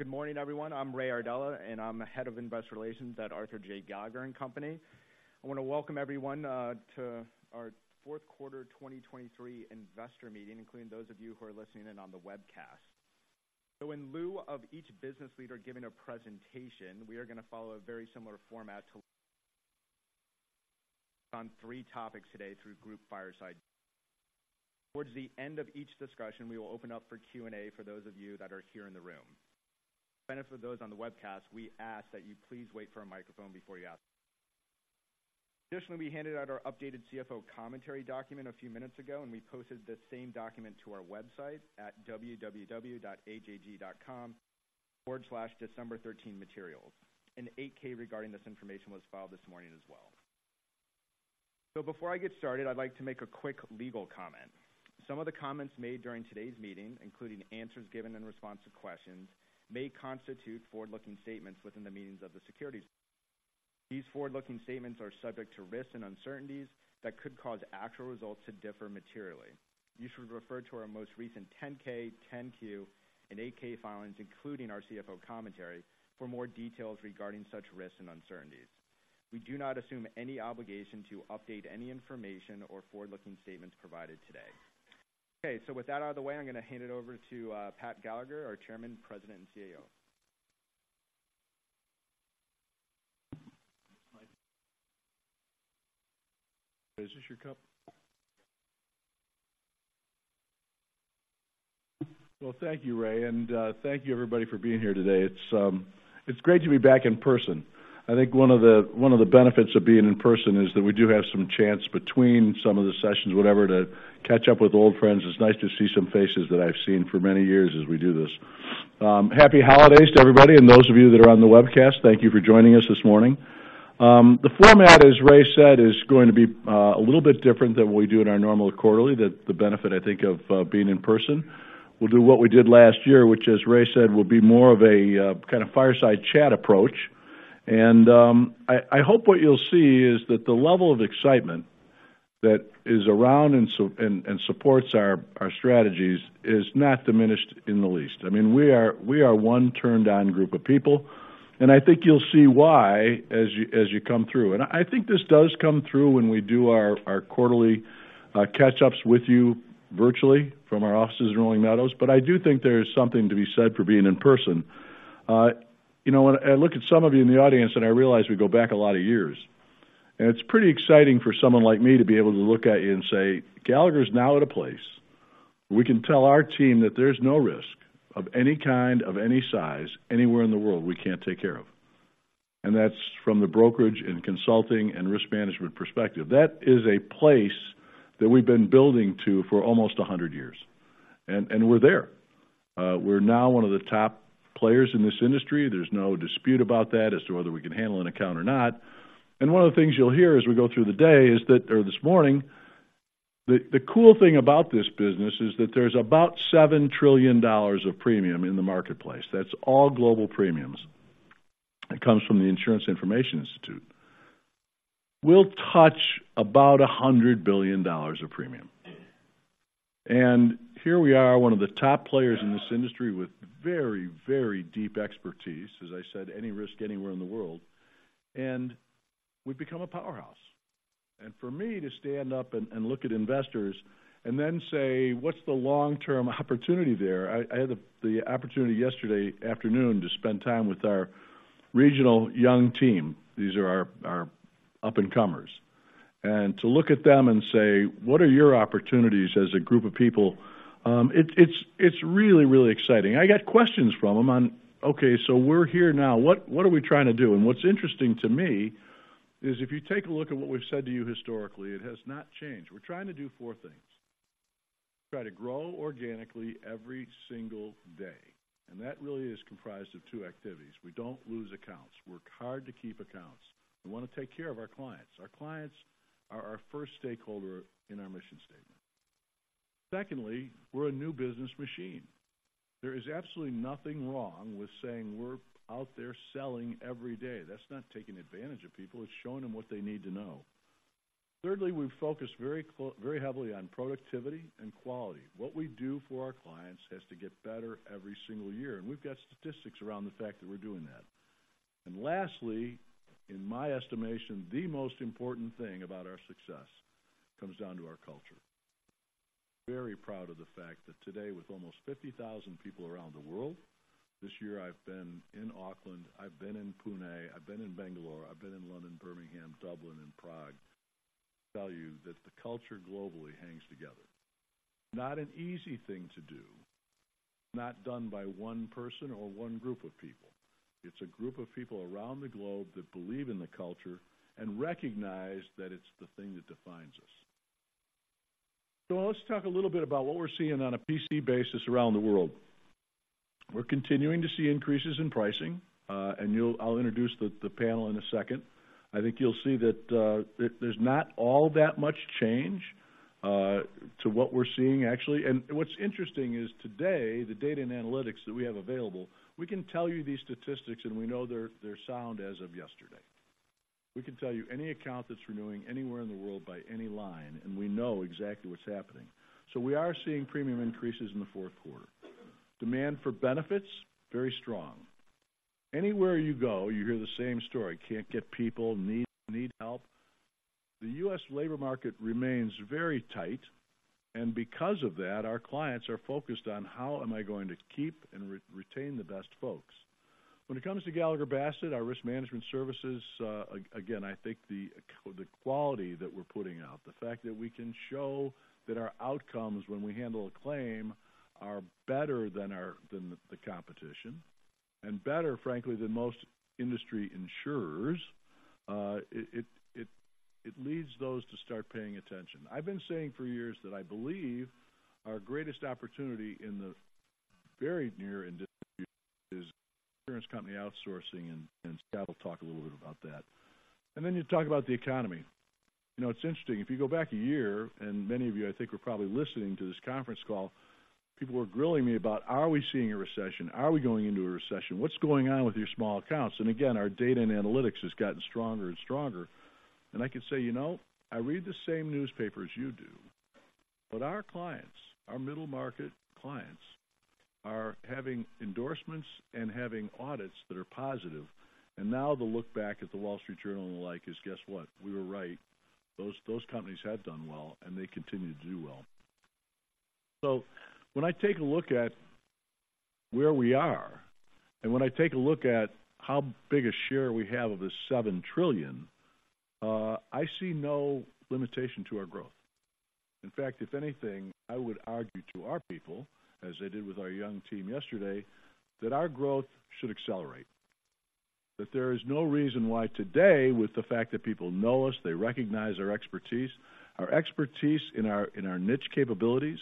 Good morning, everyone. I'm Raymond Iardella, and I'm the Head of Investor Relations at Arthur J. Gallagher & Company. I wanna welcome everyone to our fourth quarter 2023 investor meeting, including those of you who are listening in on the webcast. In lieu of each business leader giving a presentation, we are gonna follow a very similar format to on three topics today through group fireside. Towards the end of each discussion, we will open up for Q&A for those of you that are here in the room. For the benefit of those on the webcast, we ask that you please wait for a microphone before you ask. Additionally, we handed out our updated CFO commentary document a few minutes ago, and we posted the same document to our website at www.ajg.com/decemberthirteenmaterials. An 8-K regarding this information was filed this morning as well. Before I get started, I'd like to make a quick legal comment. Some of the comments made during today's meeting, including answers given in response to questions, may constitute forward-looking statements within the meanings of the securities. These forward-looking statements are subject to risks and uncertainties that could cause actual results to differ materially. You should refer to our most recent 10-K, 10-Q, and 8-K filings, including our CFO commentary, for more details regarding such risks and uncertainties. We do not assume any obligation to update any information or forward-looking statements provided today. Okay, so with that out of the way, I'm gonna hand it over to Pat Gallagher, our Chairman, President, and CEO. Is this your cup? Well, thank you, Ray, and thank you, everybody, for being here today. It's, it's great to be back in person. I think one of the, one of the benefits of being in person is that we do have some chance between some of the sessions, whatever, to catch up with old friends. It's nice to see some faces that I've seen for many years as we do this. Happy Holidays to everybody, and those of you that are on the webcast, thank you for joining us this morning. The format, as Ray said, is going to be a little bit different than what we do at our normal quarterly. The benefit, I think of being in person. We'll do what we did last year, which, as Ray said, will be more of a kind of fireside chat approach. I hope what you'll see is that the level of excitement that is around and supports our strategies is not diminished in the least. I mean, we are one turned on group of people, and I think you'll see why as you come through. And I think this does come through when we do our quarterly catch-ups with you virtually from our offices in Rolling Meadows. But I do think there is something to be said for being in person. you know, when I look at some of you in the audience, and I realize we go back a lot of years, and it's pretty exciting for someone like me to be able to look at you and say, "Gallagher is now at a place we can tell our team that there's no risk of any kind, of any size, anywhere in the world we can't take care of." And that's from the brokerage and consulting and risk management perspective. That is a place that we've been building to for almost a hundred years, and we're there. We're now one of the top players in this industry. There's no dispute about that as to whether we can handle an account or not. One of the things you'll hear as we go through the day is that, or this morning, the cool thing about this business is that there's about $7 trillion of premium in the marketplace. That's all global premiums. It comes from the Insurance Information Institute. We'll touch about $100 billion of premium. And here we are, one of the top players in this industry with very, very deep expertise, as I said, any risk anywhere in the world, and we've become a powerhouse. And for me to stand up and look at investors and then say: What's the long-term opportunity there? I had the opportunity yesterday afternoon to spend time with our regional young team. These are our up-and-comers. To look at them and say, "What are your opportunities as a group of people?" It's really, really exciting. I got questions from them on, "Okay, so we're here now, what are we trying to do?" What's interesting to me is, if you take a look at what we've said to you historically, it has not changed. We're trying to do four things. Try to grow organically every single day, and that really is comprised of two activities. We don't lose accounts. We work hard to keep accounts. We wanna take care of our clients. Our clients are our first stakeholder in our mission statement. Secondly, we're a new business machine. There is absolutely nothing wrong with saying we're out there selling every day. That's not taking advantage of people. It's showing them what they need to know. Thirdly, we've focused very heavily on productivity and quality. What we do for our clients has to get better every single year, and we've got statistics around the fact that we're doing that. Lastly, in my estimation, the most important thing about our success comes down to our culture. Very proud of the fact that today, with almost 50,000 people around the world, this year, I've been in Auckland, I've been in Pune, I've been in Bangalore, I've been in London, Birmingham, Dublin, and Prague. Tell you that the culture globally hangs together. Not an easy thing to do, not done by one person or one group of people. It's a group of people around the globe that believe in the culture and recognize that it's the thing that defines us. So let's talk a little bit about what we're seeing on a P&C basis around the world. We're continuing to see increases in pricing, and you'll—I'll introduce the, the panel in a second. I think you'll see that, there, there's not all that much change to what we're seeing, actually. And what's interesting is today, the data and analytics that we have available, we can tell you these statistics, and we know they're, they're sound as of yesterday. We can tell you any account that's renewing anywhere in the world by any line, and we know exactly what's happening. So we are seeing premium increases in the fourth quarter. Demand for benefits, very strong. Anywhere you go, you hear the same story: can't get people, need, need help. The US labor market remains very tight, and because of that, our clients are focused on how am I going to keep and retain the best folks? When it comes to Gallagher Bassett, our risk management services, again, I think the quality that we're putting out, the fact that we can show that our outcomes when we handle a claim are better than our than the competition, and better, frankly, than most industry insurers, it leads those to start paying attention. I've been saying for years that I believe our greatest opportunity in the very near and distant future is insurance company outsourcing, and Scott will talk a little bit about that. Then you talk about the economy. You know, it's interesting, if you go back a year, and many of you, I think, were probably listening to this conference call, people were grilling me about, are we seeing a recession? Are we going into a recession? What's going on with your small accounts? And again, our data and analytics has gotten stronger and stronger. And I can say, you know, I read the same newspaper as you do, but our clients, our middle-market clients, are having endorsements and having audits that are positive. And now the look back at The Wall Street Journal and the like, is, guess what? We were right. Those, those companies have done well, and they continue to do well. So when I take a look at where we are, and when I take a look at how big a share we have of this $7 trillion, I see no limitation to our growth. In fact, if anything, I would argue to our people, as I did with our young team yesterday, that our growth should accelerate. That there is no reason why today, with the fact that people know us, they recognize our expertise, our expertise in our, in our niche capabilities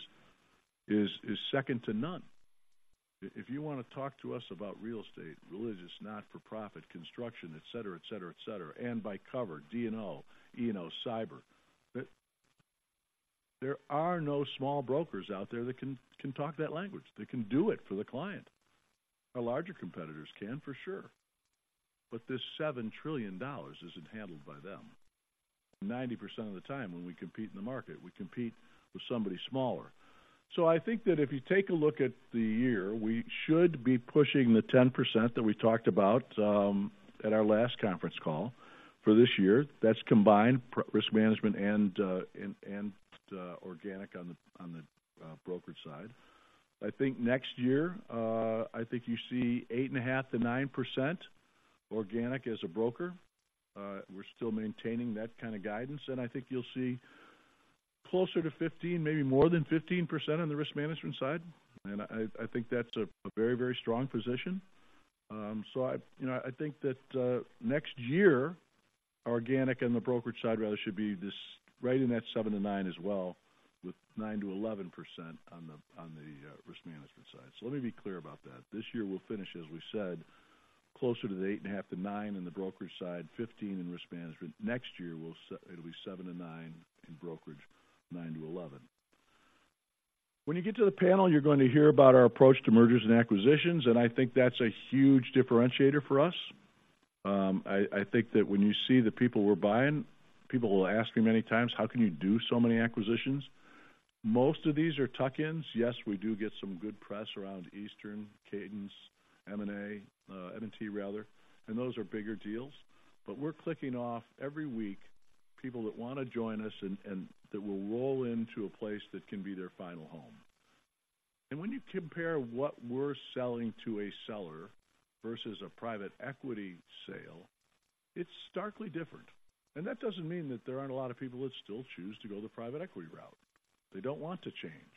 is, is second to none. If you want to talk to us about real estate, religious, not-for-profit, construction, et cetera, et cetera, et cetera, and by cover, D&O, E&O, cyber, there are no small brokers out there that can, can talk that language, that can do it for the client. Our larger competitors can, for sure, but this $7 trillion isn't handled by them. 90% of the time when we compete in the market, we compete with somebody smaller. So I think that if you take a look at the year, we should be pushing the 10% that we talked about at our last conference call for this year. That's combined risk management and organic on the brokerage side. I think next year, I think you see 8.5%-9% organic as a broker. We're still maintaining that kind of guidance, and I think you'll see closer to 15%, maybe more than 15% on the risk management side. And I think that's a very, very strong position. So I, you know, I think that next year, organic on the brokerage side, rather, should be right in that 7%-9% as well, with 9%-11% on the risk management side. So let me be clear about that. This year we'll finish, as we said, closer to the 8.5%-9% in the brokerage side, 15% in risk management. Next year, it'll be 7%-9% in brokerage, 9%-11%. When you get to the panel, you're going to hear about our approach to mergers and acquisitions, and I think that's a huge differentiator for us. I, I think that when you see the people we're buying, people will ask me many times, "How can you do so many acquisitions?" Most of these are tuck-ins. Yes, we do get some good press around Eastern Bank, Cadence, M&A, M&T rather, and those are bigger deals. But we're clicking off every week people that want to join us and that will roll into a place that can be their final home. And when you compare what we're selling to a seller versus a private equity sale, it's starkly different. And that doesn't mean that there aren't a lot of people that still choose to go the private equity route. They don't want to change.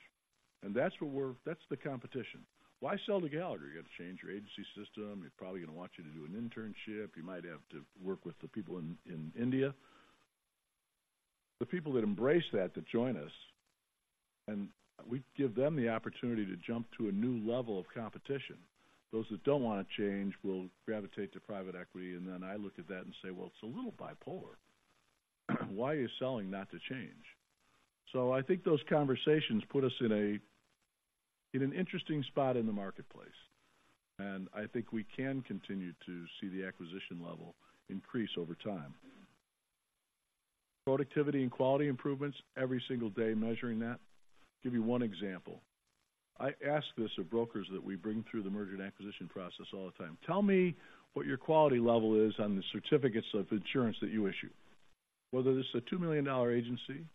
And that's what we're—that's the competition. Why sell to Gallagher? You have to change your agency system. We're probably going to want you to do an internship. You might have to work with the people in India. The people that embrace that, that join us, and we give them the opportunity to jump to a new level of competition. Those that don't want to change will gravitate to private equity, and then I look at that and say, "Well, it's a little bipolar. Why are you selling, not to change?" So I think those conversations put us in a, in an interesting spot in the marketplace, and I think we can continue to see the acquisition level increase over time. Productivity and quality improvements, every single day, measuring that. Give you one example: I ask this of brokers that we bring through the merger and acquisition process all the time. Tell me what your quality level is on the certificates of insurance that you issue. Whether it's a $2 million agency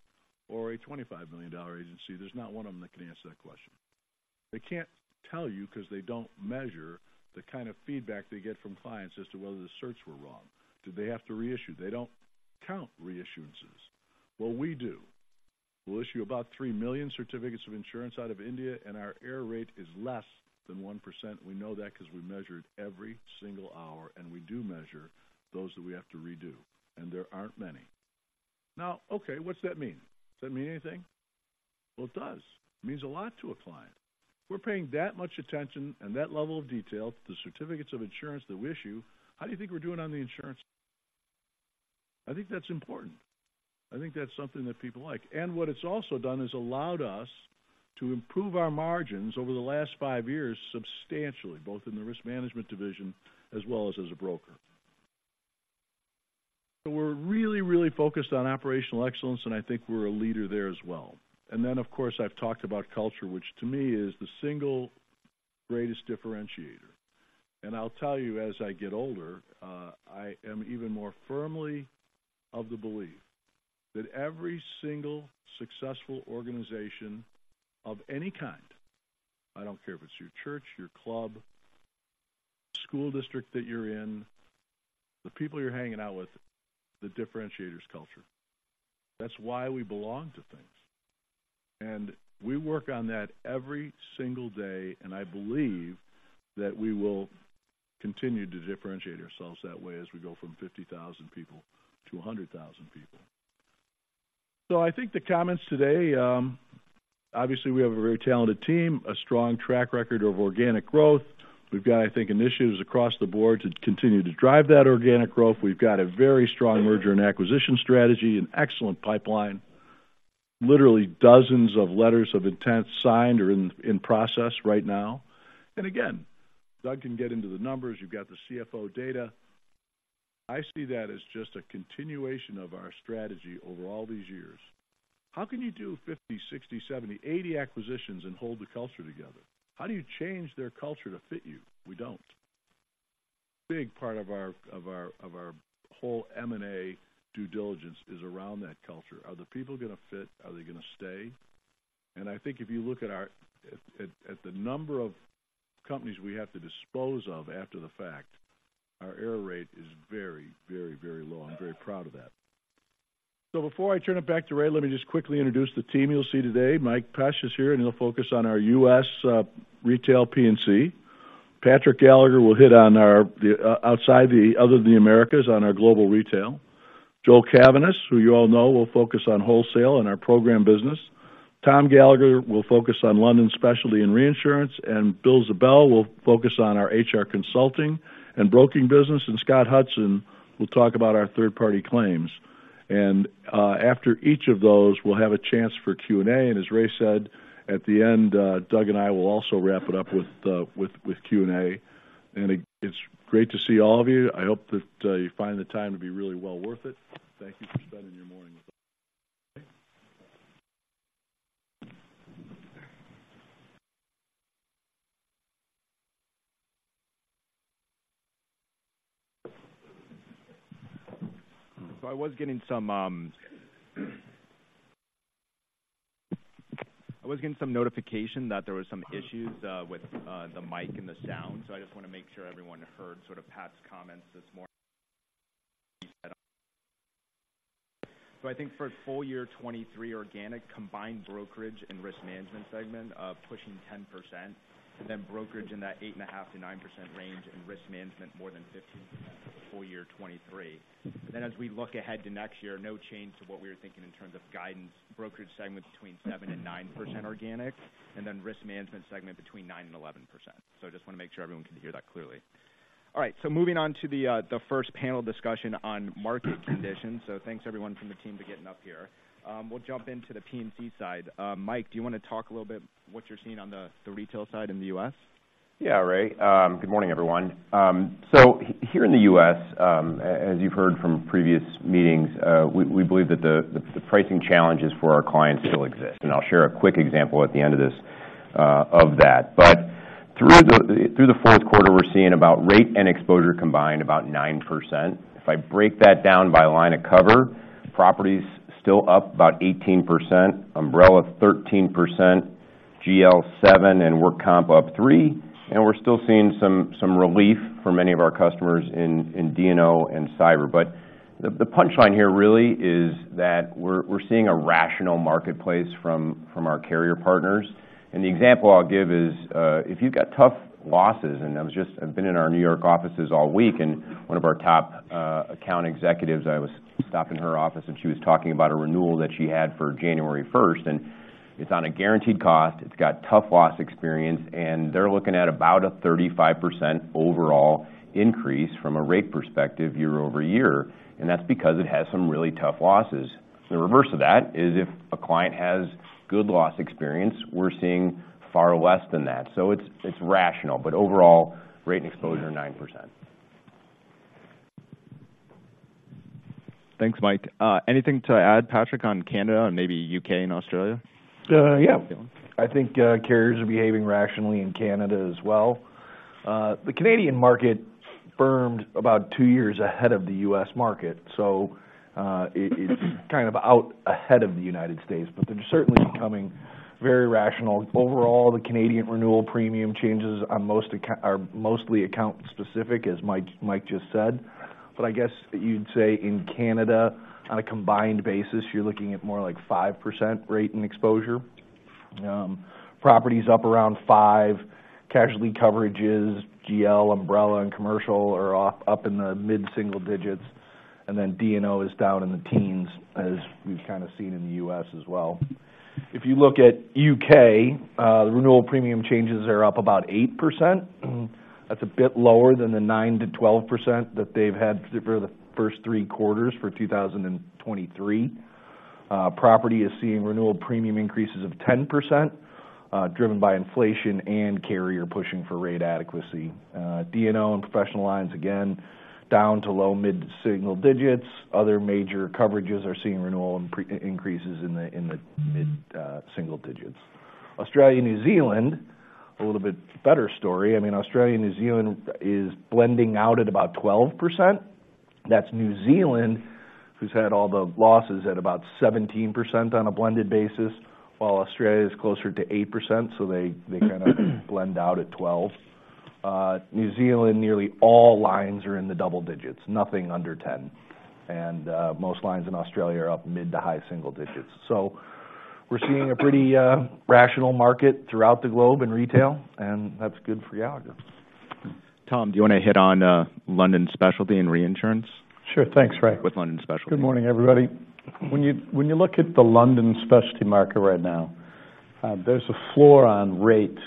or a $25 million agency, there's not one of them that can answer that question. They can't tell you because they don't measure the kind of feedback they get from clients as to whether the certs were wrong. Do they have to reissue? They don't count reissuances. Well, we do. We'll issue about 3 million certificates of insurance out of India, and our error rate is less than 1%. We know that because we measure it every single hour, and we do measure those that we have to redo, and there aren't many. Now, okay, what's that mean? Does that mean anything? Well, it does. It means a lot to a client. We're paying that much attention and that level of detail to the certificates of insurance that we issue, how do you think we're doing on the insurance? I think that's important.... I think that's something that people like. What it's also done is allowed us to improve our margins over the last 5 years substantially, both in the risk management division as well as a broker. So we're really, really focused on operational excellence, and I think we're a leader there as well. And then, of course, I've talked about culture, which to me is the single greatest differentiator. And I'll tell you, as I get older, I am even more firmly of the belief that every single successful organization of any kind, I don't care if it's your church, your club, school district that you're in, the people you're hanging out with, the differentiator is culture. That's why we belong to things, and we work on that every single day, and I believe that we will continue to differentiate ourselves that way as we go from 50,000 people to 100,000 people. So I think the comments today, obviously, we have a very talented team, a strong track record of organic growth. We've got, I think, initiatives across the board to continue to drive that organic growth. We've got a very strong merger and acquisition strategy, an excellent pipeline, literally dozens of letters of intent signed or in process right now. And again, Doug can get into the numbers. You've got the CFO data. I see that as just a continuation of our strategy over all these years. How can you do 50, 60, 70, 80 acquisitions and hold the culture together? How do you change their culture to fit you? We don't. Big part of our whole M&A due diligence is around that culture. Are the people going to fit? Are they going to stay? I think if you look at our at the number of companies we have to dispose of after the fact, our error rate is very, very, very low. I'm very proud of that. So before I turn it back to Ray, let me just quickly introduce the team you'll see today. Mike Pesch is here, and he'll focus on our U.S. retail P&C. Patrick Gallagher will hit on our, the outside other than the Americas, on our Global Retail. Joel Cavaness, who you all know, will focus on Wholesale and our Program business. Tom Gallagher will focus on London Specialty and Reinsurance, and Will Ziebell will focus on our HR Consulting and Broking business, and Scott Hudson will talk about our Third-Party Claims. After each of those, we'll have a chance for Q&A, and as Ray said, at the end, Doug and I will also wrap it up with Q&A. It's great to see all of you. I hope that you find the time to be really well worth it. Thank you for spending your morning with us. So I was getting some notification that there were some issues with the mic and the sound, so I just want to make sure everyone heard sort of Pat's comments this morning. So I think for full year 2023 organic, combined brokerage and risk management segment, pushing 10%, and then brokerage in that 8.5%-9% range, and risk management, more than 15% for full year 2023. Then, as we look ahead to next year, no change to what we were thinking in terms of guidance. Brokerage segment between 7%-9% organic, and then risk management segment between 9%-11%. So I just want to make sure everyone can hear that clearly. All right, so moving on to the first panel discussion on market conditions. So thanks everyone from the team to getting up here. We'll jump into the P&C side. Mike, do you want to talk a little bit what you're seeing on the, the retail side in the U.S.? Yeah, Ray. Good morning, everyone. So here in the U.S., as you've heard from previous meetings, we believe that the pricing challenges for our clients still exist, and I'll share a quick example at the end of this, of that. But through the fourth quarter, we're seeing about rate and exposure combined, about 9%. If I break that down by line of cover, property's still up about 18%, umbrella, 13%, GL, 7%, and work comp, up 3%, and we're still seeing some relief for many of our customers in D&O and cyber. But the punchline here really is that we're seeing a rational marketplace from our carrier partners. The example I'll give is, if you've got tough losses, and I was just. I've been in our New York offices all week, and one of our top account executives, I was stopping in her office, and she was talking about a renewal that she had for January 1, and it's on a guaranteed cost. It's got tough loss experience, and they're looking at about a 35% overall increase from a rate perspective year-over-year, and that's because it has some really tough losses. The reverse of that is if a client has good loss experience, we're seeing far less than that. So it's, it's rational, but overall, rate and exposure, 9%. Thanks, Mike. Anything to add, Patrick, on Canada and maybe UK and Australia? Yeah. I think carriers are behaving rationally in Canada as well. The Canadian market firmed about 2 years ahead of the U.S. market, so it is kind of out ahead of the United States, but they're certainly becoming very rational. Overall, the Canadian renewal premium changes on most are mostly account specific, as Mike just said. But I guess you'd say in Canada, on a combined basis, you're looking at more like 5% rate and exposure. Property's up around 5, casualty coverage is GL, umbrella, and commercial are off, up in the mid-single digits, and then D&O is down in the teens, as we've kind of seen in the U.S. as well. If you look at U.K., the renewal premium changes are up about 8%.... That's a bit lower than the 9%-12% that they've had for the first three quarters of 2023. Property is seeing renewal premium increases of 10%, driven by inflation and carrier pushing for rate adequacy. D&O and professional lines, again, down to low, mid-single digits. Other major coverages are seeing renewal and premium increases in the mid-single digits. Australia, New Zealand, a little bit better story. I mean, Australia, New Zealand is blending out at about 12%. That's New Zealand, who's had all the losses at about 17% on a blended basis, while Australia is closer to 8%, so they kind of blend out at 12. New Zealand, nearly all lines are in the double digits, nothing under 10. Most lines in Australia are up mid to high single digits. So we're seeing a pretty rational market throughout the globe in retail, and that's good for Gallagher. Tom, do you wanna hit on London Specialty and Reinsurance? Sure. Thanks, Ray. With London Specialty. Good morning, everybody. When you, when you look at the London specialty market right now, there's a floor on rates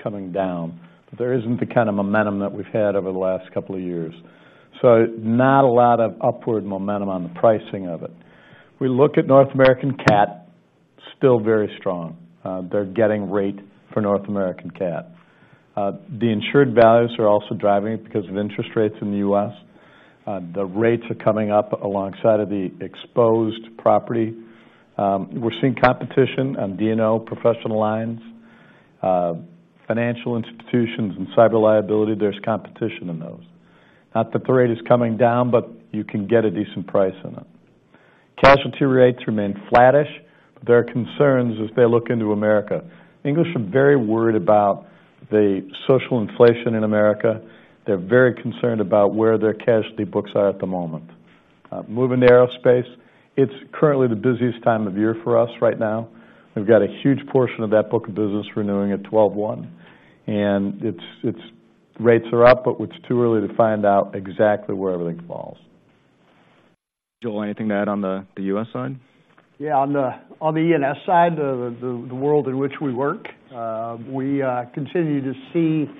coming down. There isn't the kind of momentum that we've had over the last couple of years, so not a lot of upward momentum on the pricing of it. We look at North American cat, still very strong. They're getting rate for North American cat. The insured values are also driving it because of interest rates in the U.S. The rates are coming up alongside of the exposed property. We're seeing competition on D&O professional lines, financial institutions and cyber liability, there's competition in those. Not that the rate is coming down, but you can get a decent price on it. Casualty rates remain flattish. There are concerns as they look into America. English are very worried about the social inflation in America. They're very concerned about where their casualty books are at the moment. Moving to aerospace, it's currently the busiest time of year for us right now. We've got a huge portion of that book of business renewing at 12/1, and its rates are up, but it's too early to find out exactly where everything falls. Joel, anything to add on the U.S. side? Yeah, on the E&S side, the world in which we work, we continue to see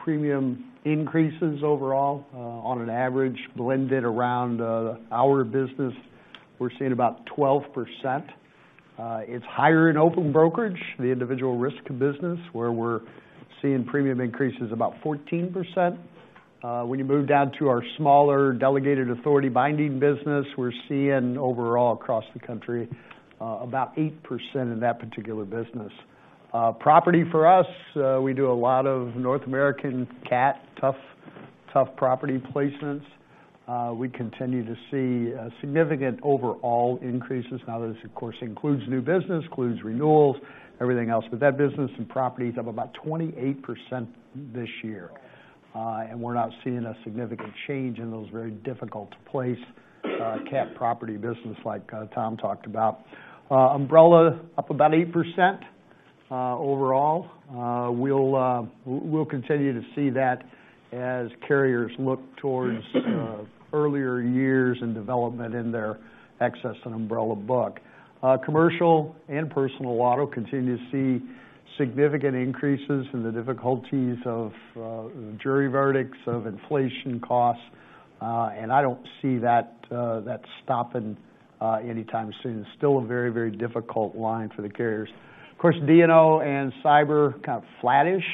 premium increases overall, on an average blended around our business, we're seeing about 12%. It's higher in open brokerage, the individual risk business, where we're seeing premium increases about 14%. When you move down to our smaller delegated authority binding business, we're seeing overall across the country about 8% in that particular business. Property for us, we do a lot of North American cat, tough property placements. We continue to see significant overall increases. Now this, of course, includes new business, includes renewals, everything else, but that business and property is up about 28% this year, and we're not seeing a significant change in those very difficult to place, cat property business like, Tom talked about. Umbrella, up about 8%, overall. We'll continue to see that as carriers look towards, earlier years in development in their excess and umbrella book. Commercial and personal auto continue to see significant increases in the difficulties of, jury verdicts, of inflation costs, and I don't see that stopping, anytime soon. Still a very, very difficult line for the carriers. Of course, D&O and cyber, kind of flattish.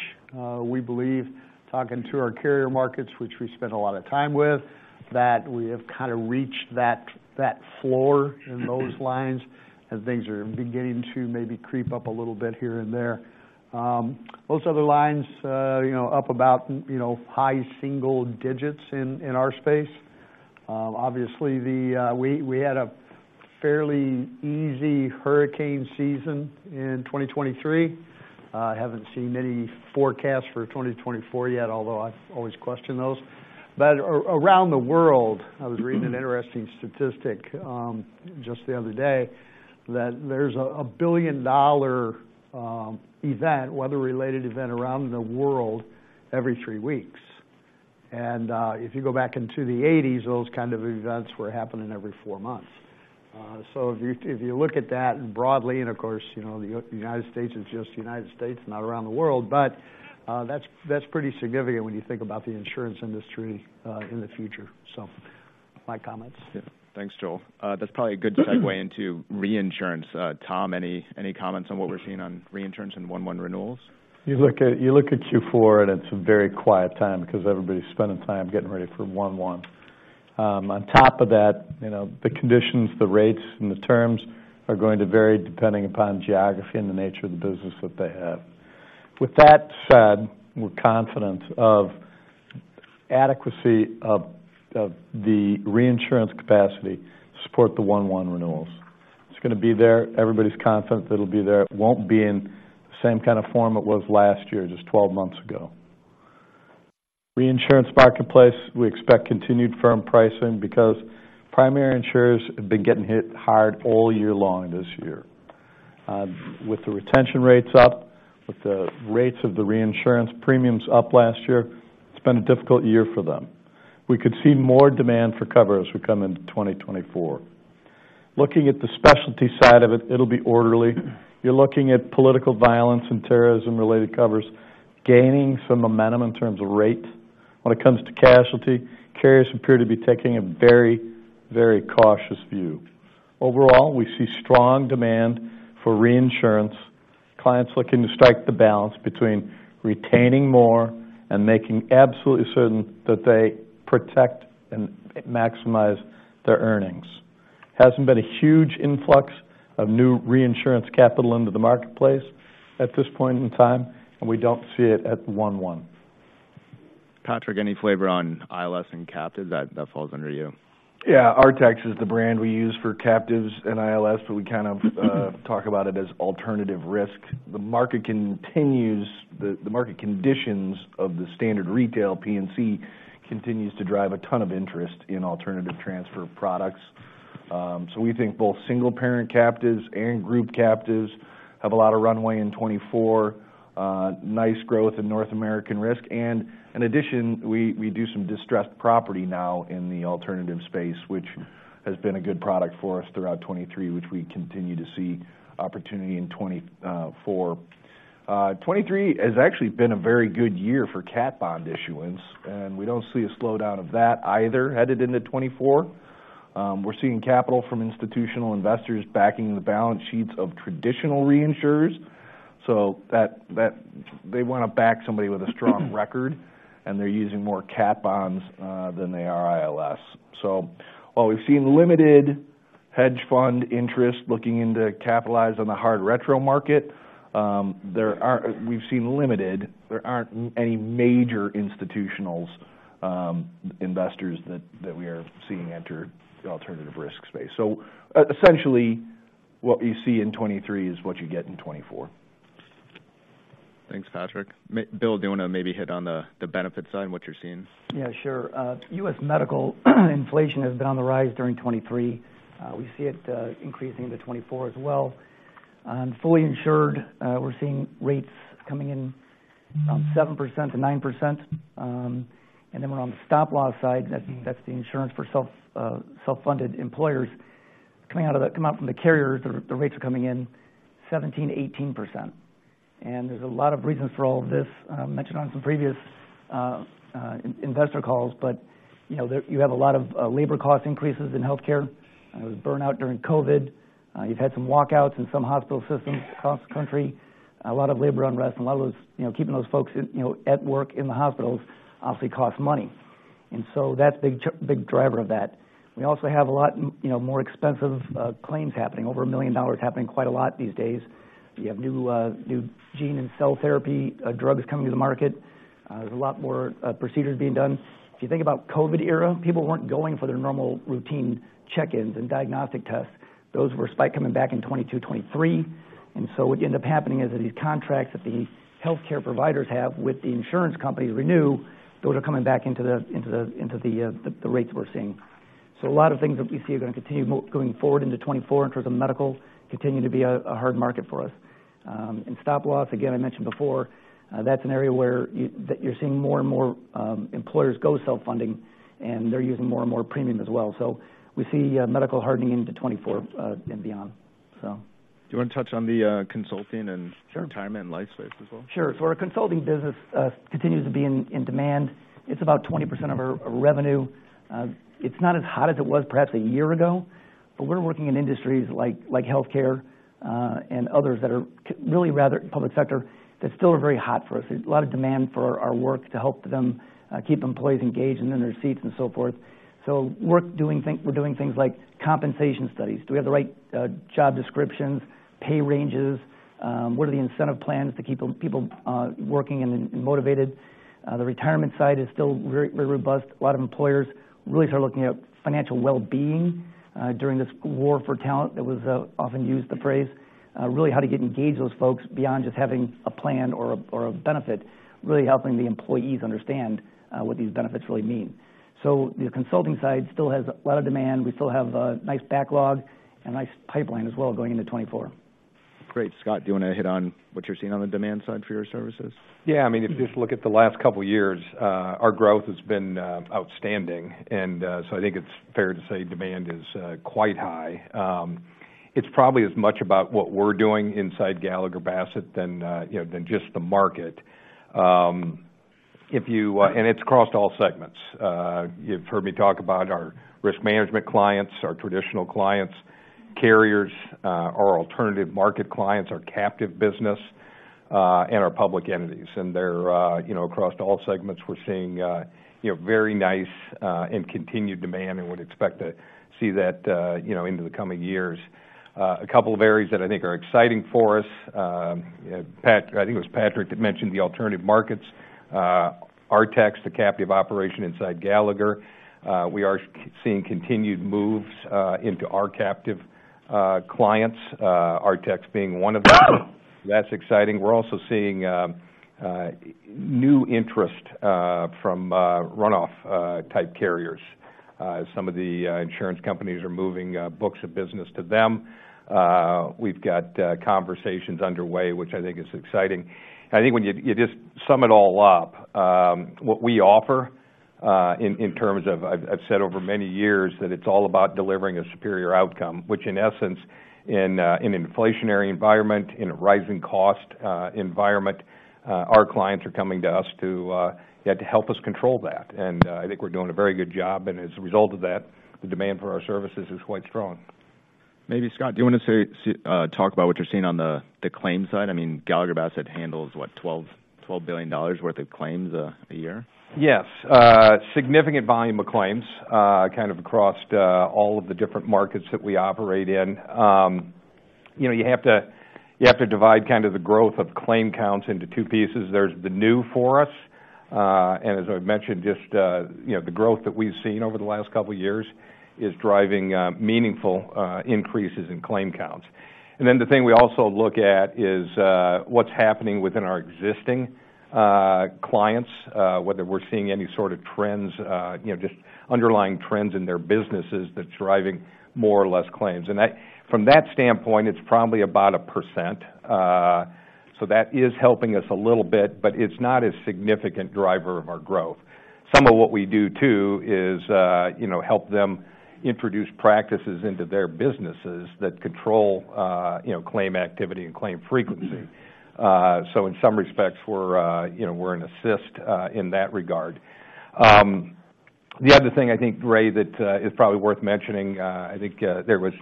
We believe, talking to our carrier markets, which we spend a lot of time with, that we have kind of reached that floor in those lines, as things are beginning to maybe creep up a little bit here and there. Most other lines, you know, up about, you know, high single digits in our space. Obviously, we had a fairly easy hurricane season in 2023. I haven't seen any forecasts for 2024 yet, although I always question those. But around the world, I was reading an interesting statistic just the other day, that there's a $1 billion weather-related event around the world every three weeks. And if you go back into the 1980s, those kind of events were happening every four months. So if you, if you look at that broadly, and of course, you know, the United States is just the United States, not around the world, but, that's, that's pretty significant when you think about the insurance industry, in the future. So my comments. Thanks, Joel. That's probably a good segue into reinsurance. Tom, any, any comments on what we're seeing on reinsurance and 1/1 renewals? You look at, you look at Q4, and it's a very quiet time because everybody's spending time getting ready for one one. On top of that, you know, the conditions, the rates, and the terms are going to vary depending upon geography and the nature of the business that they have. With that said, we're confident of adequacy of, of the reinsurance capacity to support the one one renewals. It's gonna be there. Everybody's confident that it'll be there. It won't be in the same kind of form it was last year, just twelve months ago. Reinsurance marketplace, we expect continued firm pricing because primary insurers have been getting hit hard all year long this year. With the retention rates up, with the rates of the reinsurance premiums up last year, it's been a difficult year for them. We could see more demand for cover as we come into 2024.... looking at the specialty side of it, it'll be orderly. You're looking at political violence and terrorism-related covers, gaining some momentum in terms of rate. When it comes to casualty, carriers appear to be taking a very, very cautious view. Overall, we see strong demand for reinsurance, clients looking to strike the balance between retaining more and making absolutely certain that they protect and maximize their earnings. Hasn't been a huge influx of new reinsurance capital into the marketplace at this point in time, and we don't see it at 1/1. Patrick, any flavor on ILS and captives? That, that falls under you. Yeah. Artex is the brand we use for captives and ILS, but we kind of talk about it as alternative risk. The market continues. The market conditions of the standard retail P&C continues to drive a ton of interest in alternative transfer products. So we think both single parent captives and group captives have a lot of runway in 2024, nice growth in North American risk. And in addition, we do some distressed property now in the alternative space, which has been a good product for us throughout 2023, which we continue to see opportunity in 2024. 2023 has actually been a very good year for cat bond issuance, and we don't see a slowdown of that either, headed into 2024. We're seeing capital from institutional investors backing the balance sheets of traditional reinsurers. So that they wanna back somebody with a strong record, and they're using more cat bonds than they are ILS. So while we've seen limited hedge fund interest looking into capitalize on the hard retro market, we've seen limited. There aren't any major institutional investors that we are seeing enter the alternative risk space. So essentially, what you see in 2023 is what you get in 2024. Thanks, Patrick. Will, do you want to maybe hit on the, the benefit side and what you're seeing? Yeah, sure. U.S. medical inflation has been on the rise during 2023. We see it increasing into 2024 as well. On fully insured, we're seeing rates coming in around 7%-9%. And then we're on the stop loss side, that's the insurance for self-funded employers. Coming out from the carriers, the rates are coming in 17%-18%. And there's a lot of reasons for all of this. I mentioned on some previous investor calls, but, you know, you have a lot of labor cost increases in healthcare with burnout during COVID. You've had some walkouts in some hospital systems across the country, a lot of labor unrest, and a lot of those, you know, keeping those folks in, you know, at work in the hospitals obviously costs money. And so that's big driver of that. We also have a lot, you know, more expensive claims happening, over $1 million, happening quite a lot these days. You have new new gene and cell therapy drugs coming to the market. There's a lot more procedures being done. If you think about COVID era, people weren't going for their normal routine check-ins and diagnostic tests. Those were spike coming back in 2022, 2023. And so what you end up happening is that these contracts that these healthcare providers have with the insurance companies renew, those are coming back into the rates we're seeing. So a lot of things that we see are going to continue going forward into 2024 in terms of medical, continue to be a hard market for us. And stop loss, again, I mentioned before, that's an area where you're seeing more and more employers go self-funding, and they're using more and more premium as well. So we see medical hardening into 2024 and beyond. So... Do you want to touch on the consulting and- Sure. retirement and life space as well? Sure. So our consulting business continues to be in demand. It's about 20% of our revenue. It's not as hot as it was perhaps a year ago, but we're working in industries like healthcare, and others that are really rather public sector, that still are very hot for us. There's a lot of demand for our work to help them keep employees engaged, and in their seats, and so forth. So we're doing things like compensation studies. Do we have the right job descriptions, pay ranges? What are the incentive plans to keep people working and motivated? The retirement side is still very, very robust. A lot of employers really are looking at financial well-being during this war for talent. That was often used the phrase really how to get engage those folks beyond just having a plan or a, or a benefit, really helping the employees understand what these benefits really mean. So the consulting side still has a lot of demand. We still have a nice backlog and a nice pipeline as well, going into 2024. Great. Scott, do you want to hit on what you're seeing on the demand side for your services? Yeah, I mean, if you look at the last couple of years, our growth has been outstanding. And so I think it's fair to say demand is quite high. It's probably as much about what we're doing inside Gallagher Bassett than, you know, than just the market. And it's across all segments. You've heard me talk about our risk management clients, our traditional clients, carriers, our alternative market clients, our captive business, and our public entities. And they're, you know, across all segments, we're seeing, you know, very nice and continued demand and would expect to see that, you know, into the coming years. A couple of areas that I think are exciting for us, Pat—I think it was Patrick that mentioned the alternative markets. Artex, the captive operation inside Gallagher, we are seeing continued moves into our captive clients, Artex being one of them. That's exciting. We're also seeing new interest from runoff type carriers. Some of the insurance companies are moving books of business to them. We've got conversations underway, which I think is exciting. I think when you just sum it all up, what we offer in terms of I've said over many years that it's all about delivering a superior outcome, which in essence, in an inflationary environment, in a rising cost environment, our clients are coming to us to yeah, to help us control that. I think we're doing a very good job, and as a result of that, the demand for our services is quite strong. Maybe, Scott, do you wanna say, talk about what you're seeing on the claims side? I mean, Gallagher Bassett handles, what? $12 billion worth of claims a year. Yes, significant volume of claims, kind of across the, all of the different markets that we operate in. You know, you have to, you have to divide kind of the growth of claim counts into two pieces. There's the new for us, and as I've mentioned, just, you know, the growth that we've seen over the last couple of years is driving, meaningful, increases in claim counts. And then the thing we also look at is, what's happening within our existing, clients, whether we're seeing any sort of trends, you know, just underlying trends in their businesses that's driving more or less claims. And that from that standpoint, it's probably about 1%. So that is helping us a little bit, but it's not a significant driver of our growth. Some of what we do, too, is, you know, help them introduce practices into their businesses that control, you know, claim activity and claim frequency. So in some respects, we're, you know, we're an assist, in that regard. The other thing I think, Ray, that is probably worth mentioning, I think, there was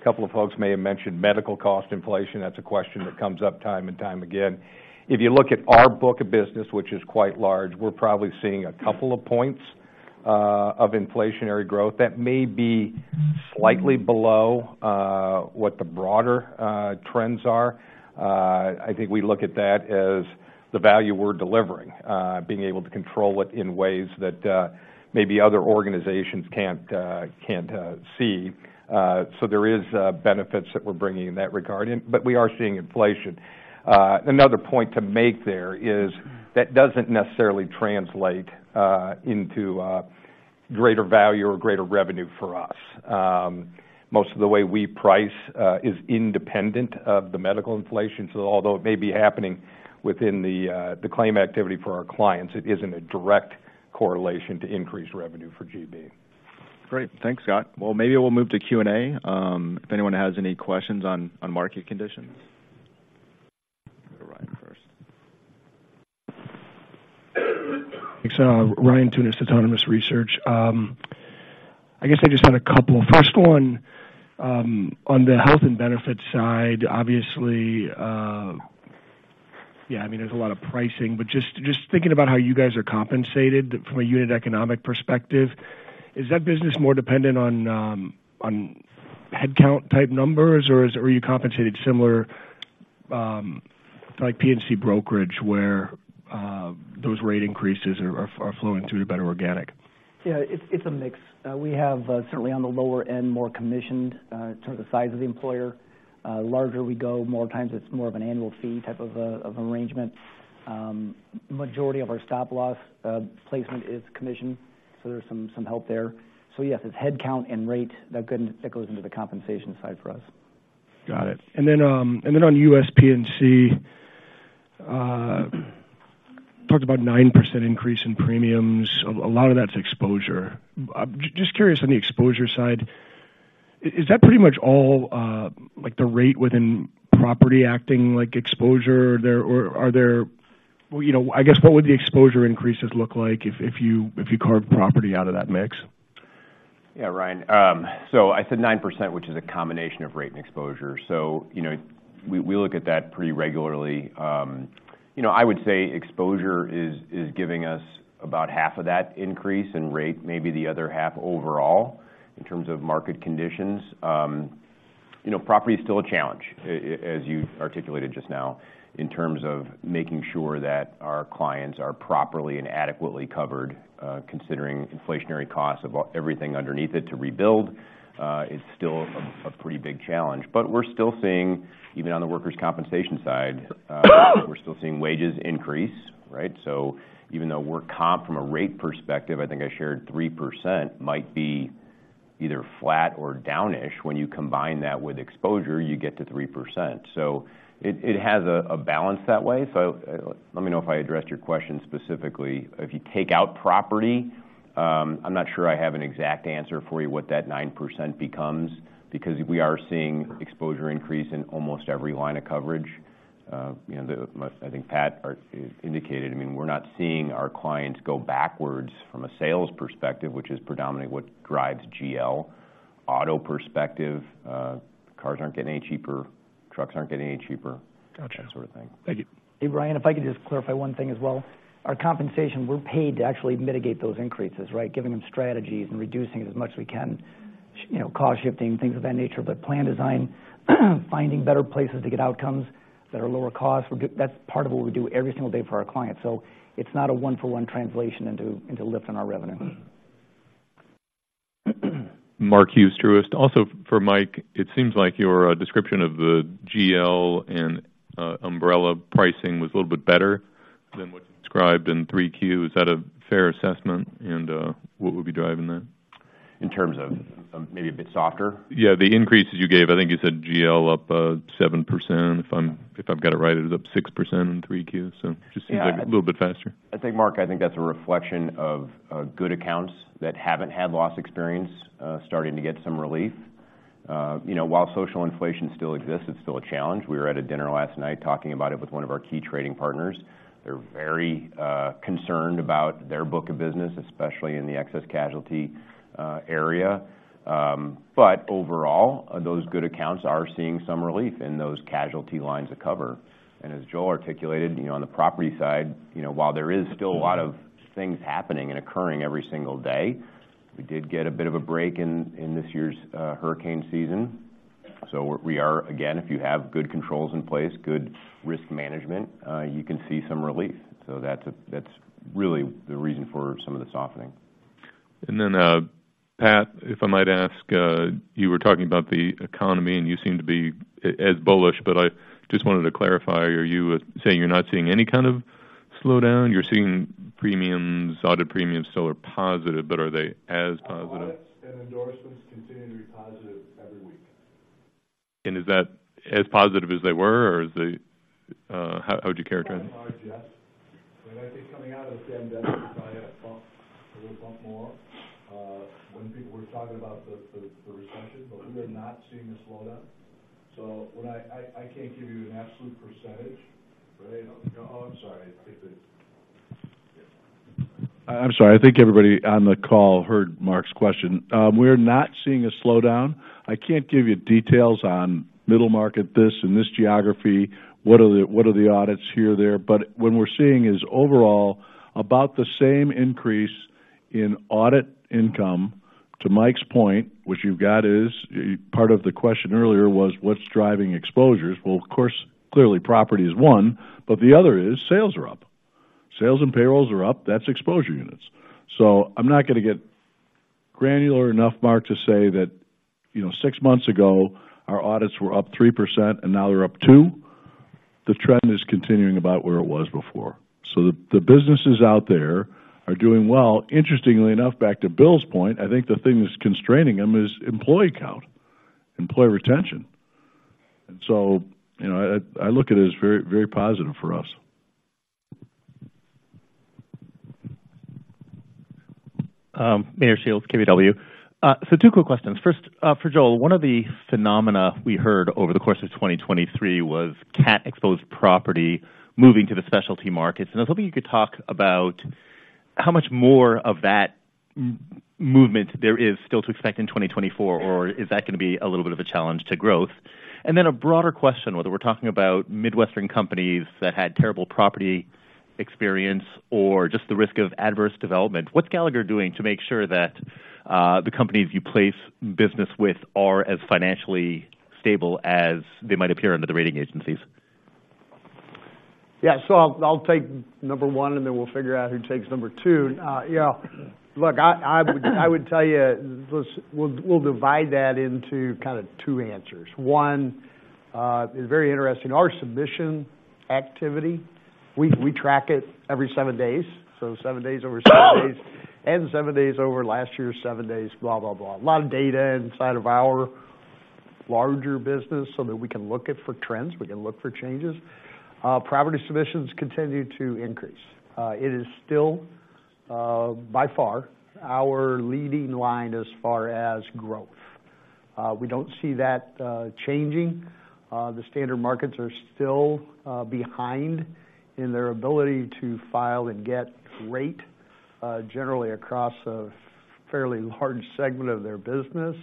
a couple of folks may have mentioned medical cost inflation. That's a question that comes up time and time again. If you look at our book of business, which is quite large, we're probably seeing a couple of points, of inflationary growth that may be slightly below, what the broader, trends are. I think we look at that as the value we're delivering, being able to control it in ways that, maybe other organizations can't, can't, see. So there is benefits that we're bringing in that regard, and but we are seeing inflation. Another point to make there is that doesn't necessarily translate into greater value or greater revenue for us. Most of the way we price is independent of the medical inflation. So although it may be happening within the claim activity for our clients, it isn't a direct correlation to increased revenue for GB. Great. Thanks, Scott. Well, maybe we'll move to Q&A, if anyone has any questions on market conditions. Go Ryan first. Thanks. Ryan Tunis with Autonomous Research. I guess I just had a couple. First, on the health and benefits side, obviously, yeah, I mean, there's a lot of pricing, but just thinking about how you guys are compensated from a unit economic perspective, is that business more dependent on headcount-type numbers, or is it -- are you compensated similar, like P&C brokerage, where those rate increases are flowing through to better organic? Yeah, it's a mix. We have certainly on the lower end, more commissioned toward the size of the employer. Larger we go, more times it's more of an annual fee type of arrangement. Majority of our stop-loss placement is commission, so there's some help there. So yes, it's headcount and rate that goes into the compensation side for us. Got it. And then, and then on US P&C, talked about 9% increase in premiums. A lot of that's exposure. Just curious on the exposure side, is that pretty much all, like, the rate within property acting like exposure there? Or are there... Well, you know, I guess, what would the exposure increases look like if, if you, if you carve property out of that mix? Yeah, Ryan. So I said 9%, which is a combination of rate and exposure. So, you know, we, we look at that pretty regularly. You know, I would say exposure is, is giving us about half of that increase in rate, maybe the other half overall, in terms of market conditions. You know, property is still a challenge, as you articulated just now, in terms of making sure that our clients are properly and adequately covered, considering inflationary costs of everything underneath it to rebuild, is still a pretty big challenge. But we're still seeing, even on the workers' compensation side, we're still seeing wages increase, right? So even though work comp from a rate perspective, I think I shared 3%, might be either flat or downish. When you combine that with exposure, you get to 3%. So it has a balance that way. So, let me know if I addressed your question specifically. If you take out property, I'm not sure I have an exact answer for you, what that 9% becomes, because we are seeing exposure increase in almost every line of coverage. You know, the most, I think Pat indicated, I mean, we're not seeing our clients go backwards from a sales perspective, which is predominantly what drives GL. Auto perspective, cars aren't getting any cheaper, trucks aren't getting any cheaper- Gotcha. That sort of thing. Thank you. Hey, Ryan, if I could just clarify one thing as well. Our compensation, we're paid to actually mitigate those increases, right? Giving them strategies and reducing it as much as we can, you know, cost shifting, things of that nature. But plan design, finding better places to get outcomes that are lower cost, we're that's part of what we do every single day for our clients. So it's not a one-for-one translation into, into lift in our revenue. Mark Hughes, Truist. Also for Mike, it seems like your description of the GL and umbrella pricing was a little bit better than what you described in 3Q. Is that a fair assessment? And what would be driving that?... in terms of maybe a bit softer? Yeah, the increases you gave, I think you said GL up 7%, if I'm, if I've got it right, it is up 6% in 3Q, so just seems like a little bit faster. I think, Mark, I think that's a reflection of good accounts that haven't had loss experience starting to get some relief. You know, while social inflation still exists, it's still a challenge. We were at a dinner last night talking about it with one of our key trading partners. They're very concerned about their book of business, especially in the excess casualty area. But overall, those good accounts are seeing some relief in those casualty lines of cover. And as Joel articulated, you know, on the property side, you know, while there is still a lot of things happening and occurring every single day, we did get a bit of a break in this year's hurricane season. So we are again, if you have good controls in place, good risk management, you can see some relief. So that's, that's really the reason for some of the softening. And then, Pat, if I might ask, you were talking about the economy, and you seem to be as bullish, but I just wanted to clarify: Are you saying you're not seeing any kind of slowdown? You're seeing premiums, audit premiums still are positive, but are they as positive? Audits and endorsements continue to be positive every week. Is that as positive as they were, or is they? How would you characterize? Yes. I think coming out of the pandemic, I thought it would bump more when people were talking about the recession, but we are not seeing a slowdown. So when I can't give you an absolute percentage, but oh, I'm sorry. I'm sorry. I think everybody on the call heard Mark's question. We're not seeing a slowdown. I can't give you details on middle market, this and this geography, what are the audits here, there? But what we're seeing is overall, about the same increase in audit income. To Mike's point, which you've got is, part of the question earlier was: What's driving exposures? Well, of course, clearly property is one, but the other is sales are up. Sales and payrolls are up, that's exposure units. So I'm not gonna get granular enough, Mark, to say that, you know, six months ago, our audits were up 3% and now they're up 2. The trend is continuing about where it was before. So the businesses out there are doing well. Interestingly enough, back to Will's point, I think the thing that's constraining them is employee count, employee retention. And so, you know, I, I look at it as very, very positive for us. Meyer Shields, KBW. So two quick questions. First, for Joel, one of the phenomena we heard over the course of 2023 was cat-exposed property moving to the specialty markets, and I was hoping you could talk about how much more of that movement there is still to expect in 2024, or is that gonna be a little bit of a challenge to growth? And then a broader question, whether we're talking about Midwestern companies that had terrible property experience or just the risk of adverse development, what's Gallagher doing to make sure that the companies you place business with are as financially stable as they might appear under the rating agencies? Yeah, so I'll take number 1, and then we'll figure out who takes number 2. Yeah, look, I would tell you, let's-- we'll divide that into kind of two answers. One is very interesting. Our submission activity, we track it every 7 days, so 7 days over 7 days, and 7 days over last year, 7 days, blah, blah, blah. A lot of data inside of our larger business so that we can look at for trends, we can look for changes. Property submissions continue to increase. It is still by far our leading line as far as growth. We don't see that changing. The standard markets are still behind in their ability to file and get rate generally across a fairly large segment of their business.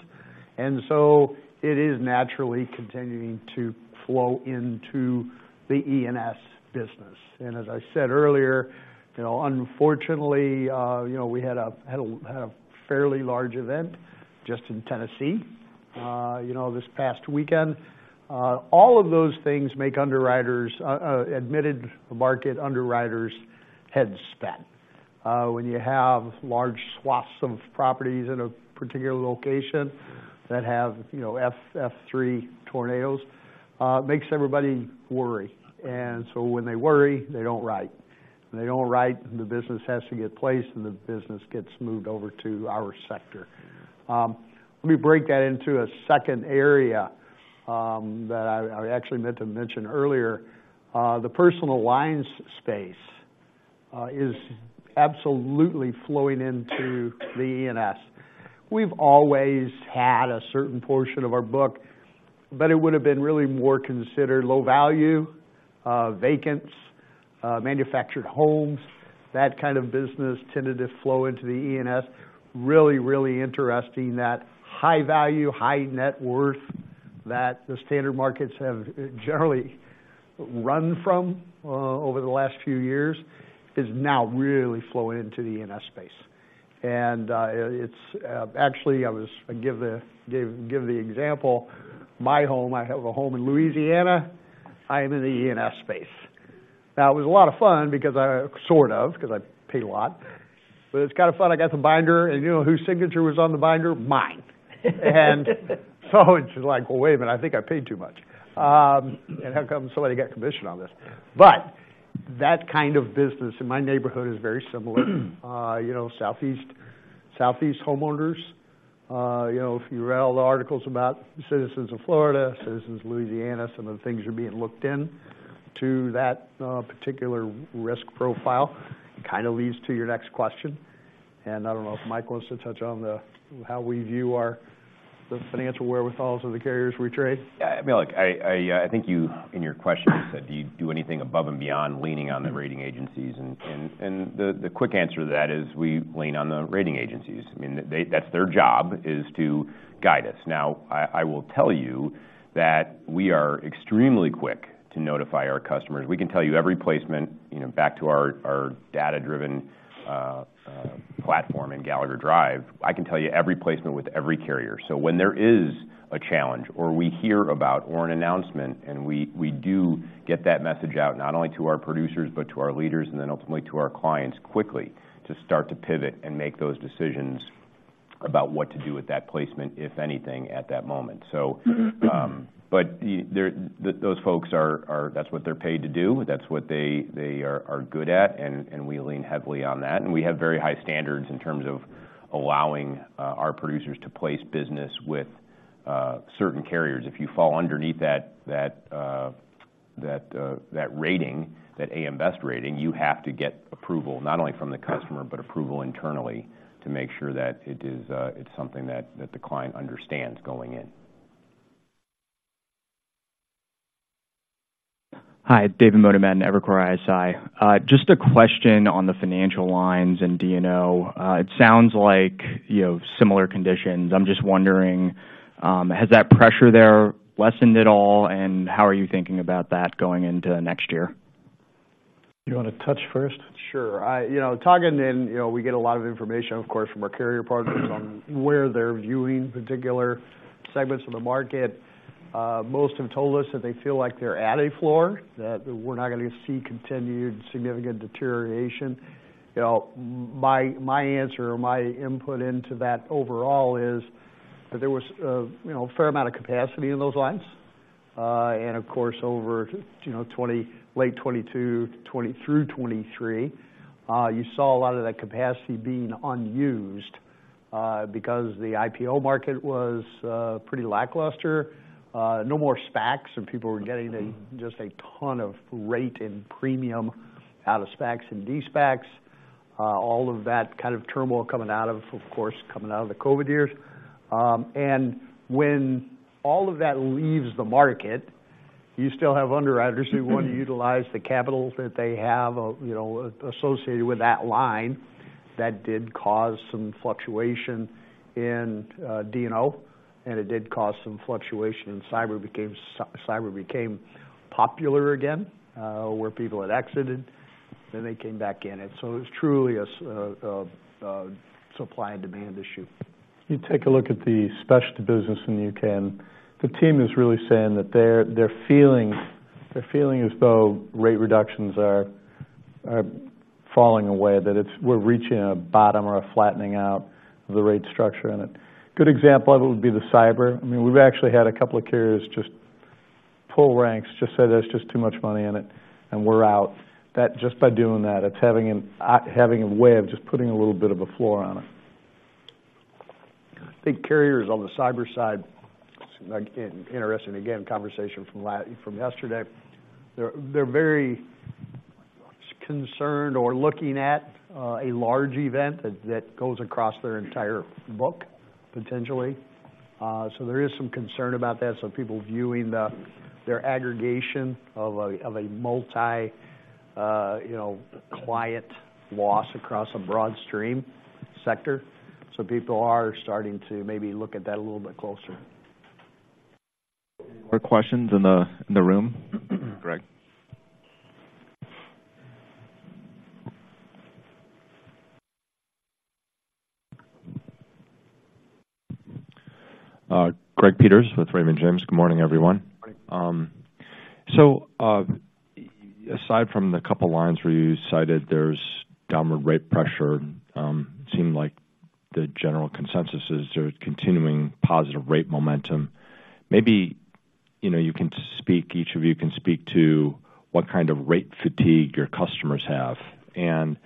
So it is naturally continuing to flow into the E&S business. And as I said earlier, you know, unfortunately, you know, we had a fairly large event just in Tennessee, you know, this past weekend. All of those things make underwriters, admitted market underwriters' heads spin. When you have large swaths of properties in a particular location that have, you know, EF3 tornadoes, it makes everybody worry. And so when they worry, they don't write. When they don't write, the business has to get placed, and the business gets moved over to our sector. Let me break that into a second area, that I actually meant to mention earlier. The personal lines space is absolutely flowing into the E&S. We've always had a certain portion of our book, but it would've been really more considered low value, vacants, manufactured homes. That kind of business tended to flow into the E&S. Really, really interesting that high value, high net worth that the standard markets have, generally run from, over the last few years, is now really flowing into the E&S space. And, it's, actually, I give the example, my home, I have a home in Louisiana, I am in the E&S space. Now, it was a lot of fun because I... Sort of, because I pay a lot, but it's kind of fun. I got the binder, and you know whose signature was on the binder? Mine. And so it's just like: "Well, wait a minute, I think I paid too much. How come somebody got commission on this? That kind of business in my neighborhood is very similar. You know, southeast, southeast homeowners, you know, if you read all the articles about Citizens of Florida, Citizens of Louisiana, some of the things are being looked into that particular risk profile. It kind of leads to your next question, and I don't know if Mike wants to touch on the, how we view our - the financial wherewithals of the carriers we trade. Yeah, I mean, look, I think you in your question, you said, do you do anything above and beyond leaning on the rating agencies? And the quick answer to that is we lean on the rating agencies. I mean, they, that's their job, is to guide us. Now, I will tell you that we are extremely quick to notify our customers. We can tell you every placement, you know, back to our data-driven platform in Gallagher Drive, I can tell you every placement with every carrier. So when there is a challenge or we hear about or an announcement, and we do get that message out, not only to our producers, but to our leaders, and then ultimately to our clients quickly, to start to pivot and make those decisions about what to do with that placement, if anything, at that moment. So, but those folks are-- that's what they're paid to do. That's what they are good at, and we lean heavily on that. We have very high standards in terms of allowing our producers to place business with certain carriers. If you fall underneath that rating, that A.M. Best rating, you have to get approval, not only from the customer, but approval internally, to make sure that it is, it's something that the client understands going in. Hi, David Motemedi, Evercore ISI. Just a question on the financial lines and D&O. It sounds like, you know, similar conditions. I'm just wondering, has that pressure there lessened at all, and how are you thinking about that going into next year? You want to touch first? Sure. You know, talking and, you know, we get a lot of information, of course, from our carrier partners on where they're viewing particular segments of the market. Most have told us that they feel like they're at a floor, that we're not gonna see continued significant deterioration. You know, my answer or my input into that overall is that there was a, you know, a fair amount of capacity in those lines. And of course, over, you know, late 2022 through 2023, you saw a lot of that capacity being unused, because the IPO market was pretty lackluster. No more SPACs, and people were getting just a ton of rate and premium out of SPACs and de-SPACs. All of that kind of turmoil coming out of, of course, coming out of the COVID years. And when all of that leaves the market, you still have underwriters who want to utilize the capital that they have, you know, associated with that line. That did cause some fluctuation in D&O, and it did cause some fluctuation, and cyber became popular again, where people had exited, then they came back in. And so it was truly a supply and demand issue. You take a look at the specialty business in the UK, and the team is really saying that they're, they're feeling, they're feeling as though rate reductions are, are falling away, that it's, we're reaching a bottom or a flattening out of the rate structure in it. Good example of it would be the cyber. I mean, we've actually had a couple of carriers just pull out, just say: "There's just too much money in it, and we're out." That... Just by doing that, it's having an, having a way of just putting a little bit of a floor on it. I think carriers on the cyber side, like, interesting, again, conversation from yesterday, they're very concerned or looking at a large event that goes across their entire book, potentially. So there is some concern about that, so people viewing their aggregation of a multi, you know, client loss across a broad stream sector. So people are starting to maybe look at that a little bit closer. More questions in the room? Greg. Greg Peters with Raymond James. Good morning, everyone. Good morning. So, aside from the couple lines where you cited there's downward rate pressure, it seemed like the general consensus is there's continuing positive rate momentum. Maybe, you know, you can speak, each of you can speak to what kind of rate fatigue your customers have. And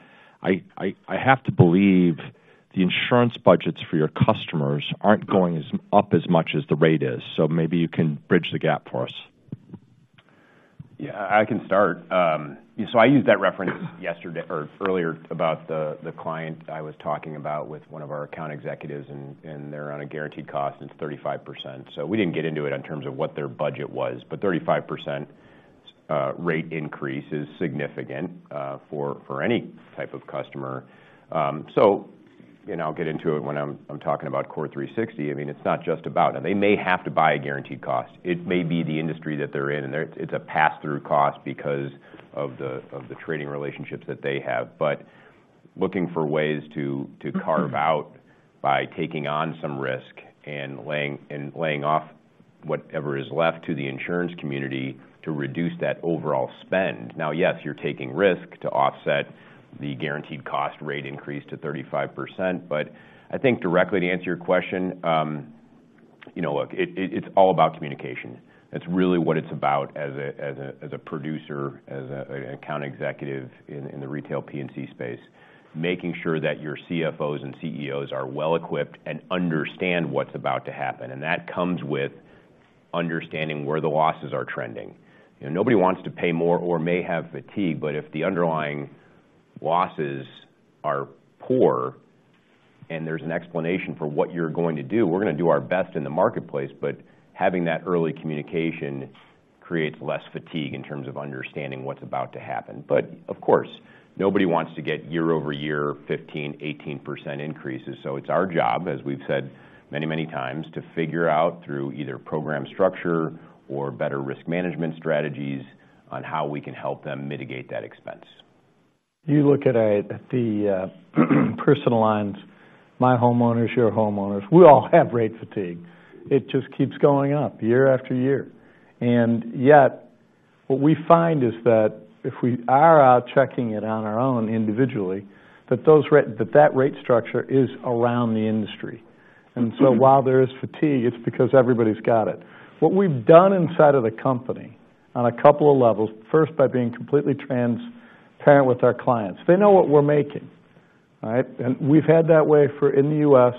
I have to believe the insurance budgets for your customers aren't going as, up as much as the rate is, so maybe you can bridge the gap for us. Yeah, I can start. So I used that reference yesterday or earlier about the client I was talking about with one of our account executives, and they're on a Guaranteed Cost, and it's 35%. So we didn't get into it in terms of what their budget was, but 35% rate increase is significant for any type of customer. So, and I'll get into it when I'm talking about CORE360. I mean, it's not just about them. They may have to buy a Guaranteed Cost. It may be the industry that they're in, and there, it's a pass-through cost because of the trading relationships that they have. But looking for ways to carve out by taking on some risk and laying off whatever is left to the insurance community to reduce that overall spend. Now, yes, you're taking risk to offset the guaranteed cost rate increase to 35%, but I think directly, to answer your question, you know, look, it, it, it's all about communication. That's really what it's about as a, as a, as a producer, as a, an account executive in, in the retail P&C space. Making sure that your CFOs and CEOs are well-equipped and understand what's about to happen, and that comes with understanding where the losses are trending. You know, nobody wants to pay more or may have fatigue, but if the underlying losses are poor, and there's an explanation for what you're going to do, we're gonna do our best in the marketplace, but having that early communication creates less fatigue in terms of understanding what's about to happen. But of course, nobody wants to get year-over-year 15%-18% increases. It's our job, as we've said many, many times, to figure out through either program structure or better risk management strategies, on how we can help them mitigate that expense. You look at the personal lines, my homeowners, your homeowners, we all have rate fatigue. It just keeps going up year after year. And yet, what we find is that if we are out checking it on our own individually, that those rate structure is around the industry. And so while there is fatigue, it's because everybody's got it. What we've done inside of the company on a couple of levels, first, by being completely transparent with our clients. They know what we're making, right? And we've had that way for in the U.S.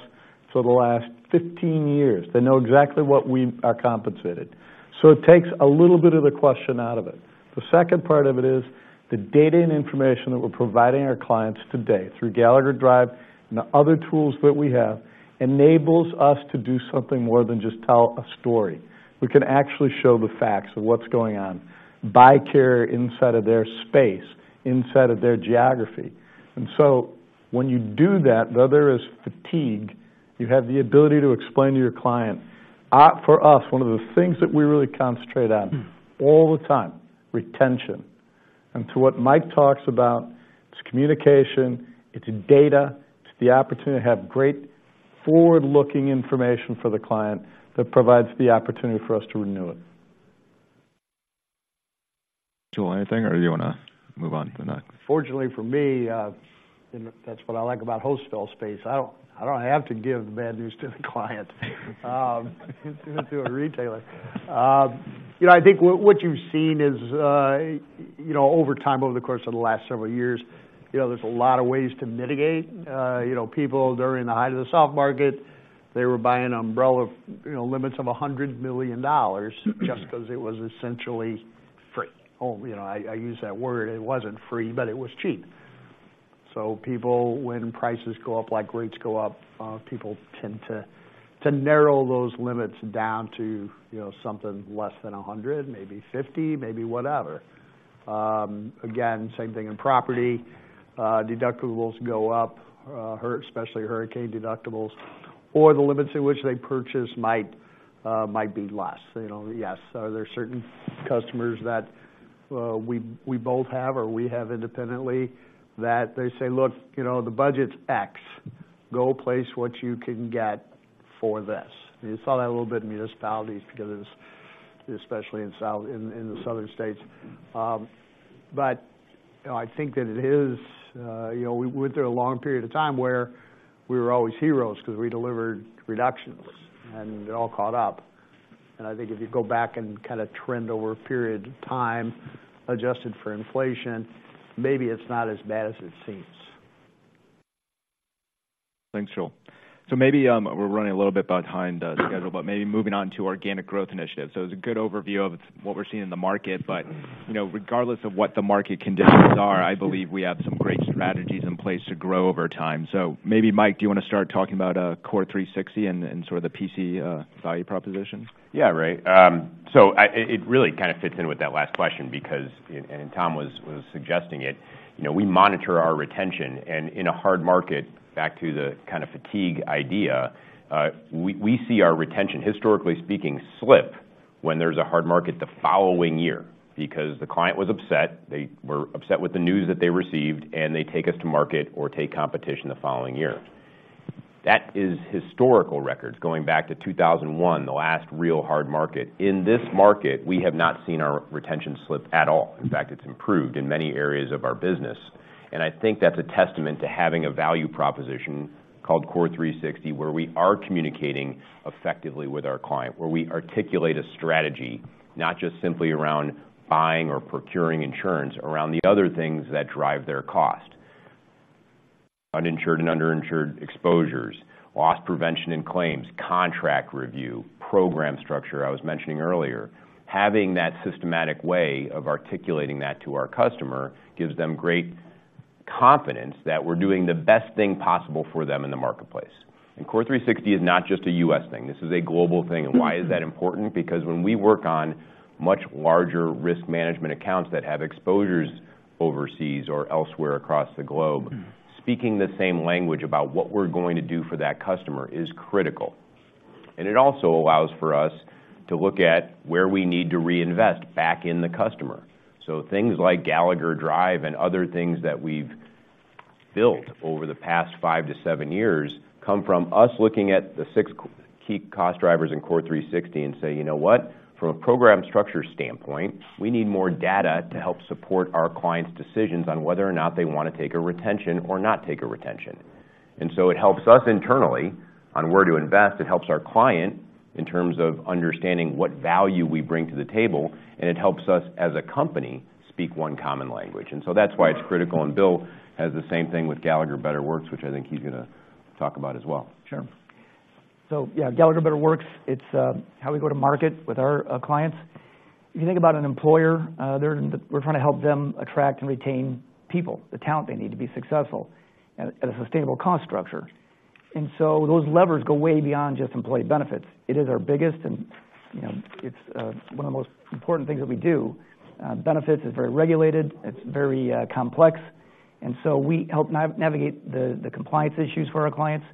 for the last 15 years. They know exactly what we are compensated. So it takes a little bit of the question out of it. The second part of it is, the data and information that we're providing our clients today through Gallagher Drive and the other tools that we have, enables us to do something more than just tell a story. We can actually show the facts of what's going on, by carrier inside of their space, inside of their geography. And so when you do that, though there is fatigue, you have the ability to explain to your client. For us, one of the things that we really concentrate on all the time, retention. And to what Mike talks about, it's communication, it's data, it's the opportunity to have great forward-looking information for the client that provides the opportunity for us to renew it. Joel, anything, or do you wanna move on to the next? Fortunately for me, and that's what I like about wholesale space, I don't have to give bad news to the client to a retailer. You know, I think what you've seen is, you know, over time, over the course of the last several years, you know, there's a lot of ways to mitigate. You know, people, during the height of the soft market, they were buying umbrella, you know, limits of $100 million just 'cause it was essentially free. Oh, you know, I use that word, it wasn't free, but it was cheap. So people, when prices go up, like rates go up, people tend to narrow those limits down to, you know, something less than 100, maybe 50, maybe whatever. Again, same thing in property. Deductibles go up, especially hurricane deductibles, or the limits in which they purchase might be less. You know, yes, there are certain customers that we both have or we have independently, that they say, "Look, you know, the budget's X. Go place what you can get for this." You saw that a little bit in municipalities, because especially in the southern states. But, you know, I think that it is, you know, we went through a long period of time where we were always heroes because we delivered reductions, and it all caught up. I think if you go back and kind of trend over a period of time, adjusted for inflation, maybe it's not as bad as it seems. Thanks, Joel. So maybe, we're running a little bit behind schedule, but maybe moving on to organic growth initiatives. So it's a good overview of what we're seeing in the market, but, you know, regardless of what the market conditions are, I believe we have some great strategies in place to grow over time. So maybe, Mike, do you wanna start talking about, CORE360 and sort of the P&C value proposition? Yeah, Ray. So it really kind of fits in with that last question because, and Tom was suggesting it, you know, we monitor our retention, and in a hard market, back to the kind of fatigue idea, we see our retention, historically speaking, slip when there's a hard market the following year because the client was upset, they were upset with the news that they received, and they take us to market or take competition the following year. That is historical records going back to 2001, the last real hard market. In this market, we have not seen our retention slip at all. In fact, it's improved in many areas of our business, and I think that's a testament to having a value proposition called CORE360, where we are communicating effectively with our client, where we articulate a strategy, not just simply around buying or procuring insurance, around the other things that drive their cost. Uninsured and underinsured exposures, loss prevention and claims, contract review, program structure I was mentioning earlier. Having that systematic way of articulating that to our customer, gives them great confidence that we're doing the best thing possible for them in the marketplace. And CORE360 is not just a U.S. thing, this is a global thing. And why is that important? Because when we work on much larger risk management accounts that have exposures overseas or elsewhere across the globe, speaking the same language about what we're going to do for that customer is critical. It also allows for us to look at where we need to reinvest back in the customer. Things like Gallagher Drive and other things that we've built over the past 5-7 years come from us looking at the 6 key cost drivers in CORE360 and say: You know what? From a program structure standpoint, we need more data to help support our clients' decisions on whether or not they want to take a retention or not take a retention. It helps us internally on where to invest. It helps our client in terms of understanding what value we bring to the table, and it helps us, as a company, speak one common language. That's why it's critical, and Will has the same thing with Gallagher Better Works, which I think he's gonna talk about as well. Sure. So yeah, Gallagher Better Works, it's how we go to market with our clients. If you think about an employer, we're trying to help them attract and retain people, the talent they need to be successful at a sustainable cost structure. And so those levers go way beyond just employee benefits. It is our biggest, and, you know, it's one of the most important things that we do. Benefits is very regulated, it's very complex, and so we help navigate the compliance issues for our clients.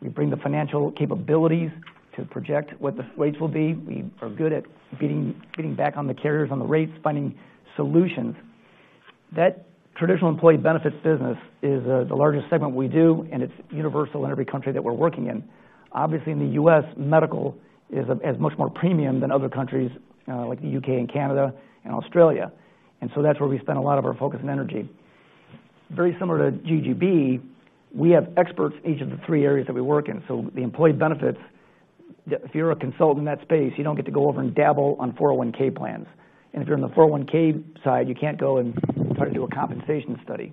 We bring the financial capabilities to project what the rates will be. We are good at getting back on the carriers on the rates, finding solutions. That traditional employee benefits business is the largest segment we do, and it's universal in every country that we're working in. Obviously, in the U.S., medical is as much more premium than other countries, like the U.K. and Canada and Australia. And so that's where we spend a lot of our focus and energy. Very similar to GGB, we have experts in each of the three areas that we work in. So the employee benefits, yeah, if you're a consultant in that space, you don't get to go over and dabble on 401 plans. And if you're on the 401 side, you can't go and try to do a compensation study.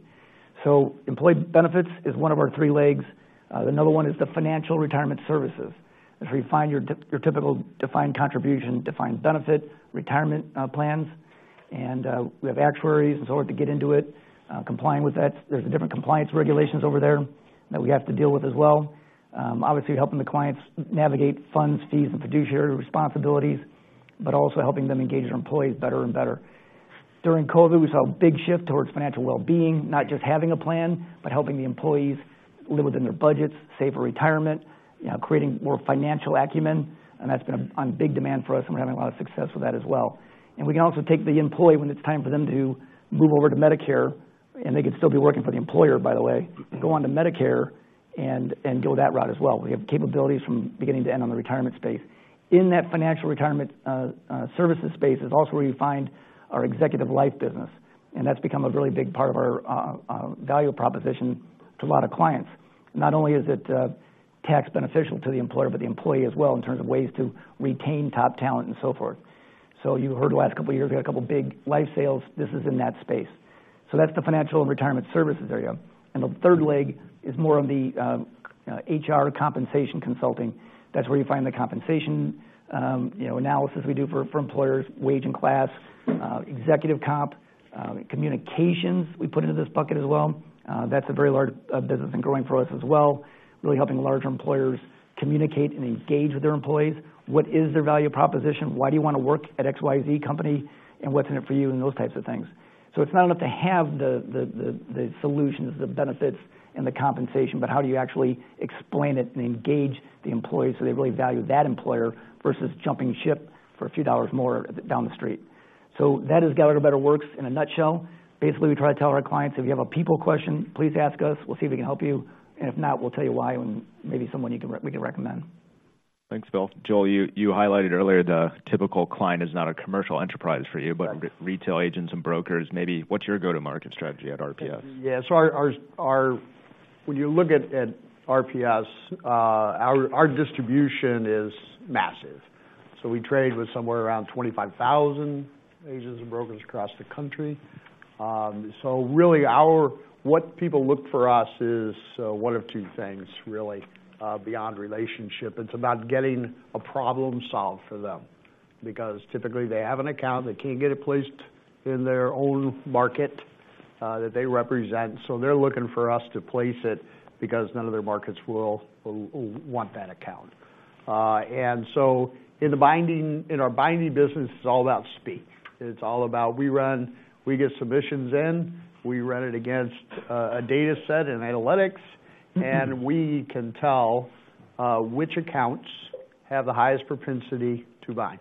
So employee benefits is one of our three legs. Another one is the financial retirement services. That's where you find your typical defined contribution, defined benefit retirement plans, and we have actuaries in order to get into it, complying with that. There's different compliance regulations over there that we have to deal with as well. Obviously, helping the clients navigate funds, fees, and fiduciary responsibilities, but also helping them engage their employees better and better. During COVID, we saw a big shift towards financial well-being, not just having a plan, but helping the employees live within their budgets, save for retirement, creating more financial acumen, and that's been in big demand for us, and we're having a lot of success with that as well. And we can also take the employee when it's time for them to move over to Medicare, and they could still be working for the employer, by the way, go on to Medicare and go that route as well. We have capabilities from beginning to end on the retirement space. In that financial retirement services space is also where you find our executive life business, and that's become a really big part of our value proposition to a lot of clients. Not only is it tax beneficial to the employer, but the employee as well, in terms of ways to retain top talent and so forth. So you heard the last couple of years, we had a couple of big life sales. This is in that space. So that's the financial and retirement services area. And the third leg is more on the HR compensation consulting. That's where you find the compensation you know analysis we do for employers, wage and class, executive comp, communications, we put into this bucket as well. That's a very large business and growing for us as well, really helping larger employers communicate and engage with their employees. What is their value proposition? Why do you wanna work at XYZ company, and what's in it for you, and those types of things. So it's not enough to have the solutions, the benefits, and the compensation, but how do you actually explain it and engage the employees so they really value that employer versus jumping ship for a few dollars more down the street? So that is Gallagher Better Works in a nutshell. Basically, we try to tell our clients, "If you have a people question, please ask us. We'll see if we can help you, and if not, we'll tell you why and maybe someone you can—we can recommend. Thanks, Will. Joel, you highlighted earlier, the typical client is not a commercial enterprise for you- Yeah. but retail agents and brokers. Maybe what's your go-to-market strategy at RPS? Yeah, so our when you look at RPS, our distribution is massive. So we trade with somewhere around 25,000 agents and brokers across the country. So really, our what people look for us is one of two things, really, beyond relationship. It's about getting a problem solved for them because typically they have an account, they can't get it placed in their own market that they represent, so they're looking for us to place it because none of their markets will want that account. And so in the binding, in our binding business, it's all about speed. It's all about we run, we get submissions in, we run it against a data set and analytics, and we can tell which accounts have the highest propensity to bind.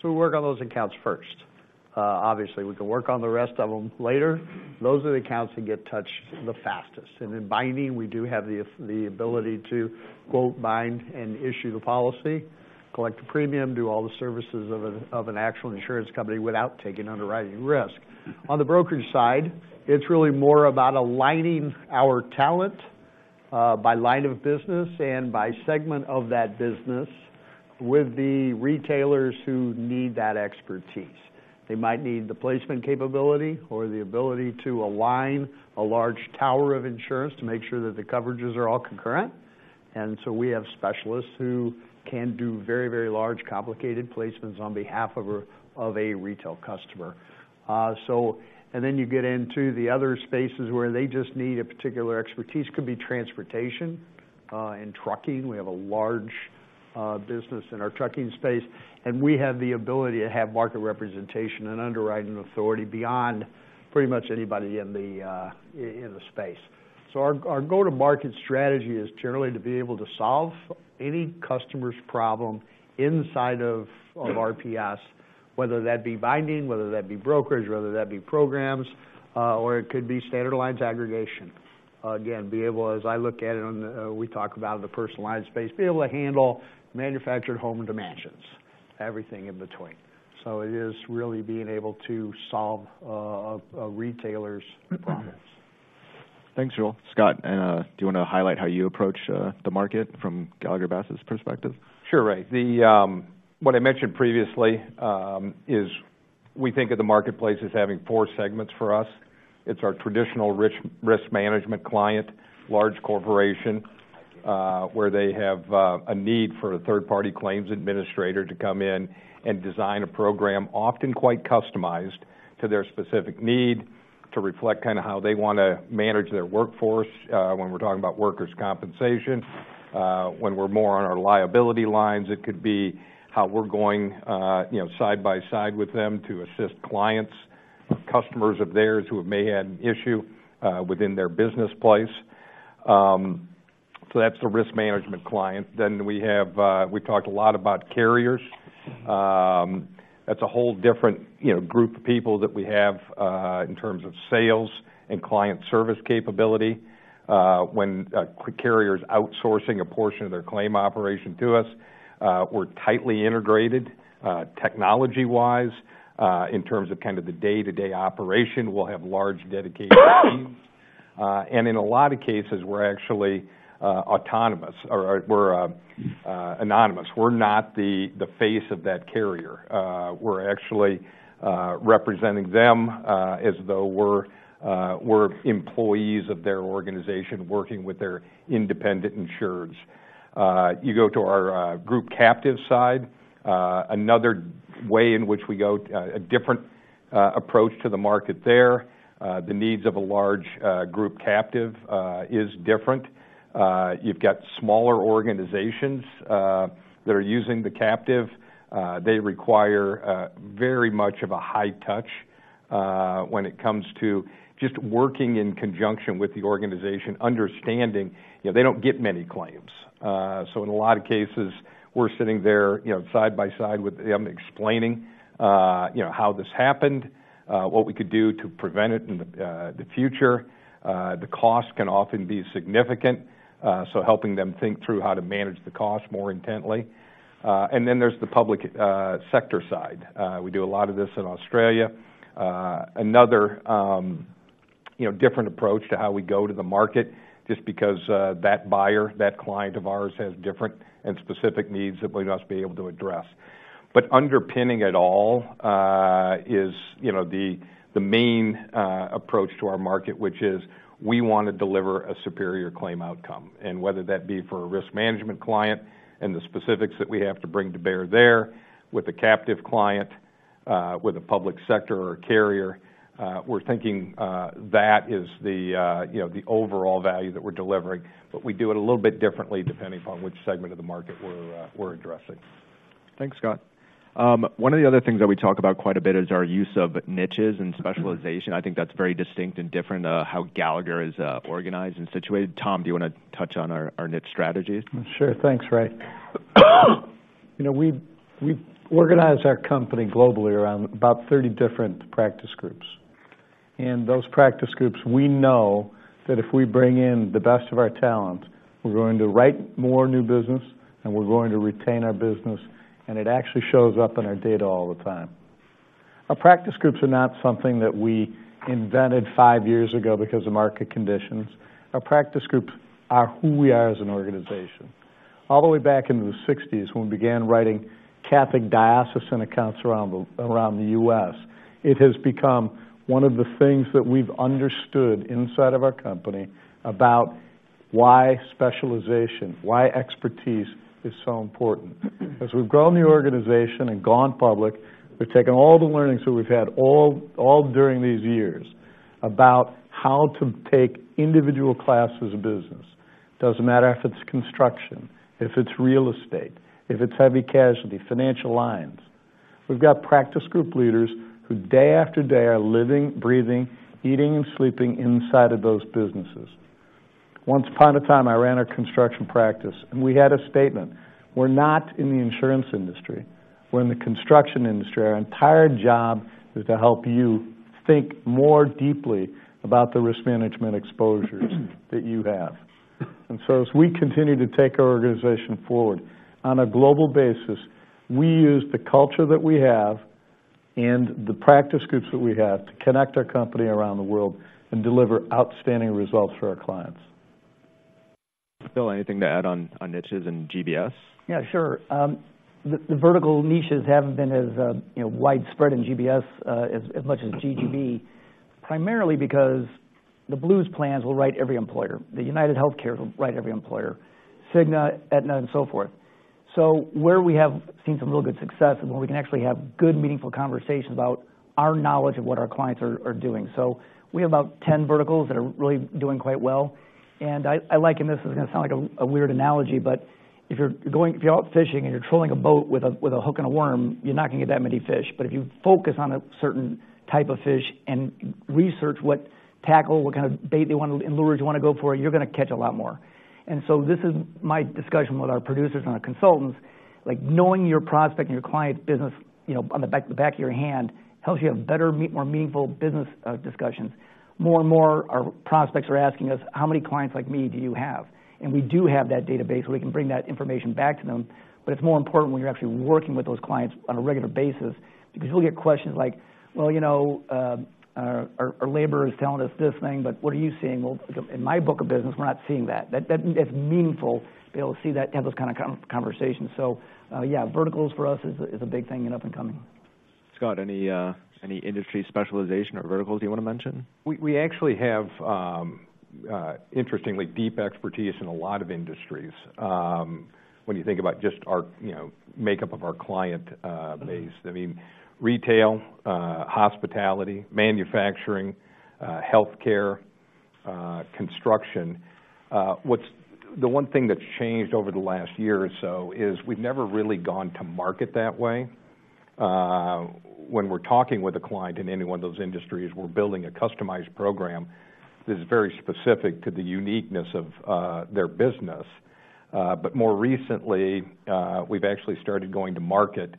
So we work on those accounts first. Obviously, we can work on the rest of them later. Those are the accounts that get touched the fastest. And in binding, we do have the ability to, quote, "Bind and issue the policy," collect the premium, do all the services of an actual insurance company without taking underwriting risk. On the brokerage side, it's really more about aligning our talent by line of business and by segment of that business with the retailers who need that expertise. They might need the placement capability or the ability to align a large tower of insurance to make sure that the coverages are all concurrent. And so we have specialists who can do very, very large, complicated placements on behalf of a retail customer. And then you get into the other spaces where they just need a particular expertise. Could be transportation, and trucking. We have a large business in our trucking space, and we have the ability to have market representation and underwriting authority beyond pretty much anybody in the space. So our go-to-market strategy is generally to be able to solve any customer's problem inside of RPS, whether that be binding, whether that be brokerage, whether that be programs, or it could be standard lines aggregation. Again, be able, as I look at it, we talk about the personal line space, be able to handle manufactured home into mansions.... everything in between. So it is really being able to solve a retailer's problems. Thanks, Joel. Scott, and do you wanna highlight how you approach the market from Gallagher Bassett's perspective? Sure, Ray. The what I mentioned previously is we think of the marketplace as having four segments for us. It's our traditional high-risk management client, large corporation, where they have a need for a third-party claims administrator to come in and design a program, often quite customized to their specific need, to reflect kinda how they wanna manage their workforce, when we're talking about workers' compensation. When we're more on our liability lines, it could be how we're going, you know, side by side with them to assist clients, customers of theirs who may had an issue, within their business place. So that's the risk management client. Then we have, we talked a lot about carriers. That's a whole different, you know, group of people that we have, in terms of sales and client service capability. When a carrier's outsourcing a portion of their claim operation to us, we're tightly integrated, technology-wise, in terms of kind of the day-to-day operation, we'll have large, dedicated teams. In a lot of cases, we're actually autonomous or we're anonymous. We're not the face of that carrier. We're actually representing them as though we're employees of their organization, working with their independent insureds. You go to our group captive side, another way in which we go a different approach to the market there. The needs of a large group captive is different. You've got smaller organizations that are using the captive. They require very much of a high touch when it comes to just working in conjunction with the organization, understanding, you know, they don't get many claims. So in a lot of cases, we're sitting there, you know, side by side with them, explaining, you know, how this happened, what we could do to prevent it in the future. The cost can often be significant, so helping them think through how to manage the cost more intently. And then there's the public sector side. We do a lot of this in Australia. Another, you know, different approach to how we go to the market, just because that buyer, that client of ours, has different and specific needs that we must be able to address. But underpinning it all, is, you know, the, the main, approach to our market, which is we want to deliver a superior claim outcome. And whether that be for a risk management client and the specifics that we have to bring to bear there, with a captive client, with a public sector or a carrier, we're thinking, that is the, you know, the overall value that we're delivering, but we do it a little bit differently, depending upon which segment of the market we're, we're addressing. Thanks, Scott. One of the other things that we talk about quite a bit is our use of niches and specialization. I think that's very distinct and different, how Gallagher is organized and situated. Tom, do you wanna touch on our niche strategies? Sure. Thanks, Ray. You know, we've organized our company globally around about 30 different practice groups. Those practice groups, we know that if we bring in the best of our talent, we're going to write more new business, and we're going to retain our business, and it actually shows up in our data all the time. Our practice groups are not something that we invented five years ago because of market conditions. Our practice groups are who we are as an organization. All the way back in the 1960s, when we began writing Catholic diocesan accounts around the U.S., it has become one of the things that we've understood inside of our company about why specialization, why expertise is so important. As we've grown the organization and gone public, we've taken all the learnings that we've had all during these years, about how to take individual classes of business. Doesn't matter if it's construction, if it's real estate, if it's heavy casualty, financial lines. We've got practice group leaders who, day after day, are living, breathing, eating, and sleeping inside of those businesses. Once upon a time, I ran a construction practice, and we had a statement: We're not in the insurance industry, we're in the construction industry. Our entire job is to help you think more deeply about the risk management exposures that you have. And so, as we continue to take our organization forward on a global basis, we use the culture that we have and the practice groups that we have to connect our company around the world and deliver outstanding results for our clients. Will, anything to add on niches and GBS? Yeah, sure. The vertical niches haven't been as, you know, widespread in GBS as much as GGB, primarily because the Blues plans will write every employer, the UnitedHealthcare will write every employer, Cigna, Aetna, and so forth. So where we have seen some real good success and where we can actually have good, meaningful conversations about our knowledge of what our clients are doing. So we have about 10 verticals that are really doing quite well, and I like, and this is gonna sound like a weird analogy, but if you're going, if you're out fishing and you're trolling a boat with a hook and a worm, you're not gonna get that many fish. But if you focus on a certain type of fish and research what tackle, what kind of bait they want to and lures you wanna go for, you're gonna catch a lot more. And so this is my discussion with our producers and our consultants. Like, knowing your prospect and your client's business, you know, on the back of your hand, helps you have better, more meaningful business discussions. More and more, our prospects are asking us: "How many clients like me do you have?" And we do have that database, so we can bring that information back to them. But it's more important when you're actually working with those clients on a regular basis, because you'll get questions like: "Well, you know, our labor is telling us this thing, but what are you seeing?" "Well, in my book of business, we're not seeing that." That it's meaningful to be able to see that, to have those kind of conversations. So, yeah, verticals for us is a big thing and up and coming.... Scott, any, any industry specialization or verticals you want to mention? We actually have, interestingly, deep expertise in a lot of industries. When you think about just our, you know, makeup of our client base, I mean, retail, hospitality, manufacturing, healthcare, construction. What's the one thing that's changed over the last year or so is we've never really gone to market that way. When we're talking with a client in any one of those industries, we're building a customized program that is very specific to the uniqueness of their business. But more recently, we've actually started going to market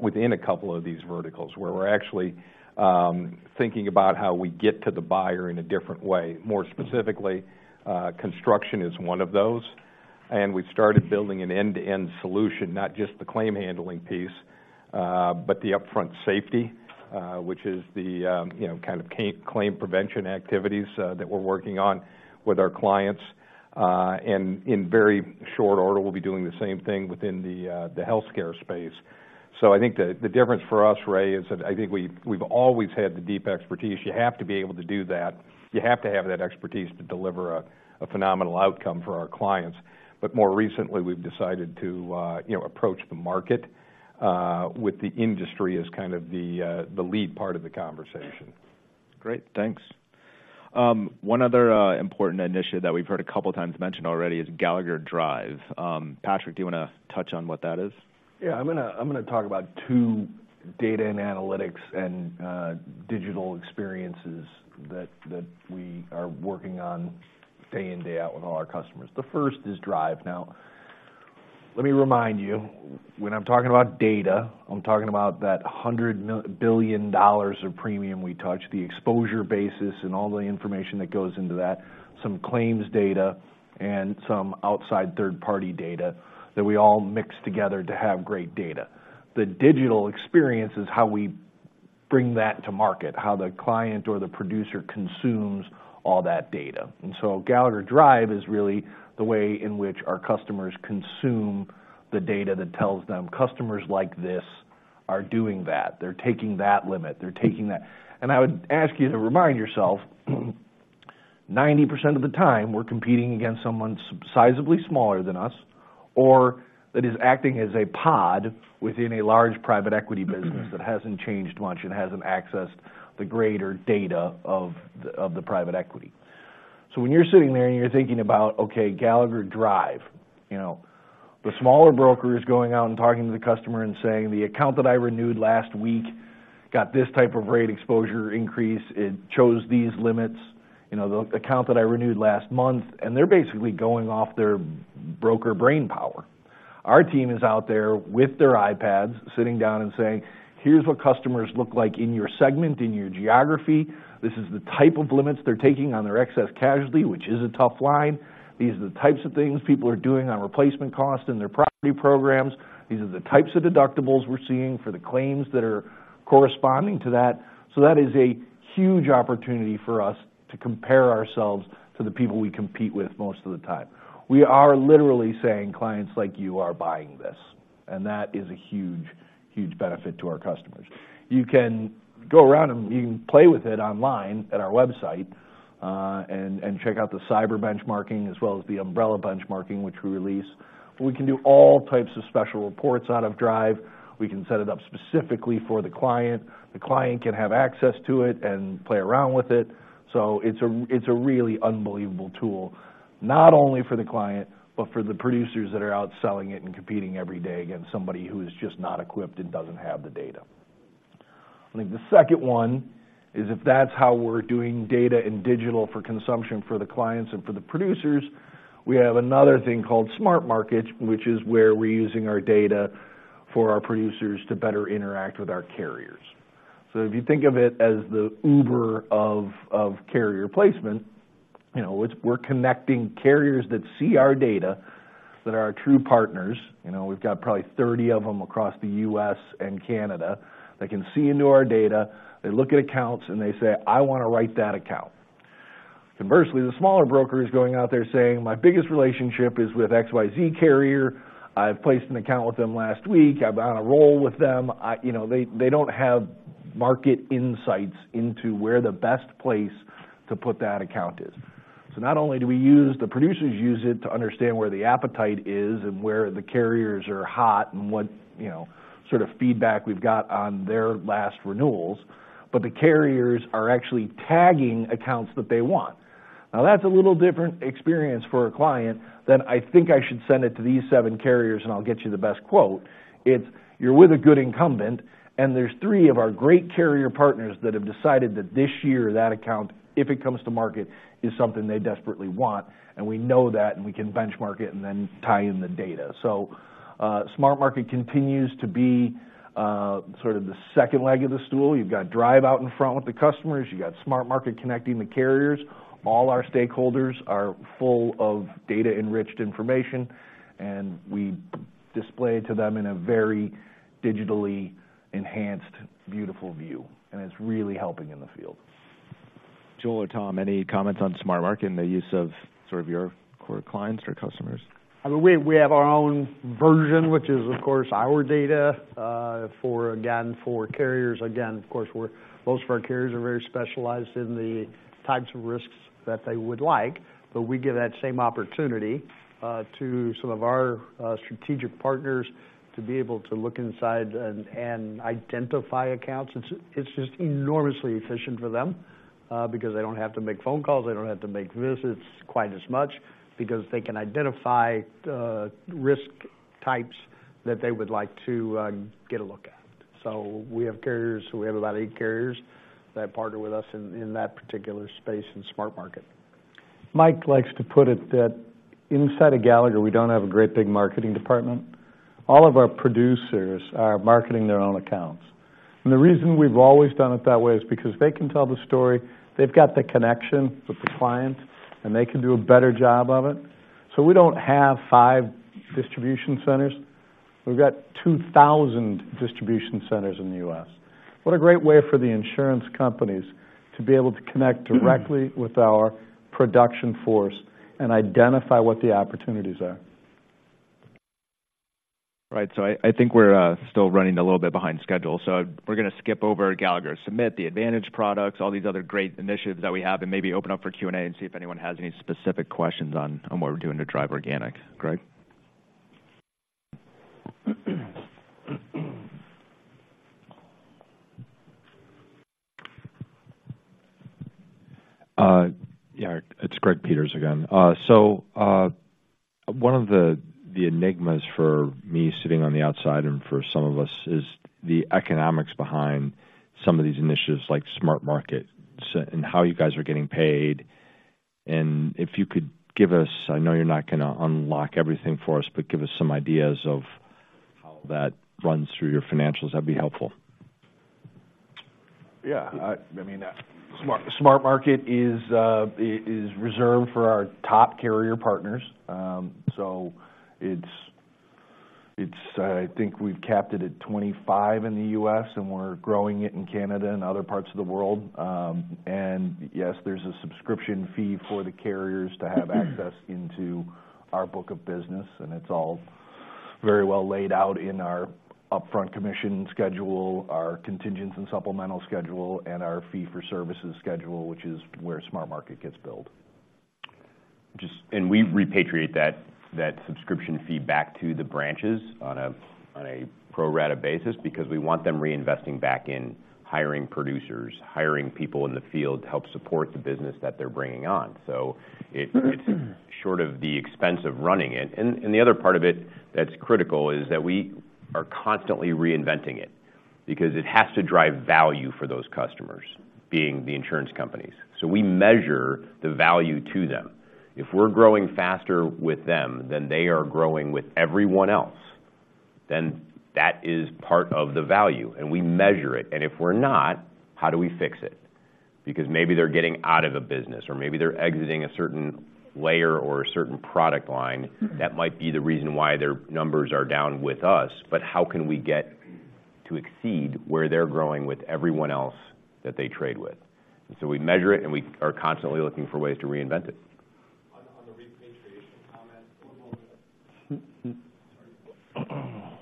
within a couple of these verticals, where we're actually thinking about how we get to the buyer in a different way. More specifically, construction is one of those, and we've started building an end-to-end solution, not just the claim handling piece, but the upfront safety, which is the, you know, kind of claim prevention activities that we're working on with our clients. And in very short order, we'll be doing the same thing within the healthcare space. So I think the difference for us, Ray, is that I think we've always had the deep expertise. You have to be able to do that. You have to have that expertise to deliver a phenomenal outcome for our clients. But more recently, we've decided to, you know, approach the market with the industry as kind of the lead part of the conversation. Great, thanks. One other important initiative that we've heard a couple times mentioned already is Gallagher Drive. Patrick, do you wanna touch on what that is? Yeah, I'm gonna, I'm gonna talk about two data and analytics and digital experiences that we are working on day in, day out with all our customers. The first is Drive. Now, let me remind you, when I'm talking about data, I'm talking about that $100 billion dollars of premium we touch, the exposure basis and all the information that goes into that, some claims data and some outside third-party data that we all mix together to have great data. The digital experience is how we bring that to market, how the client or the producer consumes all that data. And so Gallagher Drive is really the way in which our customers consume the data that tells them, "Customers like this are doing that. They're taking that limit, they're taking that..." And I would ask you to remind yourself, 90% of the time, we're competing against someone sizably smaller than us, or that is acting as a pod within a large private equity business that hasn't changed much and hasn't accessed the greater data of the, of the private equity. So when you're sitting there and you're thinking about, okay, Gallagher Drive, you know, the smaller broker is going out and talking to the customer and saying, "The account that I renewed last week got this type of rate exposure increase. It chose these limits. You know, the account that I renewed last month..." And they're basically going off their broker brainpower. Our team is out there with their iPads, sitting down and saying, "Here's what customers look like in your segment, in your geography. This is the type of limits they're taking on their excess casualty, which is a tough line. These are the types of things people are doing on replacement cost and their property programs. These are the types of deductibles we're seeing for the claims that are corresponding to that. So that is a huge opportunity for us to compare ourselves to the people we compete with most of the time. We are literally saying, "Clients like you are buying this," and that is a huge, huge benefit to our customers. You can go around, and you can play with it online at our website, and check out the cyber benchmarking, as well as the umbrella benchmarking, which we release. We can do all types of special reports out of Drive. We can set it up specifically for the client. The client can have access to it and play around with it. So it's a really unbelievable tool, not only for the client, but for the producers that are out selling it and competing every day against somebody who is just not equipped and doesn't have the data. I think the second one is, if that's how we're doing data and digital for consumption for the clients and for the producers, we have another thing called SmartMarket, which is where we're using our data for our producers to better interact with our carriers. So if you think of it as the Uber of carrier placement, you know, it's, we're connecting carriers that see our data, that are our true partners. You know, we've got probably 30 of them across the U.S. and Canada. They can see into our data, they look at accounts, and they say, "I wanna write that account." Conversely, the smaller broker is going out there saying, "My biggest relationship is with XYZ carrier. I've placed an account with them last week. I'm on a roll with them." You know, they, they don't have market insights into where the best place to put that account is. So not only do we use the producers use it to understand where the appetite is and where the carriers are hot, and what, you know, sort of feedback we've got on their last renewals, but the carriers are actually tagging accounts that they want. Now, that's a little different experience for a client than, "I think I should send it to these 7 carriers, and I'll get you the best quote." It's, you're with a good incumbent, and there's 3 of our great carrier partners that have decided that this year, that account, if it comes to market, is something they desperately want, and we know that, and we can benchmark it and then tie in the data. So, SmartMarket continues to be, sort of the second leg of the stool. You've got Drive out in front with the customers. You've gotSmartMarket connecting the carriers. All our stakeholders are full of data-enriched information, and we display it to them in a very digitally enhanced, beautiful view, and it's really helping in the field.... Joel or Tom, any comments onSmartMarket and the use of sort of your core clients or customers? I mean, we have our own version, which is, of course, our data for, again, for carriers. Again, of course, we're most of our carriers are very specialized in the types of risks that they would like, but we give that same opportunity to some of our strategic partners to be able to look inside and identify accounts. It's just enormously efficient for them because they don't have to make phone calls, they don't have to make visits quite as much because they can identify risk types that they would like to get a look at. So we have carriers, we have about eight carriers that partner with us in that particular space inSmartMarket. Mike likes to put it that inside of Gallagher, we don't have a great big marketing department. All of our producers are marketing their own accounts. And the reason we've always done it that way is because they can tell the story, they've got the connection with the client, and they can do a better job of it. So we don't have five distribution centers. We've got 2,000 distribution centers in the U.S. What a great way for the insurance companies to be able to connect directly with our production force and identify what the opportunities are. Right. So I think we're still running a little bit behind schedule, so we're going to skip over Gallagher Submit, the advantage products, all these other great initiatives that we have, and maybe open up for Q&A and see if anyone has any specific questions on what we're doing to drive organic. Greg? Yeah, it's Greg Peters again. So, one of the enigmas for me sitting on the outside and for some of us is the economics behind some of these initiatives, likeSmartMarket, and how you guys are getting paid. And if you could give us... I know you're not going to unlock everything for us, but give us some ideas of how that runs through your financials, that'd be helpful. Yeah, I mean, thatSmartMarket is reserved for our top carrier partners. So it's, I think we've capped it at 25 in the US, and we're growing it in Canada and other parts of the world. And yes, there's a subscription fee for the carriers to have access into our book of business, and it's all very well laid out in our upfront commission schedule, our contingents and supplemental schedule, and our fee-for-services schedule, which is whereSmartMarket gets built. We repatriate that, that subscription fee back to the branches on a pro rata basis, because we want them reinvesting back in hiring producers, hiring people in the field to help support the business that they're bringing on. So it, it's short of the expense of running it. The other part of it that's critical is that we are constantly reinventing it, because it has to drive value for those customers, being the insurance companies. So we measure the value to them. If we're growing faster with them than they are growing with everyone else, then that is part of the value, and we measure it. And if we're not, how do we fix it? Because maybe they're getting out of a business, or maybe they're exiting a certain layer or a certain product line. That might be the reason why their numbers are down with us, but how can we get to exceed where they're growing with everyone else that they trade with? And so we measure it, and we are constantly looking for ways to reinvent it. On the repatriation comment. One moment.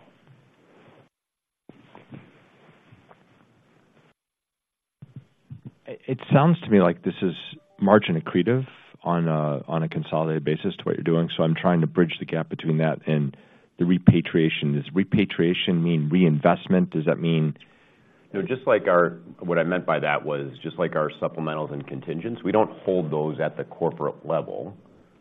Sorry. It sounds to me like this is margin accretive on a consolidated basis to what you're doing, so I'm trying to bridge the gap between that and the repatriation. Does repatriation mean reinvestment? Does that mean- No, what I meant by that was, just like our supplementals and contingents, we don't hold those at the corporate level.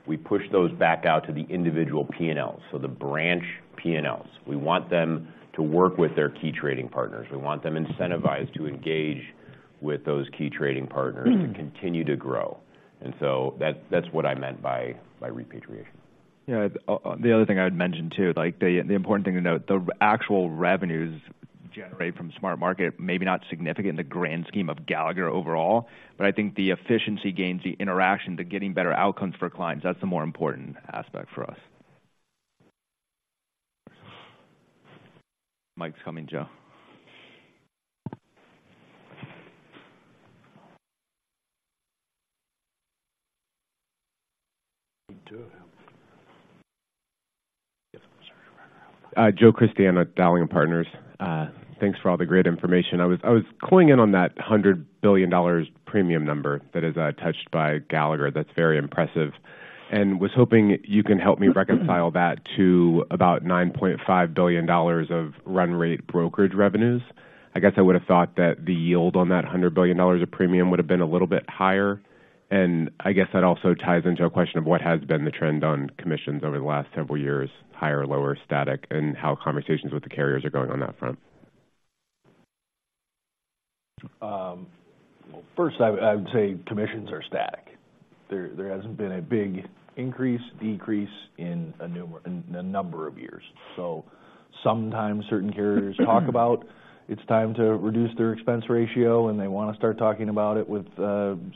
We push those back out to the individual PNL, so the branch PNLs. We want them to work with their key trading partners. We want them incentivized to engage with those key trading partners and continue to grow. And so that's, that's what I meant by, by repatriation. Yeah, the other thing I would mention, too, like, the important thing to note, the actual revenues generated fromSmartMarket, maybe not significant in the grand scheme of Gallagher overall, but I think the efficiency gains, the interaction, the getting better outcomes for clients, that's the more important aspect for us. Mike's coming, Joe. Me too. Joe Christiana, Dowling & Partners. Thanks for all the great information. I was calling in on that $100 billion premium number that is touched by Gallagher. That's very impressive. And was hoping you can help me reconcile that to about $9.5 billion of run rate brokerage revenues. I guess I would have thought that the yield on that $100 billion of premium would have been a little bit higher. And I guess that also ties into a question of what has been the trend on commissions over the last several years, higher, lower, static, and how conversations with the carriers are going on that front? Well, first I would say commissions are static. There hasn't been a big increase, decrease in a number of years. So sometimes certain carriers talk about, it's time to reduce their expense ratio, and they want to start talking about it with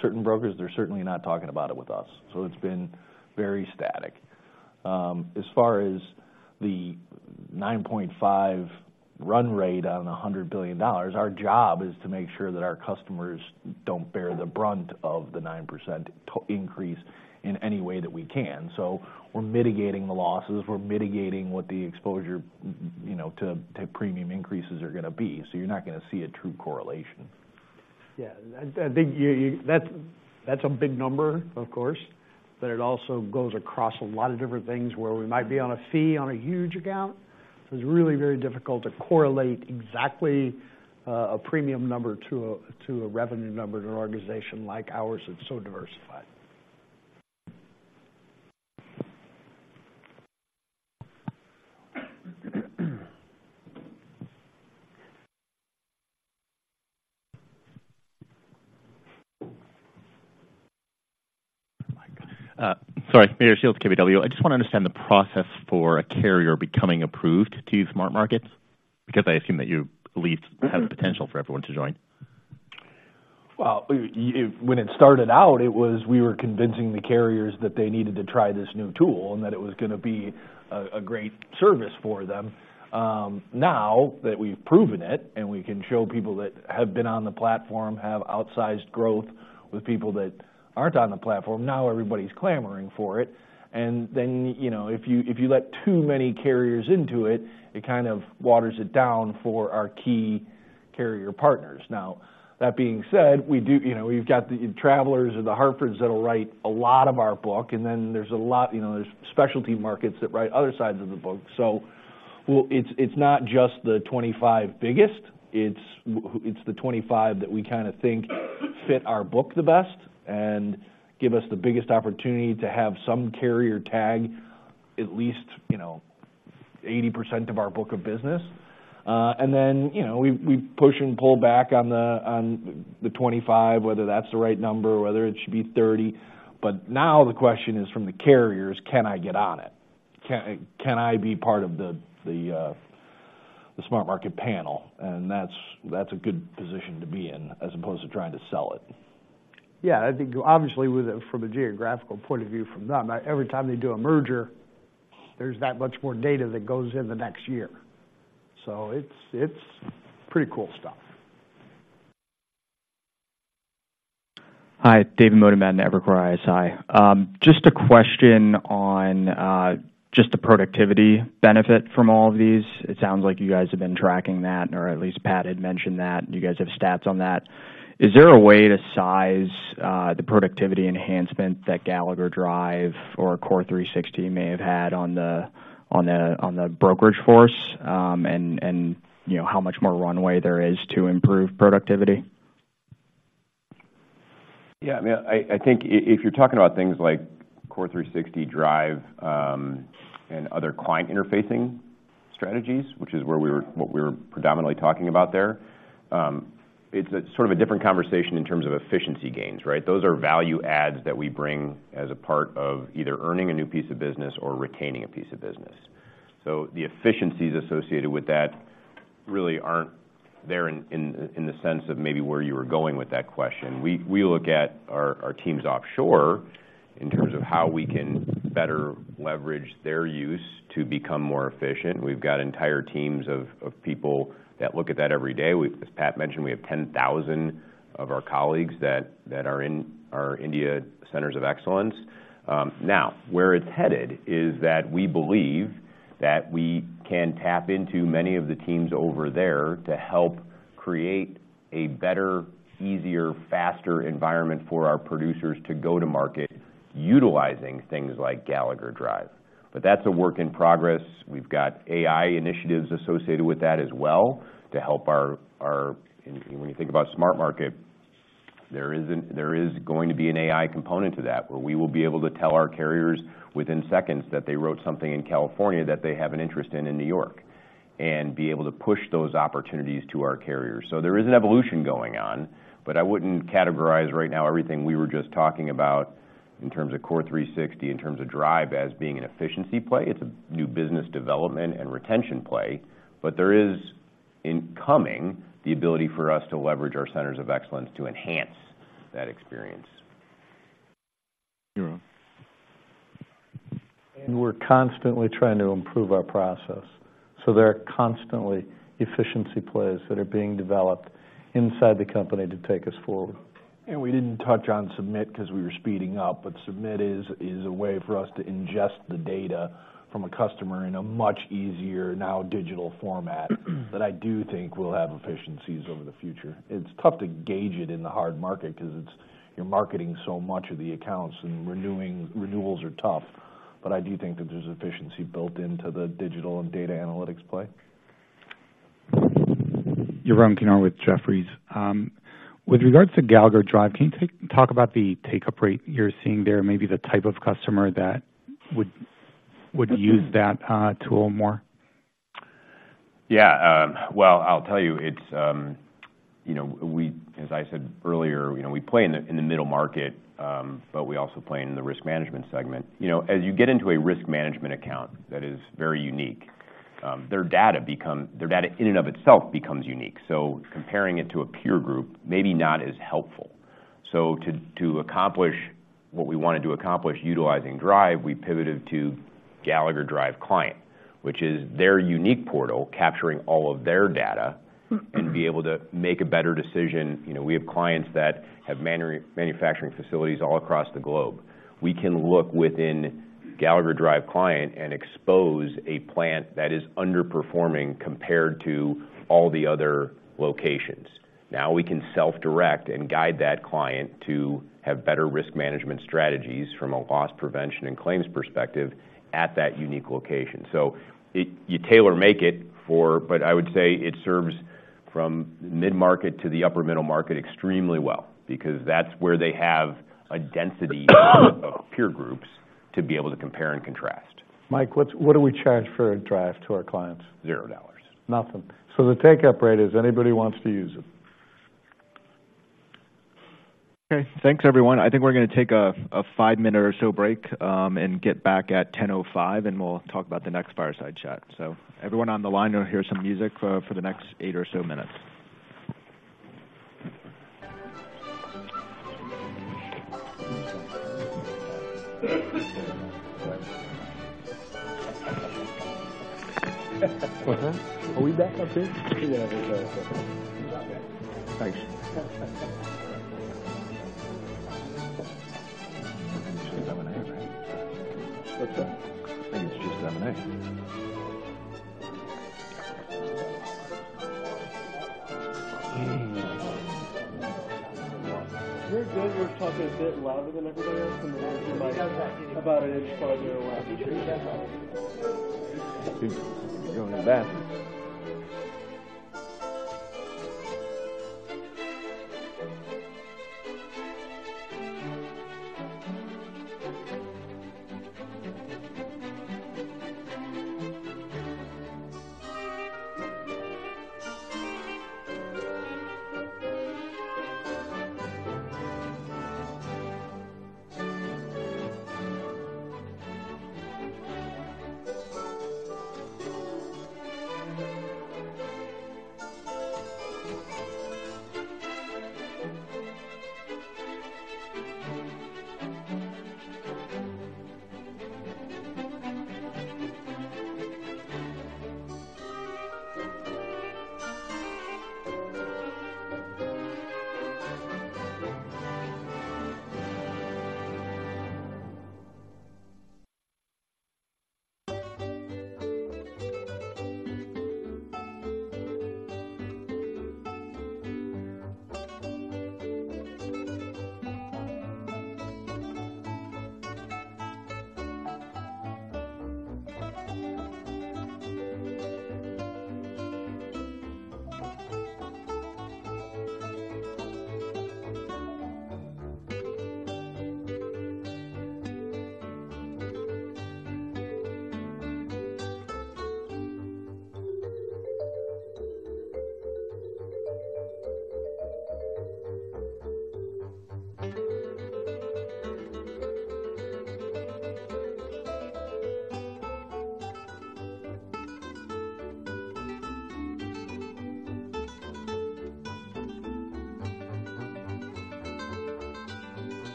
certain brokers. They're certainly not talking about it with us. So it's been very static.... As far as the 9.5 run rate on $100 billion, our job is to make sure that our customers don't bear the brunt of the 9% increase in any way that we can. So we're mitigating the losses, we're mitigating what the exposure, you know, to, to premium increases are gonna be, so you're not gonna see a true correlation. Yeah, I think that's a big number, of course, but it also goes across a lot of different things where we might be on a fee on a huge account. It's really very difficult to correlate exactly a premium number to a revenue number in an organization like ours that's so diversified. Sorry, Meyer Shields, KBW. I just wanna understand the process for a carrier becoming approved toSmartMarket, because I assume that you at least have the potential for everyone to join. Well, when it started out, it was we were convincing the carriers that they needed to try this new tool, and that it was gonna be a, a great service for them. Now that we've proven it, and we can show people that have been on the platform have outsized growth with people that aren't on the platform, now everybody's clamoring for it. And then, you know, if you, if you let too many carriers into it, it kind of waters it down for our key carrier partners. Now, that being said, we do, you know, we've got the Travelers or the Hartfords that'll write a lot of our book, and then there's a lot, you know, there's specialty markets that write other sides of the book. So it's, it's not just the 25 biggest, it's the 25 that we kinda think fit our book the best and give us the biggest opportunity to have some carrier tag, at least, you know, 80% of our book of business. And then, you know, we push and pull back on the 25, whether that's the right number or whether it should be 30. But now the question is from the carriers: Can I get on it? Can I be part of theSmartMarket panel? And that's a good position to be in as opposed to trying to sell it. Yeah, I think obviously, with it from a geographical point of view, from them, every time they do a merger, there's that much more data that goes in the next year. So it's, it's pretty cool stuff. Hi, David Motemedi, Evercore ISI. Just a question on, just the productivity benefit from all of these. It sounds like you guys have been tracking that, or at least Pat had mentioned that. Do you guys have stats on that? Is there a way to size, the productivity enhancement that Gallagher Drive or CORE360 may have had on the brokerage force? And, you know, how much more runway there is to improve productivity? Yeah, I mean, I think if you're talking about things like CORE360 Drive and other client interfacing strategies, which is where we were, what we were predominantly talking about there, it's a sort of a different conversation in terms of efficiency gains, right? Those are value adds that we bring as a part of either earning a new piece of business or retaining a piece of business. So the efficiencies associated with that really aren't there in the sense of maybe where you were going with that question. We look at our teams offshore in terms of how we can better leverage their use to become more efficient. We've got entire teams of people that look at that every day. As Pat mentioned, we have 10,000 of our colleagues that are in our India centers of excellence. Now, where it's headed is that we believe that we can tap into many of the teams over there to help create a better, easier, faster environment for our producers to go to market, utilizing things like Gallagher Drive. But that's a work in progress. We've got AI initiatives associated with that as well to help our. And when you think aboutSmartMarket, there is going to be an AI component to that, where we will be able to tell our carriers within seconds that they wrote something in California that they have an interest in in New York, and be able to push those opportunities to our carriers. So there is an evolution going on, but I wouldn't categorize right now everything we were just talking about in terms of CORE360, in terms of Drive, as being an efficiency play. It's a new business development and retention play, but there is, in coming, the ability for us to leverage our centers of excellence to enhance that experience. Yeah. We're constantly trying to improve our process, so there are constantly efficiency plays that are being developed inside the company to take us forward. And we didn't touch on Submit because we were speeding up, but Submit is a way for us to ingest the data from a customer in a much easier, now digital format, that I do think we'll have efficiencies over the future. It's tough to gauge it in the hard market because it's-- you're marketing so much of the accounts, and renewing-- renewals are tough, but I do think that there's efficiency built into the digital and data analytics play. Yaron Kinar with Jefferies. With regards to Gallagher Drive, can you talk about the take-up rate you're seeing there, maybe the type of customer that would use that tool more? Yeah, well, I'll tell you, it's, you know, we as I said earlier, you know, we play in the middle market, but we also play in the risk management segment. You know, as you get into a risk management account that is very unique, their data in and of itself becomes unique, so comparing it to a peer group may be not as helpful. So to accomplish what we wanted to accomplish utilizing Drive, we pivoted to Gallagher Drive Client, which is their unique portal capturing all of their data and be able to make a better decision. You know, we have clients that have manufacturing facilities all across the globe. We can look within Gallagher Drive Client and expose a plant that is underperforming compared to all the other locations. Now, we can self-direct and guide that client to have better risk management strategies from a loss prevention and claims perspective at that unique location. So it... you tailor-make it for, but I would say it serves from mid-market to the upper middle market extremely well, because that's where they have a density of peer groups to be able to compare and contrast. Mike, what do we charge for Drive to our clients? Zero dollars. Nothing. So the take-up rate is anybody who wants to use it. Okay, thanks, everyone. I think we're gonna take a five-minute or so break, and get back at 10:05, and we'll talk about the next fireside chat. So everyone on the line will hear some music for the next eight or so minutes. Are we back up here? Yeah, we're back. Thanks. It's just lemonade, right? What's that? I think it's just lemonade. You're good. We're talking a bit louder than everybody else, about an inch louder or louder. Going to the bathroom.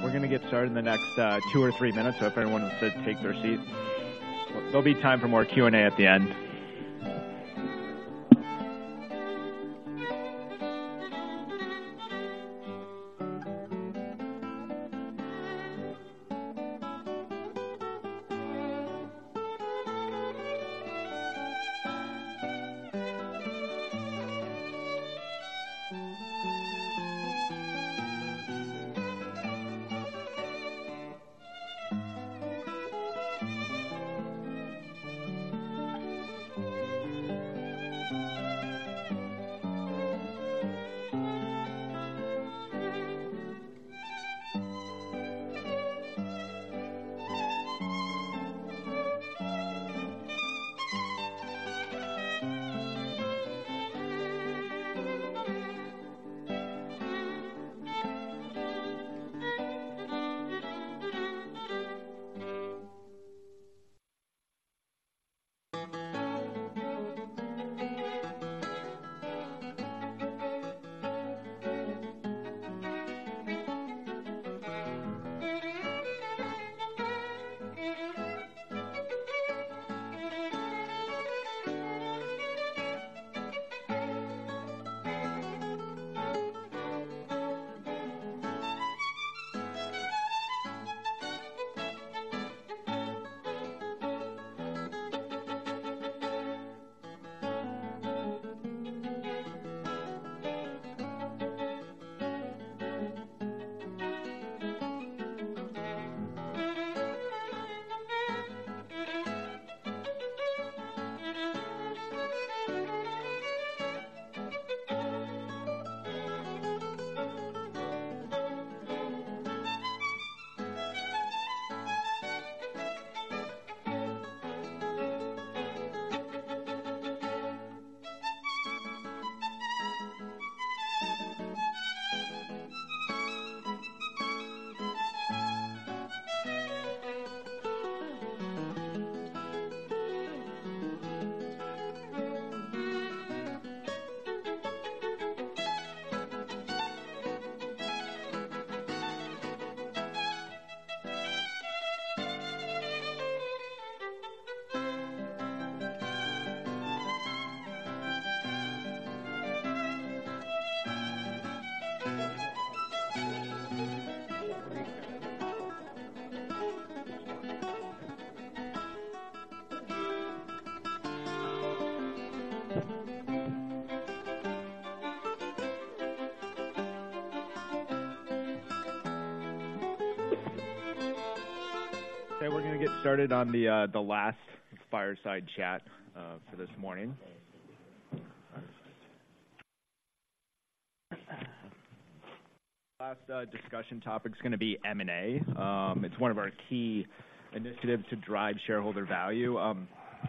We're gonna get started in the next two or three minutes, so if everyone could take their seats. There'll be time for more Q&A at the end. Okay, we're gonna get started on the last fireside chat for this morning. Our last discussion topic is gonna be M&A. It's one of our key initiatives to drive shareholder value.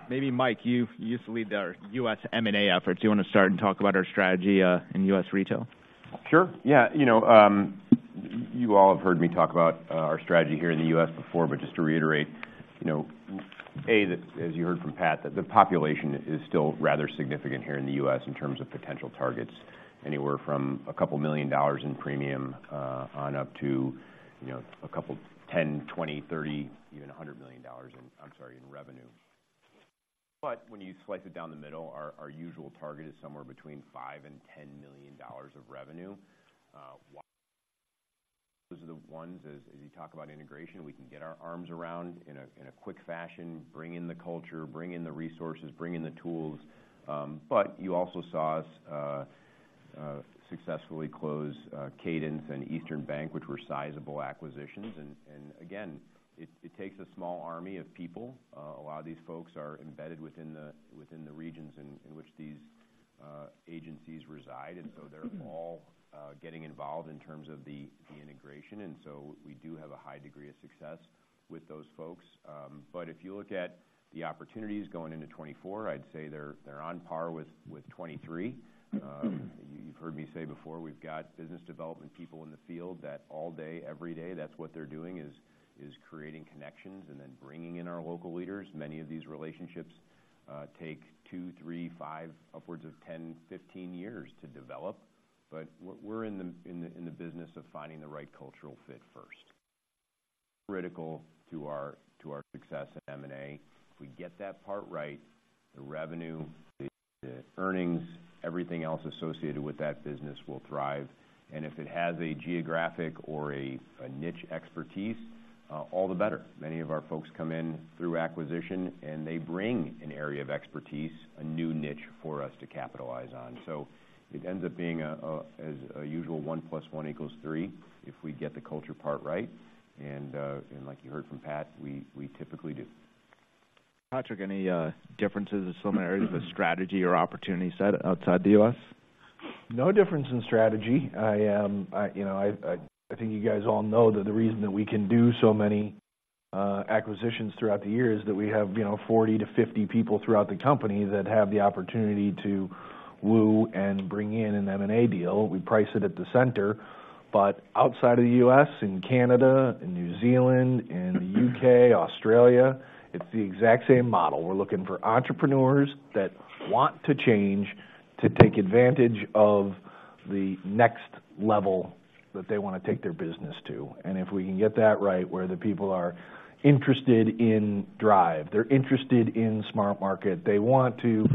Maybe, Mike, you've-- you used to lead our U.S. M&A efforts. Do you want to start and talk about our strategy in U.S. retail? Sure, yeah. You know, you all have heard me talk about our strategy here in the U.S. before, but just to reiterate, you know, A, that as you heard from Pat, that the population is still rather significant here in the U.S. in terms of potential targets, anywhere from a couple million dollars in premium on up to, you know, a couple, 10, 20, 30, even a hundred million dollars in... I'm sorry, in revenue. But when you slice it down the middle, our usual target is somewhere between $5 million and $10 million of revenue. Those are the ones as you talk about integration, we can get our arms around in a quick fashion, bring in the culture, bring in the resources, bring in the tools. But you also saw us successfully close Cadence and Eastern Bank, which were sizable acquisitions. And again, it takes a small army of people. A lot of these folks are embedded within the regions in which these agencies reside, and so they're all getting involved in terms of the integration. And so we do have a high degree of success with those folks. But if you look at the opportunities going into 2024, I'd say they're on par with 2023. You've heard me say before, we've got business development people in the field that all day, every day, that's what they're doing, is creating connections and then bringing in our local leaders. Many of these relationships take two, three, five, upwards of 10, 15 years to develop. But we're in the business of finding the right cultural fit first. Critical to our success in M&A, if we get that part right, the revenue, the earnings, everything else associated with that business will thrive. And if it has a geographic or a niche expertise, all the better. Many of our folks come in through acquisition, and they bring an area of expertise, a new niche for us to capitalize on. So it ends up being, as usual one plus one equals three, if we get the culture part right. And, and like you heard from Pat, we typically do. Patrick, any differences or similarities with strategy or opportunity set outside the US? No difference in strategy. I, you know, I think you guys all know that the reason that we can do so many acquisitions throughout the year is that we have, you know, 40-50 people throughout the company that have the opportunity to woo and bring in an M&A deal. We price it at the center, but outside of the U.S., in Canada, in New Zealand, in the U.K., Australia, it's the exact same model. We're looking for entrepreneurs that want to change, to take advantage of the next level that they want to take their business to. If we can get that right, where the people are interested in Drive, they're interested inSmartMarket, they want to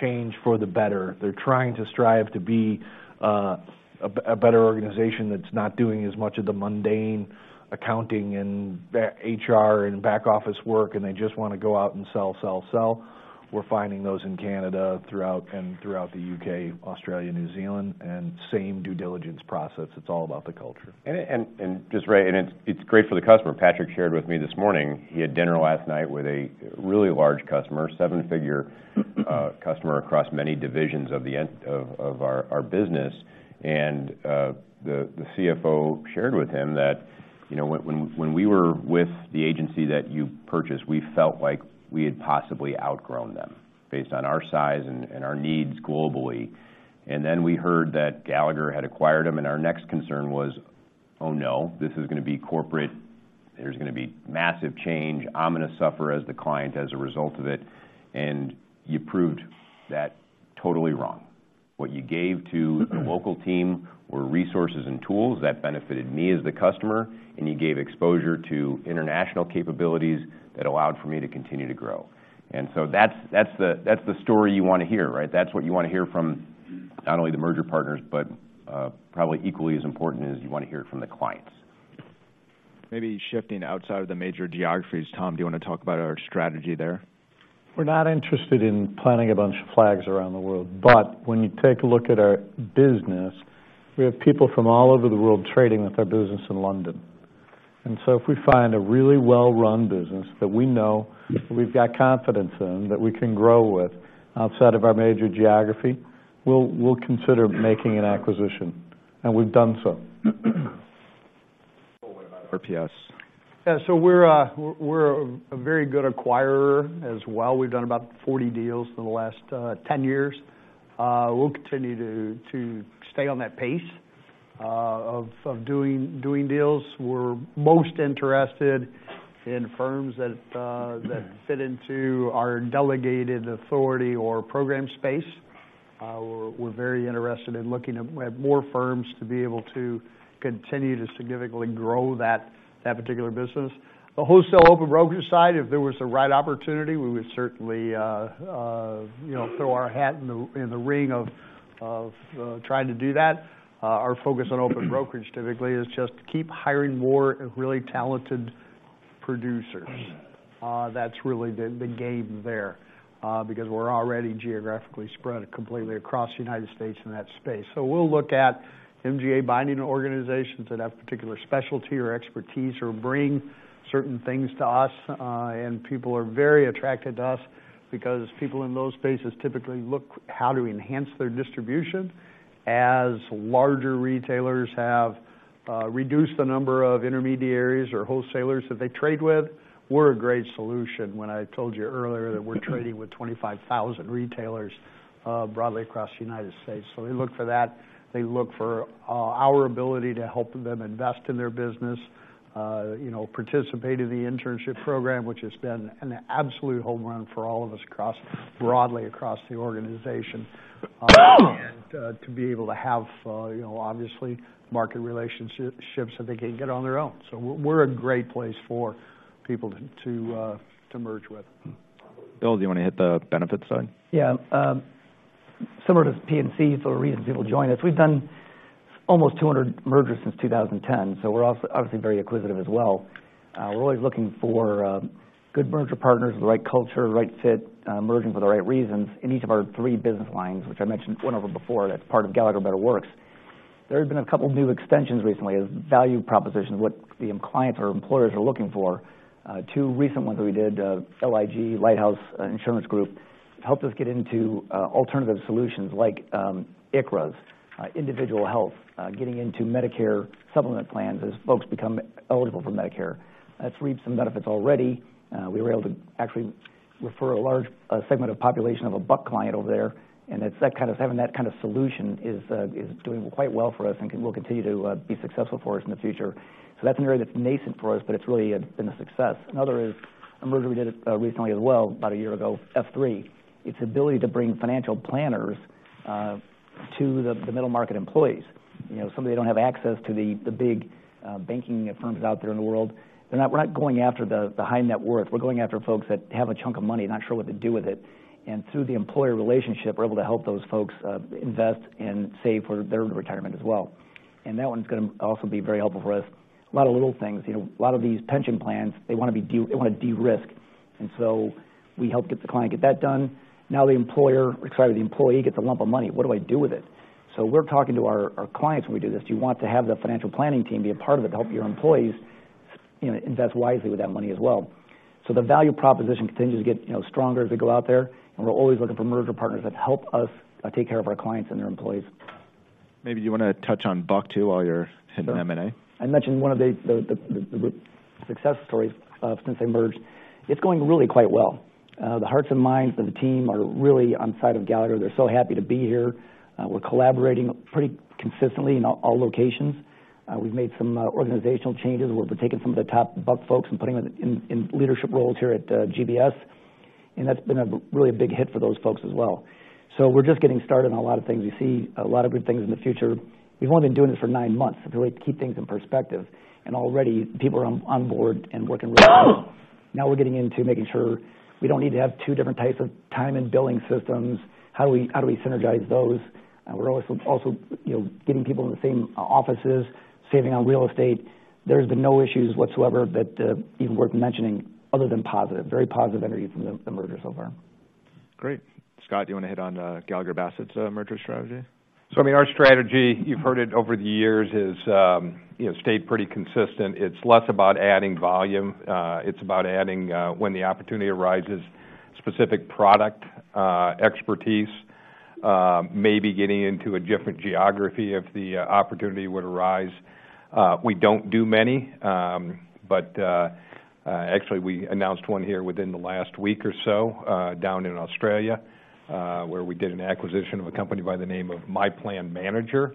change for the better, they're trying to strive to be a better organization that's not doing as much of the mundane accounting and HR and back office work, and they just want to go out and sell, sell, sell. We're finding those in Canada, throughout the U.K., Australia, New Zealand, and same due diligence process. It's all about the culture. And just, Ray, and it's great for the customer. Patrick shared with me this morning, he had dinner last night with a really large customer, seven-figure customer across many divisions of our business. And the CFO shared with him that, "You know, when we were with the agency that you purchased, we felt like we had possibly outgrown them based on our size and our needs globally. And then we heard that Gallagher had acquired them, and our next concern was, 'Oh, no, this is gonna be corporate. There's gonna be massive change. I'm gonna suffer as the client, as a result of it.' And you proved that totally wrong. What you gave to the local team were resources and tools that benefited me as the customer, and you gave exposure to international capabilities that allowed for me to continue to grow." And so that's the story you wanna hear, right? That's what you wanna hear from not only the merger partners, but probably equally as important, you wanna hear it from the clients. Maybe shifting outside of the major geographies. Tom, do you wanna talk about our strategy there? We're not interested in planting a bunch of flags around the world, but when you take a look at our business, we have people from all over the world trading with our business in London. And so if we find a really well-run business that we know, that we've got confidence in, that we can grow with outside of our major geography, we'll, we'll consider making an acquisition, and we've done so. What about RPS? Yeah, so we're a very good acquirer as well. We've done about 40 deals in the last 10 years. We'll continue to stay on that pace of doing deals. We're most interested in firms that fit into our delegated authority or program space. We're very interested in looking at more firms to be able to continue to significantly grow that particular business. The wholesale open brokerage side, if there was the right opportunity, we would certainly you know, throw our hat in the ring of trying to do that. Our focus on open brokerage, typically, is just to keep hiring more and really talented producers. That's really the game there because we're already geographically spread completely across the United States in that space. So we'll look at MGA binding organizations that have particular specialty or expertise or bring certain things to us. And people are very attracted to us because people in those spaces typically look how to enhance their distribution. As larger retailers have reduced the number of intermediaries or wholesalers that they trade with, we're a great solution, when I told you earlier that we're trading with 25,000 retailers, broadly across the United States. So they look for that. They look for our ability to help them invest in their business, you know, participate in the internship program, which has been an absolute home run for all of us across, broadly across the organization. And to be able to have, you know, obviously, market relationships that they can't get on their own. We're a great place for people to, to merge with. Will, do you wanna hit the benefits side? Yeah, similar to P&C, for the reason people join us, we've done almost 200 mergers since 2010, so we're also obviously very acquisitive as well. We're always looking for good merger partners, the right culture, right fit, merging for the right reasons in each of our three business lines, which I mentioned went over before, that's part of Gallagher Better Works. There have been a couple of new extensions recently, as value propositions, what the clients or employers are looking for. Two recent ones that we did, LIG, Lighthouse Insurance Group, helped us get into alternative solutions like ICHRAs, individual health, getting into Medicare supplement plans as folks become eligible for Medicare. That's reaped some benefits already. We were able to actually refer a large segment of population of a Buck client over there, and it's that kind of, having that kind of solution is doing quite well for us, and will continue to be successful for us in the future. So that's an area that's nascent for us, but it's really been a success. Another is a merger we did recently as well, about a year ago, F3. Its ability to bring financial planners to the middle-market employees. You know, some of them don't have access to the big banking firms out there in the world. They're not. We're not going after the high net worth. We're going after folks that have a chunk of money, not sure what to do with it. Through the employer relationship, we're able to help those folks invest and save for their retirement as well... and that one's gonna also be very helpful for us. A lot of little things, you know, a lot of these pension plans, they wanna de-risk, and so we help get the client get that done. Now, the employer, or sorry, the employee gets a lump of money. What do I do with it? So we're talking to our, our clients when we do this. Do you want to have the financial planning team be a part of it to help your employees, you know, invest wisely with that money as well? So the value proposition continues to get, you know, stronger as we go out there, and we're always looking for merger partners that help us take care of our clients and their employees. Maybe you wanna touch on Buck, too, while you're hitting M&A? I mentioned one of the success stories since they merged, it's going really quite well. The hearts and minds of the team are really on the side of Gallagher. They're so happy to be here. We're collaborating pretty consistently in all locations. We've made some organizational changes, where we've taken some of the top Buck folks and putting them in leadership roles here at GBS, and that's been a really big hit for those folks as well. So we're just getting started on a lot of things. We see a lot of good things in the future. We've only been doing this for nine months, to really keep things in perspective, and already people are on board and working well. Now, we're getting into making sure we don't need to have two different types of time and billing systems. How do we, how do we synergize those? We're also, you know, getting people in the same offices, saving on real estate. There's been no issues whatsoever that even worth mentioning other than positive, very positive energy from the merger so far. Great! Scott, do you wanna hit on Gallagher Bassett's merger strategy? So, I mean, our strategy, you've heard it over the years, is, you know, stayed pretty consistent. It's less about adding volume. It's about adding, when the opportunity arises, specific product expertise, maybe getting into a different geography if the opportunity would arise. We don't do many, but actually, we announced one here within the last week or so, down in Australia, where we did an acquisition of a company by the name of My Plan Manager.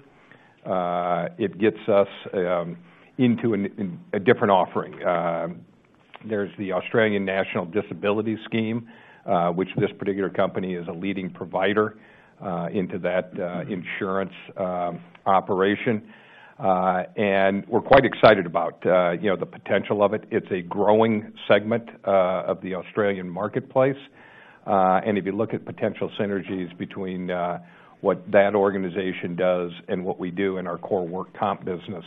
It gets us into a different offering. There's the Australian National Disability Scheme, which this particular company is a leading provider into that insurance operation. And we're quite excited about, you know, the potential of it. It's a growing segment of the Australian marketplace. If you look at potential synergies between what that organization does and what we do in our core work comp business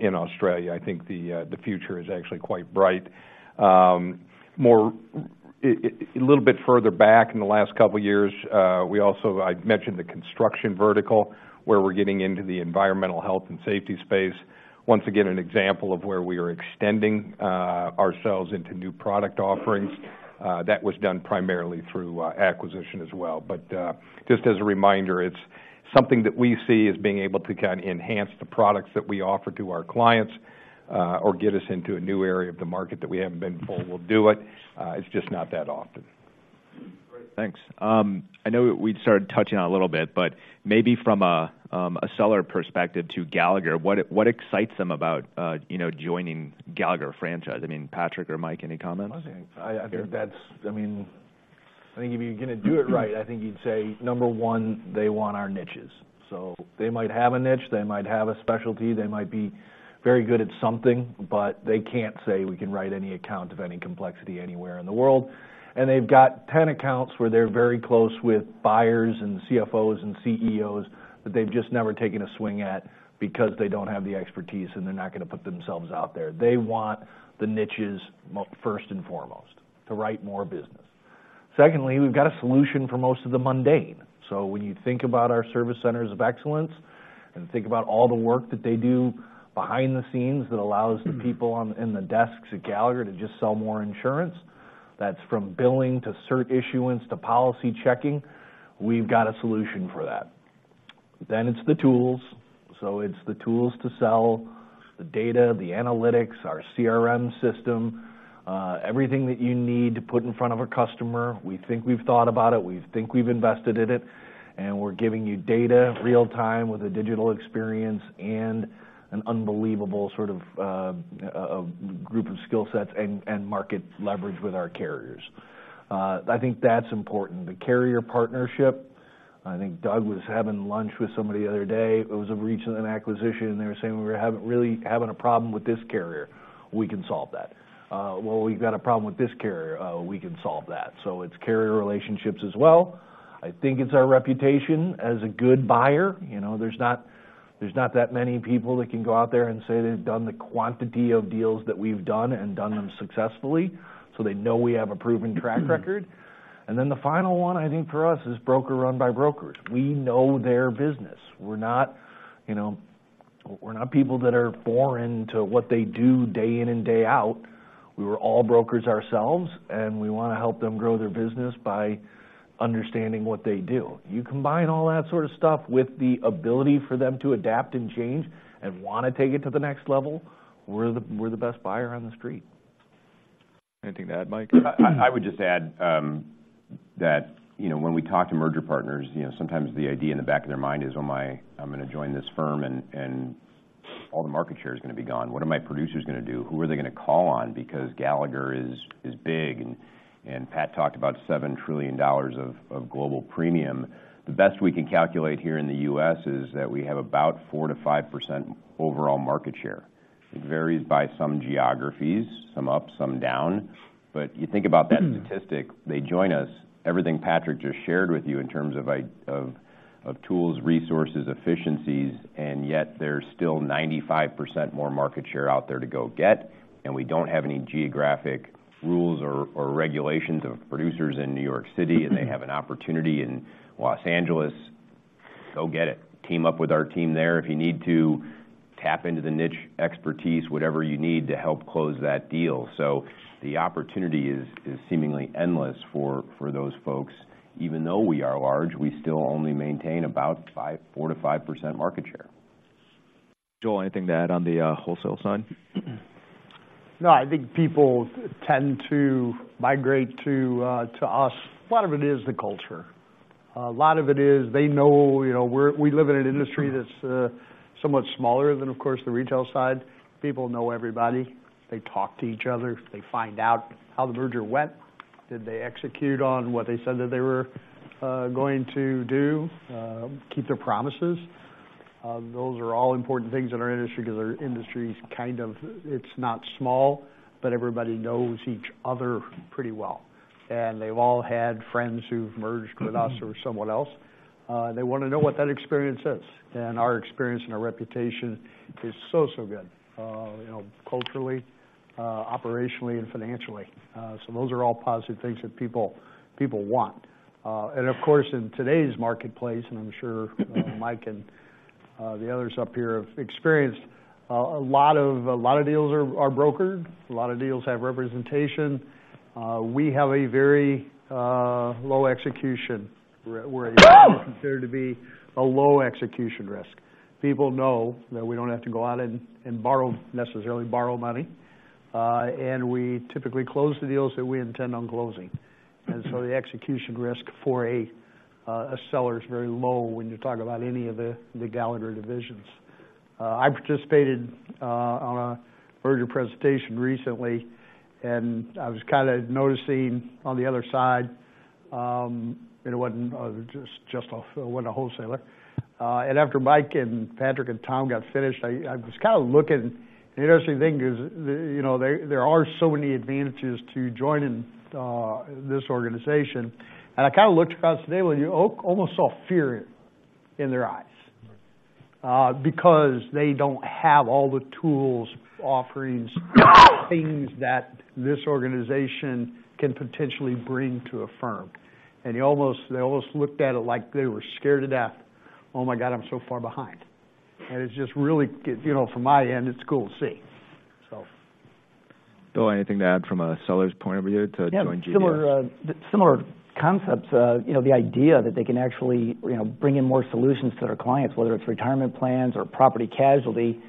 in Australia, I think the future is actually quite bright. A little bit further back in the last couple of years, we also, I mentioned the construction vertical, where we're getting into the environmental health and safety space. Once again, an example of where we are extending ourselves into new product offerings that was done primarily through acquisition as well. But just as a reminder, it's something that we see as being able to kind of enhance the products that we offer to our clients or get us into a new area of the market that we haven't been before, we'll do it. It's just not that often. Great. Thanks. I know we'd started touching on a little bit, but maybe from a seller perspective to Gallagher, what excites them about, you know, joining Gallagher franchise? I mean, Patrick or Mike, any comments? I think- I think that's... I mean, I think if you're gonna do it right, I think you'd say, number one, they want our niches. So they might have a niche, they might have a specialty, they might be very good at something, but they can't say we can write any account of any complexity anywhere in the world. And they've got 10 accounts where they're very close with buyers and CFOs and CEOs, that they've just never taken a swing at because they don't have the expertise, and they're not gonna put themselves out there. They want the niches mo- first and foremost, to write more business. Secondly, we've got a solution for most of the mundane. So when you think about our service centers of excellence, and think about all the work that they do behind the scenes that allows the people on, in the desks at Gallagher to just sell more insurance, that's from billing, to cert issuance, to policy checking, we've got a solution for that. Then it's the tools. So it's the tools to sell, the data, the analytics, our CRM system, everything that you need to put in front of a customer, we think we've thought about it, we think we've invested in it, and we're giving you data in real time with a digital experience and an unbelievable sort of group of skill sets and market leverage with our carriers. I think that's important. The carrier partnership, I think Doug was having lunch with somebody the other day, it was of recent acquisition, and they were saying, "We're having, really having a problem with this carrier." We can solve that. "Well, we've got a problem with this carrier." We can solve that. So it's carrier relationships as well. I think it's our reputation as a good buyer. You know, there's not, there's not that many people that can go out there and say they've done the quantity of deals that we've done and done them successfully, so they know we have a proven track record. And then the final one, I think, for us, is broker-run by brokers. We know their business. We're not, you know, we're not people that are foreign to what they do day in and day out. We were all brokers ourselves, and we wanna help them grow their business by understanding what they do. You combine all that sort of stuff with the ability for them to adapt and change and wanna take it to the next level, we're the best buyer on the street. Anything to add, Mike? I would just add that, you know, when we talk to merger partners, you know, sometimes the idea in the back of their mind is, "Oh, my! I'm gonna join this firm, and all the market share is gonna be gone. What are my producers gonna do? Who are they gonna call on?" Because Gallagher is big, and Pat talked about $7 trillion of global premium. The best we can calculate here in the U.S. is that we have about 4%-5%-... overall market share. It varies by some geographies, some up, some down. But you think about that statistic, they join us, everything Patrick just shared with you in terms of tools, resources, efficiencies, and yet there's still 95% more market share out there to go get, and we don't have any geographic rules or regulations of producers in New York City, and they have an opportunity in Los Angeles. Go get it. Team up with our team there if you need to, tap into the niche expertise, whatever you need to help close that deal. So the opportunity is seemingly endless for those folks. Even though we are large, we still only maintain about 4%-5% market share. Joel, anything to add on the wholesale side? No, I think people tend to migrate to us. A lot of it is the culture. A lot of it is they know, you know, we live in an industry that's somewhat smaller than, of course, the retail side. People know everybody. They talk to each other. They find out how the merger went. Did they execute on what they said that they were going to do? Keep their promises? Those are all important things in our industry because our industry is kind of... It's not small, but everybody knows each other pretty well, and they've all had friends who've merged with us or someone else. They want to know what that experience is, and our experience and our reputation is so, so good, you know, culturally, operationally, and financially. So those are all positive things that people want. And of course, in today's marketplace, and I'm sure Mike and the others up here have experienced a lot of deals are brokered, a lot of deals have representation. We have a very low execution risk. We're considered to be a low execution risk. People know that we don't have to go out and borrow, necessarily borrow money, and we typically close the deals that we intend on closing. And so the execution risk for a seller is very low when you talk about any of the Gallagher divisions. I participated on a merger presentation recently, and I was kind of noticing on the other side, and it wasn't just a wholesaler. And after Mike and Patrick, and Tom got finished, I was kind of looking, and the interesting thing is, you know, there are so many advantages to joining this organization. And I kind of looked across the table, and you almost saw fear in their eyes, because they don't have all the tools, offerings, things that this organization can potentially bring to a firm. And they almost looked at it like they were scared to death. "Oh, my God, I'm so far behind." And it's just really, you know, from my end, it's cool to see. So. Will, anything to add from a seller's point of view to join GBS? Yeah, similar, similar concepts. You know, the idea that they can actually, you know, bring in more solutions to their clients, whether it's retirement plans or property casualty.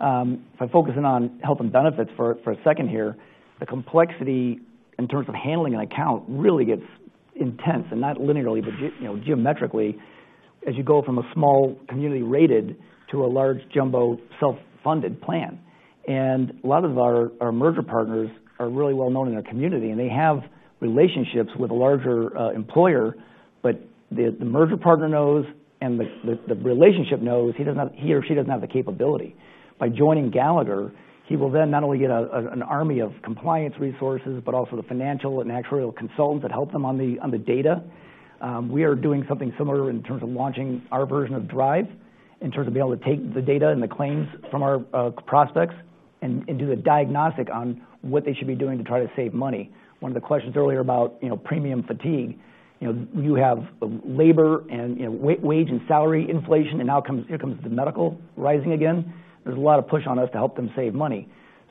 If I focus in on health and benefits for a second here, the complexity in terms of handling an account really gets intense, and not linearly, but you know, geometrically, as you go from a small community rated to a large jumbo self-funded plan. And a lot of our merger partners are really well known in their community, and they have relationships with a larger employer, but the merger partner knows, and the relationship knows, he or she doesn't have the capability. By joining Gallagher, he will then not only get an army of compliance resources, but also the financial and actuarial consultants that help them on the data. We are doing something similar in terms of launching our version of Drive, in terms of being able to take the data and the claims from our prospects and do a diagnostic on what they should be doing to try to save money. One of the questions earlier about, you know, premium fatigue. You know, you have labor and, you know, wage and salary inflation, and now comes, here comes the medical rising again. There's a lot of push on us to help them save money.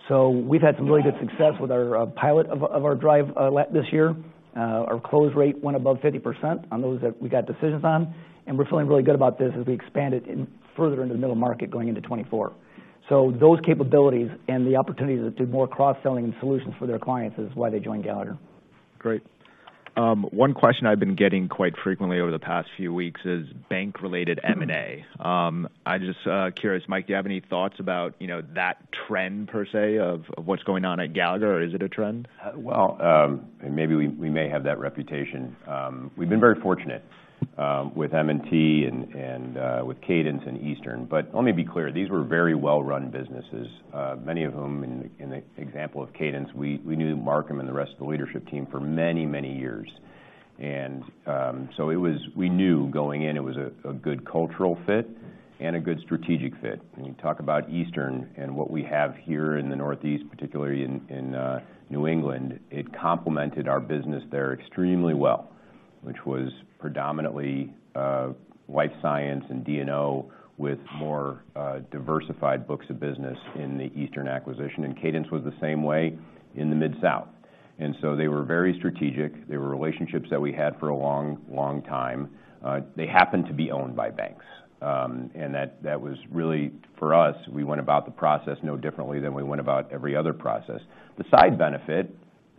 So we've had some really good success with our pilot of our Drive this year. Our close rate went above 50% on those that we got decisions on, and we're feeling really good about this as we expand it further into the middle market going into 2024. So those capabilities and the opportunity to do more cross-selling and solutions for their clients is why they join Gallagher. Great. One question I've been getting quite frequently over the past few weeks is bank-related M&A. I'm just curious, Mike, do you have any thoughts about, you know, that trend, per se, of, of what's going on at Gallagher, or is it a trend? Well, maybe we may have that reputation. We've been very fortunate with M&T and with Cadence and Eastern. But let me be clear, these were very well-run businesses, many of whom, in the example of Cadence, we knew Markham and the rest of the leadership team for many, many years. And so it was, we knew going in, it was a good cultural fit and a good strategic fit. When you talk about Eastern and what we have here in the Northeast, particularly in New England, it complemented our business there extremely well, which was predominantly life science and D&O, with more diversified books of business in the Eastern acquisition. And Cadence was the same way in the Mid-South. And so they were very strategic. They were relationships that we had for a long, long time. They happened to be owned by banks, and that was really for us, we went about the process no differently than we went about every other process. The side benefit,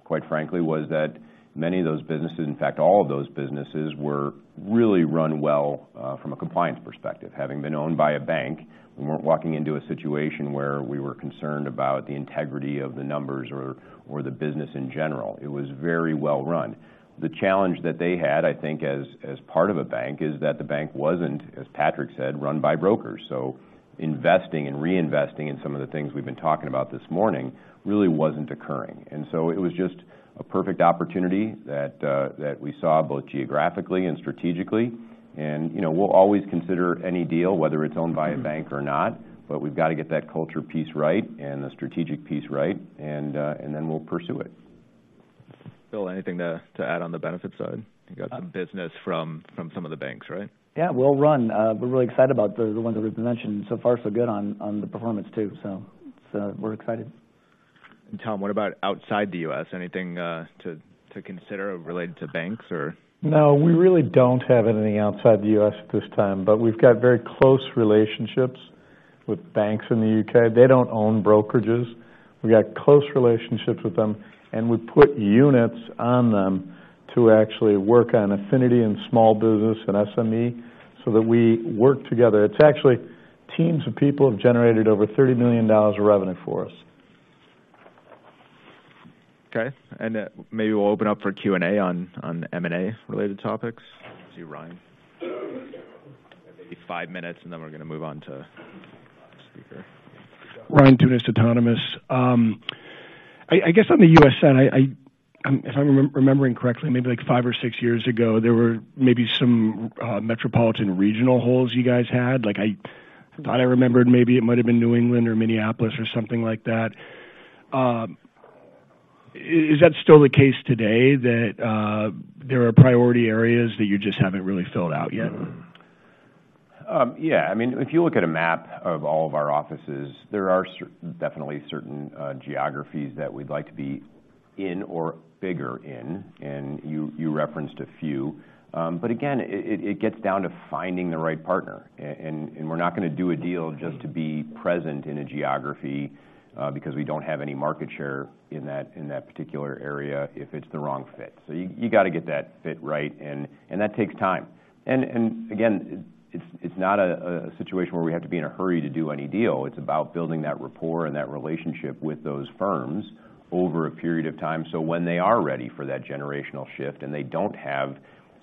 quite frankly, was that many of those businesses, in fact, all of those businesses, were really run well from a compliance perspective. Having been owned by a bank, we weren't walking into a situation where we were concerned about the integrity of the numbers or the business in general. It was very well run. The challenge that they had, I think, as part of a bank, is that the bank wasn't, as Patrick said, run by brokers. So investing and reinvesting in some of the things we've been talking about this morning, really wasn't occurring. It was just a perfect opportunity that we saw, both geographically and strategically. You know, we'll always consider any deal, whether it's owned by a bank or not, but we've got to get that culture piece right and the strategic piece right, and then we'll pursue it. Will, anything to add on the benefits side? You got some business from some of the banks, right? Yeah, well run. We're really excited about the ones that we've mentioned. So far, so good on the performance too, so we're excited. Tom, what about outside the U.S.? Anything to consider related to banks or- No, we really don't have anything outside the U.S. at this time, but we've got very close relationships with banks in the U.K. They don't own brokerages. We've got close relationships with them, and we put units on them to actually work on affinity and small business and SME, so that we work together. It's actually, teams of people have generated over $30 million of revenue for us. Okay, and, maybe we'll open up for Q&A on M&A-related topics. I see Ryan. Maybe five minutes, and then we're going to move on to speaker. Ryan Tunis, Autonomous. I guess on the U.S. side, if I'm remembering correctly, maybe like five or six years ago, there were maybe some metropolitan regional holes you guys had. Like, I thought I remembered maybe it might have been New England or Minneapolis or something like that. Is that still the case today, that there are priority areas that you just haven't really filled out yet? Yeah. I mean, if you look at a map of all of our offices, there are definitely certain geographies that we'd like to be in or bigger in, and you referenced a few. But again, it gets down to finding the right partner. And we're not going to do a deal just to be present in a geography because we don't have any market share in that particular area if it's the wrong fit. So you got to get that fit right, and that takes time. And again, it's not a situation where we have to be in a hurry to do any deal. It's about building that rapport and that relationship with those firms over a period of time, so when they are ready for that generational shift and they don't have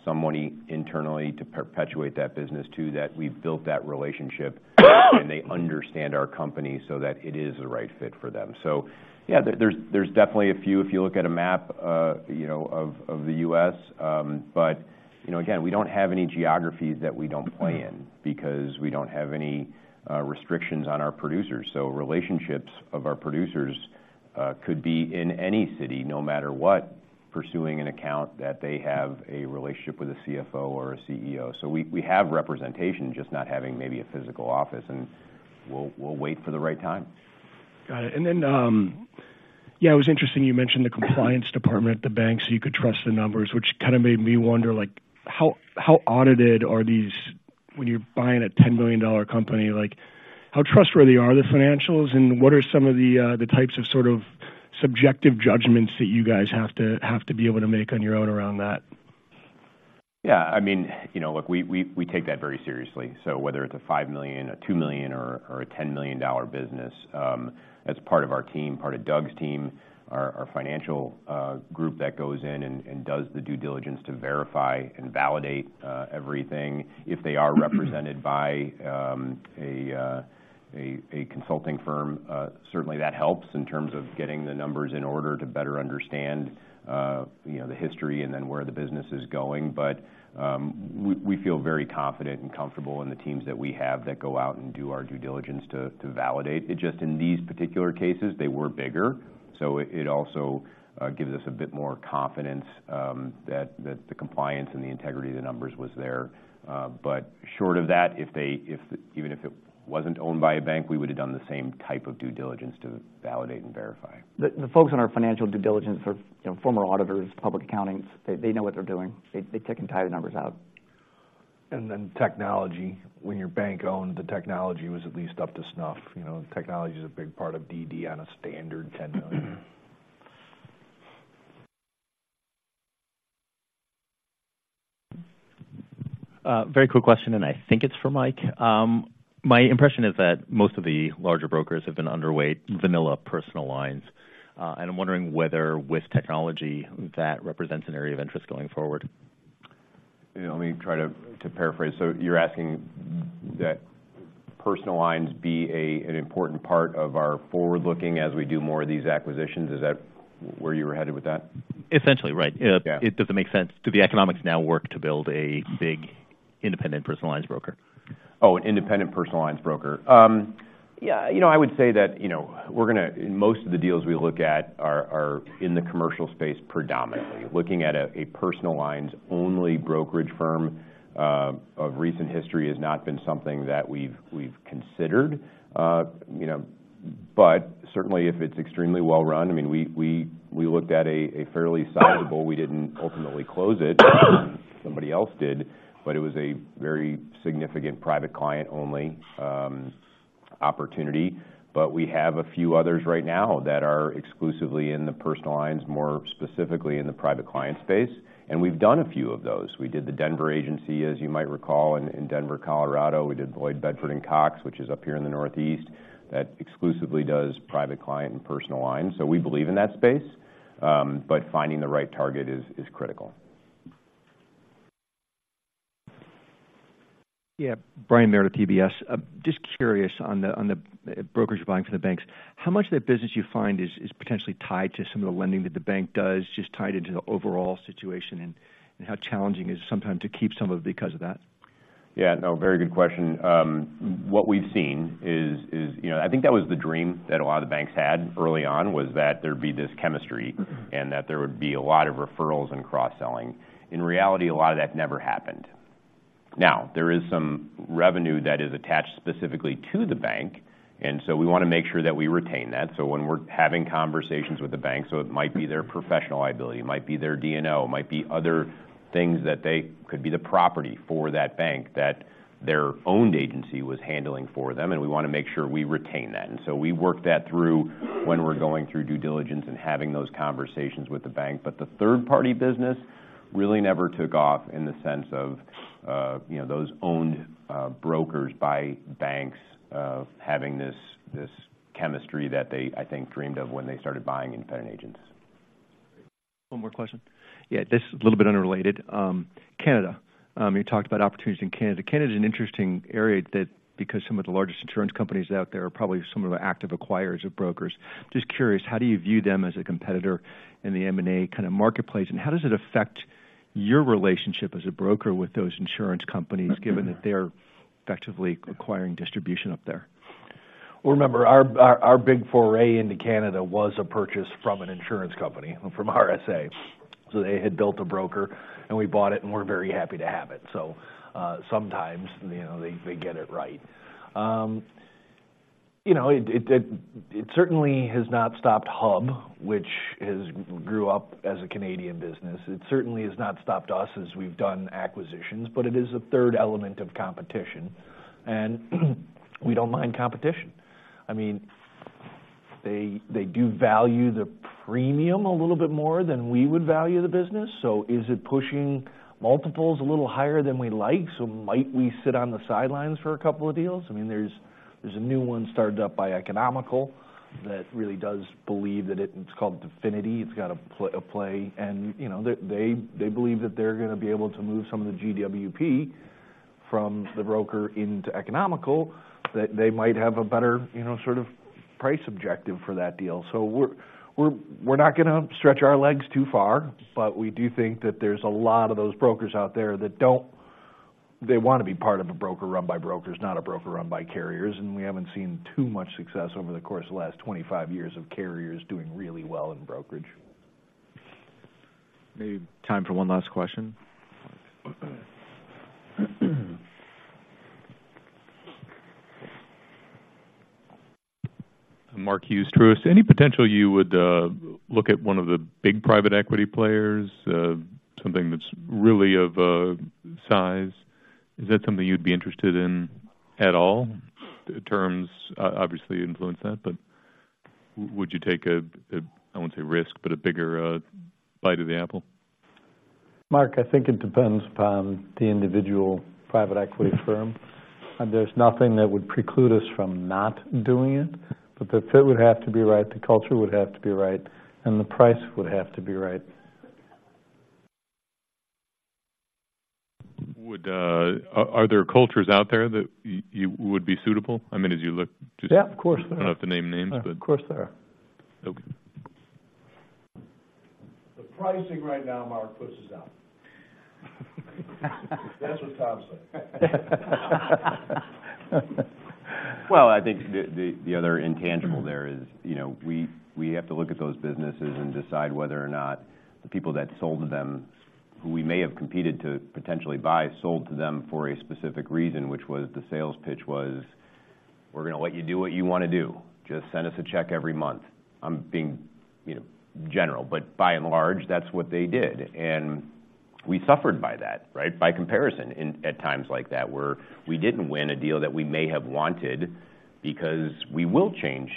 somebody internally to perpetuate that business to, that we've built that relationship, and they understand our company so that it is the right fit for them. So yeah, there's definitely a few if you look at a map, you know, of the U.S., but you know, again, we don't have any geographies that we don't play in because we don't have any restrictions on our producers. So relationships of our producers could be in any city, no matter what, pursuing an account that they have a relationship with a CFO or a CEO. So we have representation, just not having maybe a physical office, and we'll wait for the right time. Got it. And then, yeah, it was interesting you mentioned the compliance department at the bank, so you could trust the numbers, which kind of made me wonder, like, how audited are these when you're buying a $10 million company? Like, how trustworthy are the financials, and what are some of the types of sort of subjective judgments that you guys have to be able to make on your own around that? Yeah, I mean, you know, look, we take that very seriously. So whether it's a $5 million, a $2 million or a $10 million dollar business, that's part of our team, part of Doug's team, our financial group that goes in and does the due diligence to verify and validate everything. If they are represented by a consulting firm, certainly that helps in terms of getting the numbers in order to better understand, you know, the history and then where the business is going. But we feel very confident and comfortable in the teams that we have that go out and do our due diligence to validate. It's just in these particular cases, they were bigger, so it also gives us a bit more confidence that the compliance and the integrity of the numbers was there. But short of that, if even if it wasn't owned by a bank, we would have done the same type of due diligence to validate and verify. The folks on our financial due diligence are, you know, former auditors, public accountants. They know what they're doing. They tick and tie the numbers out. And then technology. When your bank owned, the technology was at least up to snuff. You know, technology is a big part of DD on a standard $10 million. Very quick question, and I think it's for Mike. My impression is that most of the larger brokers have been underweight vanilla personal lines, and I'm wondering whether, with technology, that represents an area of interest going forward? You know, let me try to, to paraphrase. So you're asking that personal lines be a, an important part of our forward looking as we do more of these acquisitions? Is that where you were headed with that? Essentially, right. Yeah. Does it make sense? Do the economics now work to build a big independent personal lines broker? Oh, an independent personal lines broker. Yeah. You know, I would say that, you know, we're gonna... Most of the deals we look at are in the commercial space predominantly. Looking at a personal lines-only brokerage firm of recent history has not been something that we've considered. You know, but certainly, if it's extremely well-run, I mean, we looked at a fairly sizable- we didn't ultimately close it, somebody else did, but it was a very significant private client only opportunity, but we have a few others right now that are exclusively in the personal lines, more specifically in the private client space, and we've done a few of those. We did the Denver Agency, as you might recall, in Denver, Colorado. We did Lloyd Bedford Cox, which is up here in the Northeast, that exclusively does private client and personal lines. So we believe in that space, but finding the right target is critical. Yeah. Brian Meredith, UBS. Just curious on the brokers you're buying from the banks. How much of that business you find is potentially tied to some of the lending that the bank does, just tied into the overall situation, and how challenging is it sometimes to keep some of it because of that? Yeah, no, very good question. What we've seen is, you know, I think that was the dream that a lot of the banks had early on, was that there'd be this chemistry- Mm-hmm and that there would be a lot of referrals and cross-selling. In reality, a lot of that never happened. Now, there is some revenue that is attached specifically to the bank, and so we want to make sure that we retain that. So when we're having conversations with the bank, so it might be their professional liability, it might be their D&O, it might be other things that they could be the property for that bank that their owned agency was handling for them, and we want to make sure we retain that. And so we work that through when we're going through due diligence and having those conversations with the bank. But the third-party business really never took off in the sense of, you know, those owned brokers by banks having this, this chemistry that they, I think, dreamed of when they started buying independent agents. One more question. Yeah, this is a little bit unrelated. Canada, you talked about opportunities in Canada. Canada is an interesting area because some of the largest insurance companies out there are probably some of the active acquirers of brokers. Just curious, how do you view them as a competitor in the M&A kind of marketplace, and how does it affect your relationship as a broker with those insurance companies, given that they are effectively acquiring distribution up there? Well, remember, our big foray into Canada was a purchase from an insurance company, from RSA. So they had built a broker, and we bought it, and we're very happy to have it. So, sometimes, you know, they get it right. You know, it certainly has not stopped Hub, which has grew up as a Canadian business. It certainly has not stopped us as we've done acquisitions, but it is a third element of competition, and we don't mind competition. I mean, they do value the premium a little bit more than we would value the business, so is it pushing multiples a little higher than we like, so might we sit on the sidelines for a couple of deals? I mean, there's a new one started up by Economical that really does believe that it... It's called Definity. It's got a play, and, you know, they believe that they're gonna be able to move some of the GWP from the broker into Economical, that they might have a better, you know, sort of price objective for that deal. So we're not gonna stretch our legs too far, but we do think that there's a lot of those brokers out there that don't, they want to be part of a broker run by brokers, not a broker run by carriers. And we haven't seen too much success over the course of the last 25 years of carriers doing really well in brokerage. Maybe time for one last question. Mark Hughes, Truist. Any potential you would look at one of the big private equity players, something that's really of size? Is that something you'd be interested in at all? Terms obviously influence that, but would you take a, I won't say risk, but a bigger bite of the apple? Mark, I think it depends upon the individual private equity firm. There's nothing that would preclude us from not doing it, but the fit would have to be right, the culture would have to be right, and the price would have to be right. Are there cultures out there that you would be suitable? I mean, as you look just- Yeah, of course there are. I don't have to name names, but- Of course, there are. Okay. The pricing right now, Mark, puts us out. That's what Tom said. Well, I think the other intangible there is, you know, we have to look at those businesses and decide whether or not the people that sold to them, who we may have competed to potentially buy, sold to them for a specific reason, which was, the sales pitch was: "We're gonna let you do what you want to do. Just send us a check every month." I'm being, you know, general, but by and large, that's what they did. We suffered by that, right? By comparison, at times like that, where we didn't win a deal that we may have wanted, because we will change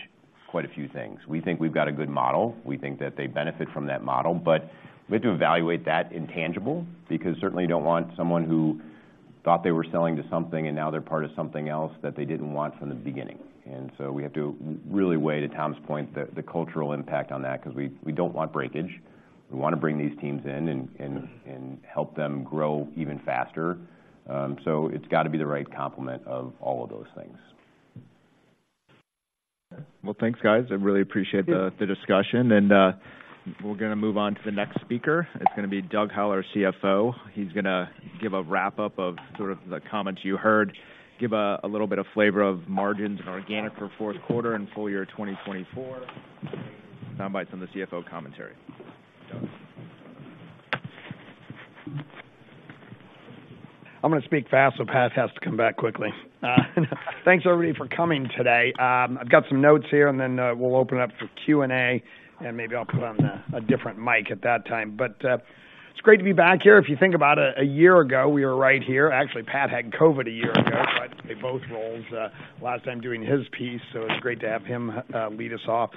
quite a few things. We think we've got a good model. We think that they benefit from that model, but we have to evaluate that intangible, because certainly you don't want someone who thought they were selling to something and now they're part of something else that they didn't want from the beginning. And so we have to really weigh, to Tom's point, the cultural impact on that, 'cause we don't want breakage. We want to bring these teams in and help them grow even faster. So it's got to be the right complement of all of those things. Well, thanks, guys. I really appreciate the discussion. And we're gonna move on to the next speaker. It's gonna be Doug Howell, our CFO. He's gonna give a wrap-up of sort of the comments you heard, give a little bit of flavor of margins and organic for fourth quarter and full year 2024. Sound bites from the CFO commentary.... I'm going to speak fast, so Pat has to come back quickly. Thanks, everybody, for coming today. I've got some notes here, and then, we'll open up for Q&A, and maybe I'll put on a, a different mic at that time. But, it's great to be back here. If you think about it, a year ago, we were right here. Actually, Pat had COVID a year ago, but they both rolled, last time doing his piece, so it's great to have him, lead us off.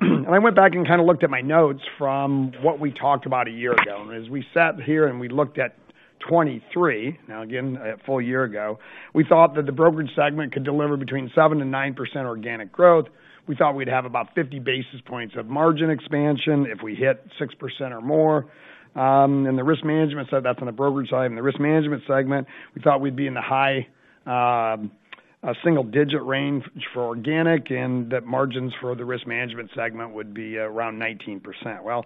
I went back and kind of looked at my notes from what we talked about a year ago. As we sat here and we looked at 2023, now again, a full year ago, we thought that the brokerage segment could deliver between 7%-9% organic growth. We thought we'd have about 50 basis points of margin expansion if we hit 6% or more. And the risk management side, that's on the brokerage side. And the risk management segment, we thought we'd be in the high single-digit range for organic, and that margins for the risk management segment would be around 19%. Well,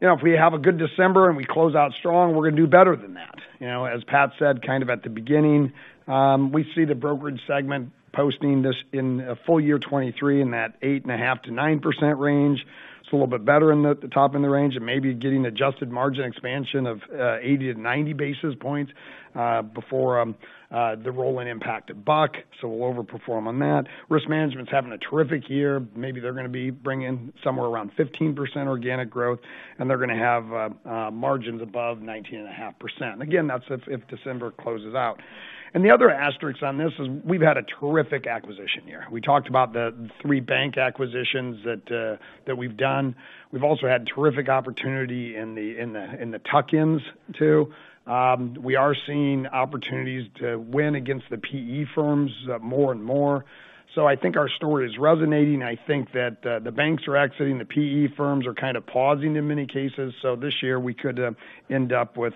you know, if we have a good December and we close out strong, we're going to do better than that. You know, as Pat said, kind of at the beginning, we see the brokerage segment posting this in a full year 2023 in that 8.5%-9% range. It's a little bit better in the top end of the range and maybe getting adjusted margin expansion of 80-90 basis points before the roll-in impact of Buck. So we'll overperform on that. Risk management's having a terrific year. Maybe they're going to be bringing somewhere around 15% organic growth, and they're going to have margins above 19.5%. Again, that's if December closes out. The other asterisks on this is we've had a terrific acquisition year. We talked about the three bank acquisitions that we've done. We've also had terrific opportunity in the tuck-ins, too. We are seeing opportunities to win against the PE firms more and more. So I think our story is resonating. I think that the banks are exiting, the PE firms are kind of pausing in many cases. So this year we could end up with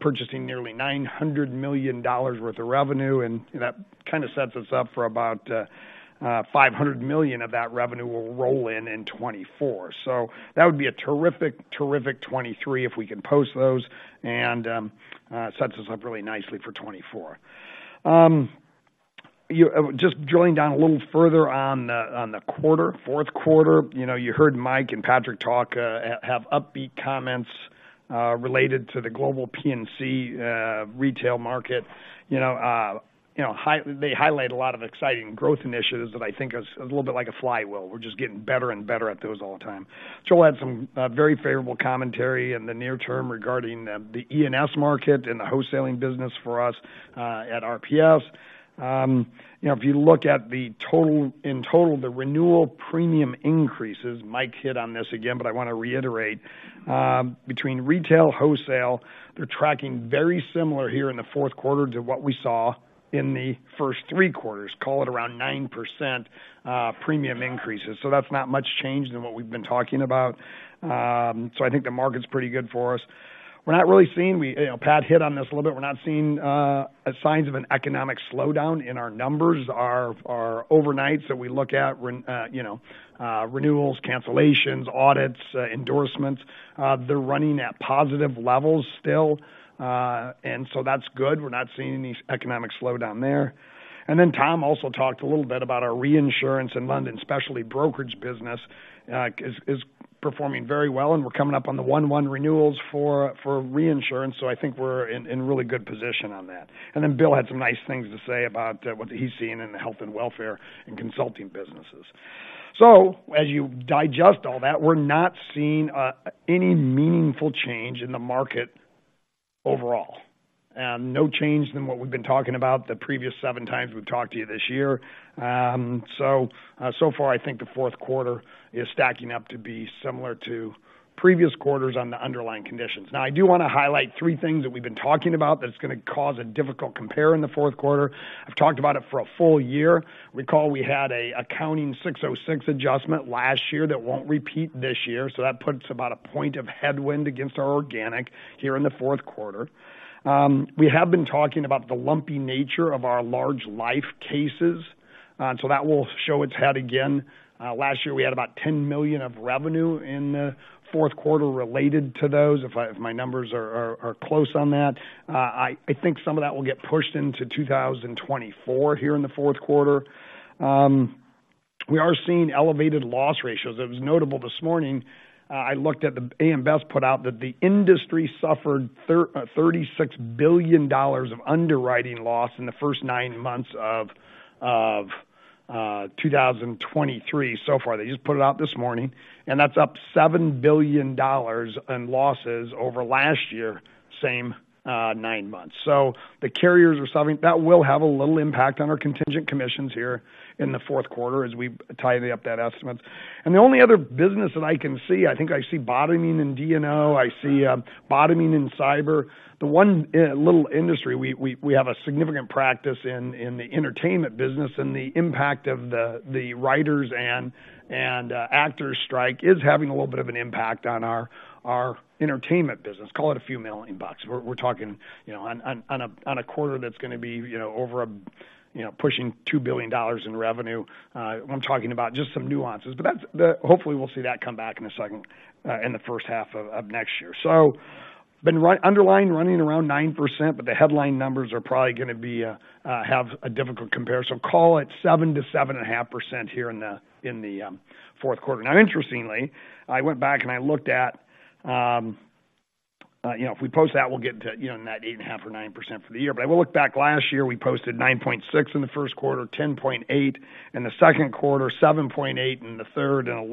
purchasing nearly $900 million worth of revenue, and that kind of sets us up for about $500 million of that revenue will roll in in 2024. So that would be a terrific, terrific 2023 if we can post those and sets us up really nicely for 2024. Just drilling down a little further on the quarter, fourth quarter. You know, you heard Mike and Patrick talk have upbeat comments related to the global P&C retail market. You know, you know, they highlight a lot of exciting growth initiatives that I think is a little bit like a flywheel. We're just getting better and better at those all the time. Joe had some very favorable commentary in the near term regarding the E&S market and the wholesaling business for us at RPS. You know, if you look at the total in total, the renewal premium increases, Mike hit on this again, but I want to reiterate, between retail, wholesale, they're tracking very similar here in the fourth quarter to what we saw in the first three quarters, call it around 9% premium increases. So that's not much change than what we've been talking about. So I think the market's pretty good for us. We're not really seeing you know, Pat hit on this a little bit. We're not seeing signs of an economic slowdown in our numbers. Our overnights that we look at, you know, renewals, cancellations, audits, endorsements, they're running at positive levels still. That's good. We're not seeing any economic slowdown there. Then Tom also talked a little bit about our reinsurance in London, especially brokerage business is performing very well, and we're coming up on the 1/1 renewals for reinsurance. So I think we're in really good position on that. Then Will had some nice things to say about what he's seeing in the health and welfare and consulting businesses. So as you digest all that, we're not seeing any meaningful change in the market overall. No change than what we've been talking about the previous seven times we've talked to you this year. So far, I think the fourth quarter is stacking up to be similar to previous quarters on the underlying conditions. Now, I do want to highlight three things that we've been talking about that's going to cause a difficult compare in the fourth quarter. I've talked about it for a full year. Recall, we had an ASC 606 adjustment last year that won't repeat this year, so that puts about a point of headwind against our organic here in the fourth quarter. We have been talking about the lumpy nature of our large life cases, and so that will show its head again. Last year, we had about $10 million of revenue in the fourth quarter related to those, if my numbers are close on that. I think some of that will get pushed into 2024 here in the fourth quarter. We are seeing elevated loss ratios. It was notable this morning. I looked at the AM Best put out that the industry suffered $36 billion of underwriting loss in the first nine months of 2023 so far. They just put it out this morning, and that's up $7 billion in losses over last year, same nine months. So the carriers are suffering. That will have a little impact on our contingent commissions here in the fourth quarter as we tidy up that estimate. And the only other business that I can see, I think I see bottoming in D&O, I see bottoming in cyber. The one little industry we have a significant practice in, in the entertainment business, and the impact of the writers and actors strike is having a little bit of an impact on our entertainment business. Call it a few million bucks. We're talking, you know, on a quarter that's going to be, you know, over, you know, pushing $2 billion in revenue. I'm talking about just some nuances, but that's—hopefully, we'll see that come back in a second, in the first half of next year. So been underlying running around 9%, but the headline numbers are probably going to be, have a difficult comparison. Call it 7%-7.5% here in the fourth quarter. Now, interestingly, I went back and I looked at, you know, if we post that, we'll get to, you know, in that 8.5% or 9% for the year. But I will look back last year, we posted 9.6% in the first quarter, 10.8% in the second quarter, 7.8% in the third, and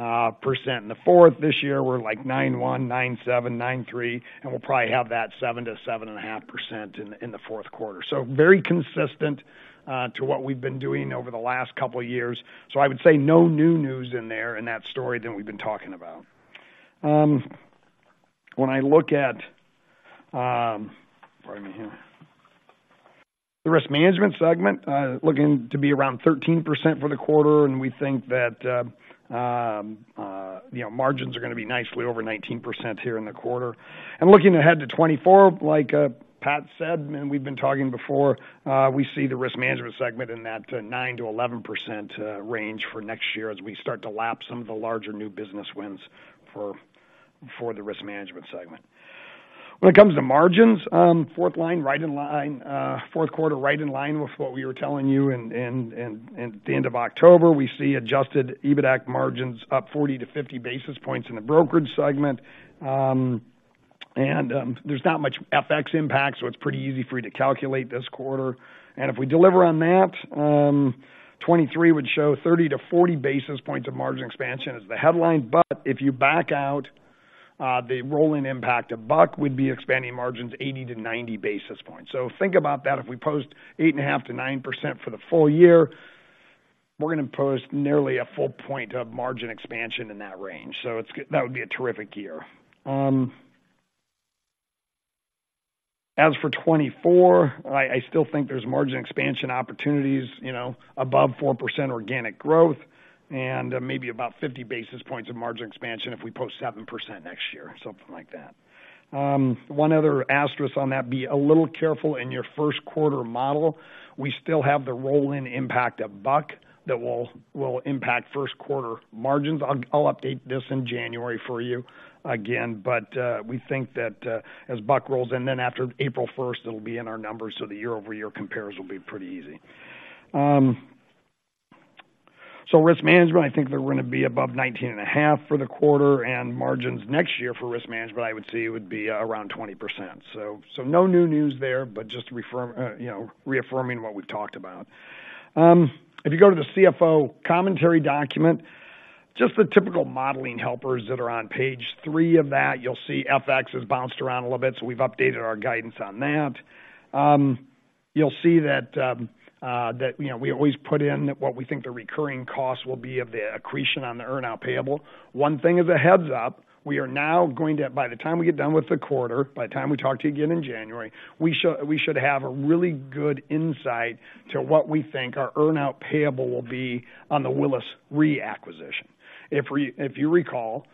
11% in the fourth. This year, we're like 9.1%, 9.7%, 9.3%, and we'll probably have that 7%-7.5% in the fourth quarter. So very consistent to what we've been doing over the last couple of years. So I would say no new news in there in that story than we've been talking about. When I look at, pardon me here. The risk management segment looking to be around 13% for the quarter, and we think that margins are gonna be nicely over 19% here in the quarter. Looking ahead to 2024, like, Pat said, and we've been talking before, we see the risk management segment in that 9%-11% range for next year as we start to lap some of the larger new business wins for the risk management segment. When it comes to margins, fourth line, right in line-- fourth quarter, right in line with what we were telling you in the end of October. We see adjusted EBITDAC margins up 40-50 basis points in the brokerage segment. And there's not much FX impact, so it's pretty easy for you to calculate this quarter. And if we deliver on that, 2023 would show 30-40 basis points of margin expansion as the headline. But if you back out the rolling impact of Buck, we'd be expanding margins 80-90 basis points. So think about that. If we post 8.5%-9% for the full year, we're gonna post nearly a full point of margin expansion in that range. So it's that would be a terrific year. As for 2024, I still think there's margin expansion opportunities, you know, above 4% organic growth and maybe about 50 basis points of margin expansion if we post 7% next year, something like that. One other asterisk on that, be a little careful in your first quarter model. We still have the roll-in impact of Buck that will impact first quarter margins. I'll update this in January for you again, but we think that as Buck rolls in, then after April first, it'll be in our numbers, so the year-over-year compares will be pretty easy. So risk management, I think they're gonna be above 19.5 for the quarter, and margins next year for risk management, I would say, would be around 20%. So no new news there, but just reaffirming what we've talked about. If you go to the CFO commentary document, just the typical modeling helpers that are on page 3 of that, you'll see FX has bounced around a little bit, so we've updated our guidance on that. You'll see that, you know, we always put in what we think the recurring costs will be of the accretion on the earn-out payable. One thing as a heads-up, we are now going to... By the time we get done with the quarter, by the time we talk to you again in January, we should have a really good insight to what we think our earn-out payable will be on the Willis Re acquisition. If you recall,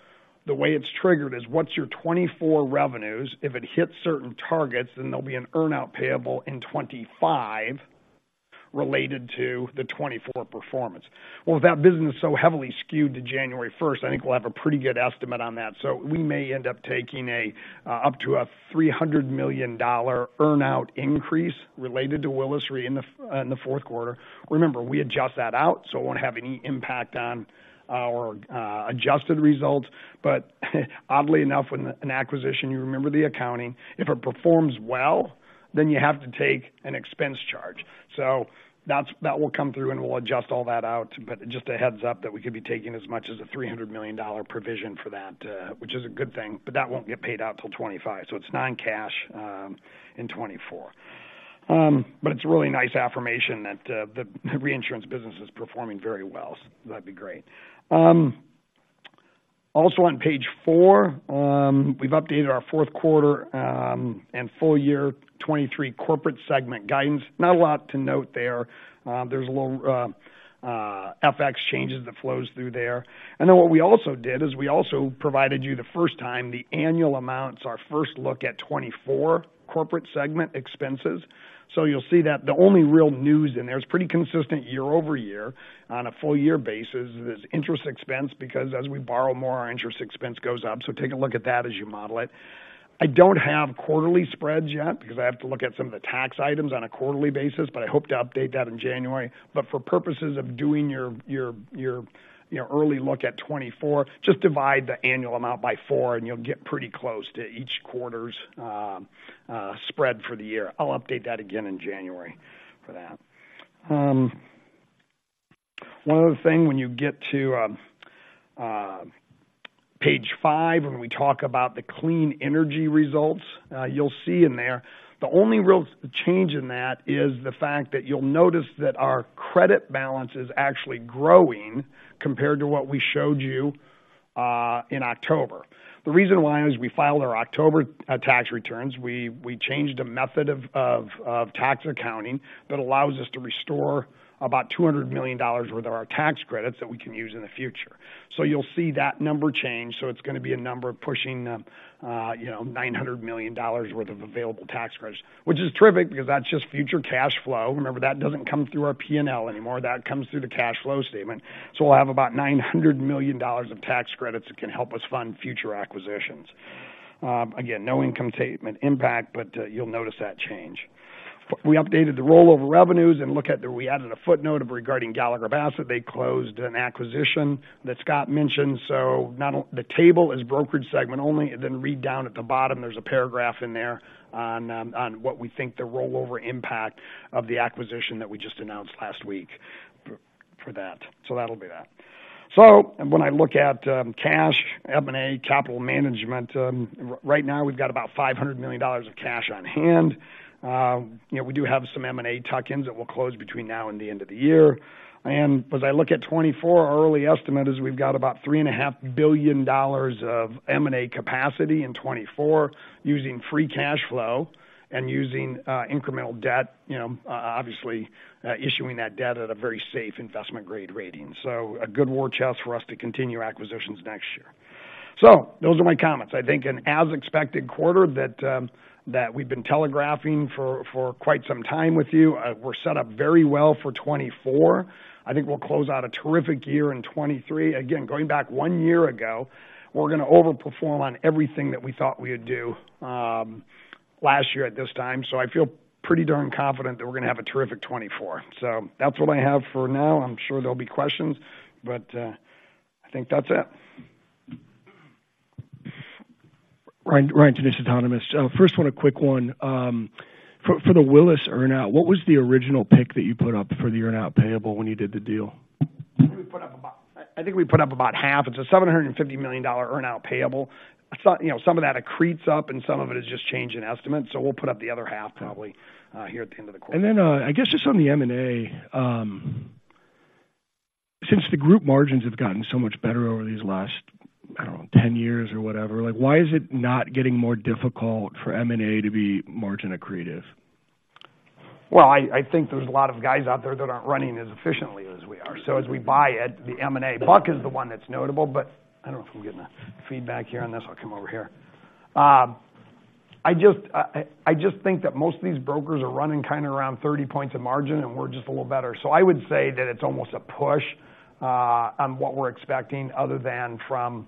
the way it's triggered is, what's your 2024 revenues? If it hits certain targets, then there'll be an earn-out payable in 2025 related to the 2024 performance. Well, that business is so heavily skewed to January 1, I think we'll have a pretty good estimate on that. So we may end up taking up to a $300 million earn-out increase related to Willis Re in the fourth quarter. Remember, we adjust that out, so it won't have any impact on our adjusted results. But oddly enough, in an acquisition, you remember the accounting. If it performs well, then you have to take an expense charge. So that's, that will come through and we'll adjust all that out. But just a heads-up that we could be taking as much as a $300 million provision for that, which is a good thing, but that won't get paid out till 2025, so it's non-cash, in 2024. But it's a really nice affirmation that, the reinsurance business is performing very well. So that'd be great. Also on page four, we've updated our fourth quarter, and full year 2023 corporate segment guidance. Not a lot to note there. There's a little, FX changes that flows through there. And then what we also did is we also provided you the first time, the annual amounts, our first look at 2024 corporate segment expenses. So you'll see that the only real news in there, it's pretty consistent year-over-year on a full year basis, is interest expense, because as we borrow more, our interest expense goes up. So take a look at that as you model it. I don't have quarterly spreads yet because I have to look at some of the tax items on a quarterly basis, but I hope to update that in January. But for purposes of doing your early look at 2024, just divide the annual amount by 4, and you'll get pretty close to each quarter's spread for the year. I'll update that again in January for that. One other thing, when you get to page 5, when we talk about the clean energy results, you'll see in there, the only real change in that is the fact that you'll notice that our credit balance is actually growing compared to what we showed you in October. The reason why is we filed our October tax returns. We changed a method of tax accounting that allows us to restore about $200 million worth of our tax credits that we can use in the future. So you'll see that number change. So it's gonna be a number pushing, you know, $900 million worth of available tax credits, which is terrific because that's just future cash flow. Remember, that doesn't come through our P&L anymore. That comes through the cash flow statement. So we'll have about $900 million of tax credits that can help us fund future acquisitions. Again, no income statement impact, but you'll notice that change. We updated the rollover revenues and look at the—we added a footnote regarding Gallagher Bassett. They closed an acquisition that Scott mentioned, so not on—the table is brokerage segment only, and then read down at the bottom, there's a paragraph in there on what we think the rollover impact of the acquisition that we just announced last week for that. So that'll be that. So when I look at cash, M&A, capital management, right now, we've got about $500 million of cash on hand. You know, we do have some M&A tuck-ins that will close between now and the end of the year. As I look at 2024, our early estimate is we've got about $3.5 billion of M&A capacity in 2024, using free cash flow and using incremental debt, you know, obviously, issuing that debt at a very safe investment-grade rating. So a good war chest for us to continue acquisitions next year. So those are my comments. I think an as-expected quarter that we've been telegraphing for quite some time with you. We're set up very well for 2024. I think we'll close out a terrific year in 2023. Again, going back one year ago, we're gonna overperform on everything that we thought we would do last year at this time. So I feel pretty darn confident that we're gonna have a terrific 2024. So that's what I have for now. I'm sure there'll be questions, but, I think that's it. Ryan, Ryan Tunis, Autonomous. First one, a quick one. For the Willis earnout, what was the original pick that you put up for the earnout payable when you did the deal? I think we put up about, I think we put up about half. It's a $750 million earnout payable. So, you know, some of that accretes up, and some of it is just change in estimates. So we'll put up the other half, probably, here at the end of the quarter. I guess just on the M&A, since the group margins have gotten so much better over these last, I don't know, 10 years or whatever, like, why is it not getting more difficult for M&A to be margin accretive? Well, I think there's a lot of guys out there that aren't running as efficiently as we are. So as we buy it, the M&A Buck is the one that's notable, but... I don't know if I'm getting a feedback here on this. I'll come over here. I just think that most of these brokers are running kind of around 30 points of margin, and we're just a little better. So I would say that it's almost a push, on what we're expecting other than from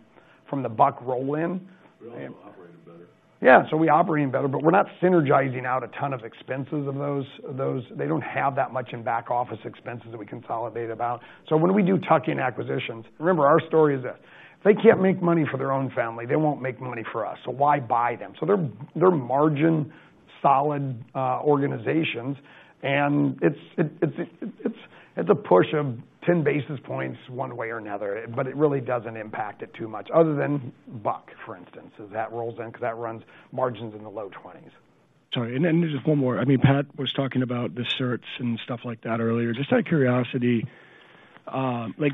the Buck roll-in. We're also operating better. Yeah, so we operating better, but we're not synergizing out a ton of expenses of those, those. They don't have that much in back-office expenses that we consolidate about. So when we do tuck-in acquisitions, remember, our story is that if they can't make money for their own family, they won't make money for us, so why buy them? So they're, they're margin-solid organizations, and it's a push of 10 basis points one way or another, but it really doesn't impact it too much other than Buck, for instance. So that rolls in because that runs margins in the low twenties. Sorry, and then just one more. I mean, Pat was talking about the certs and stuff like that earlier. Just out of curiosity, like,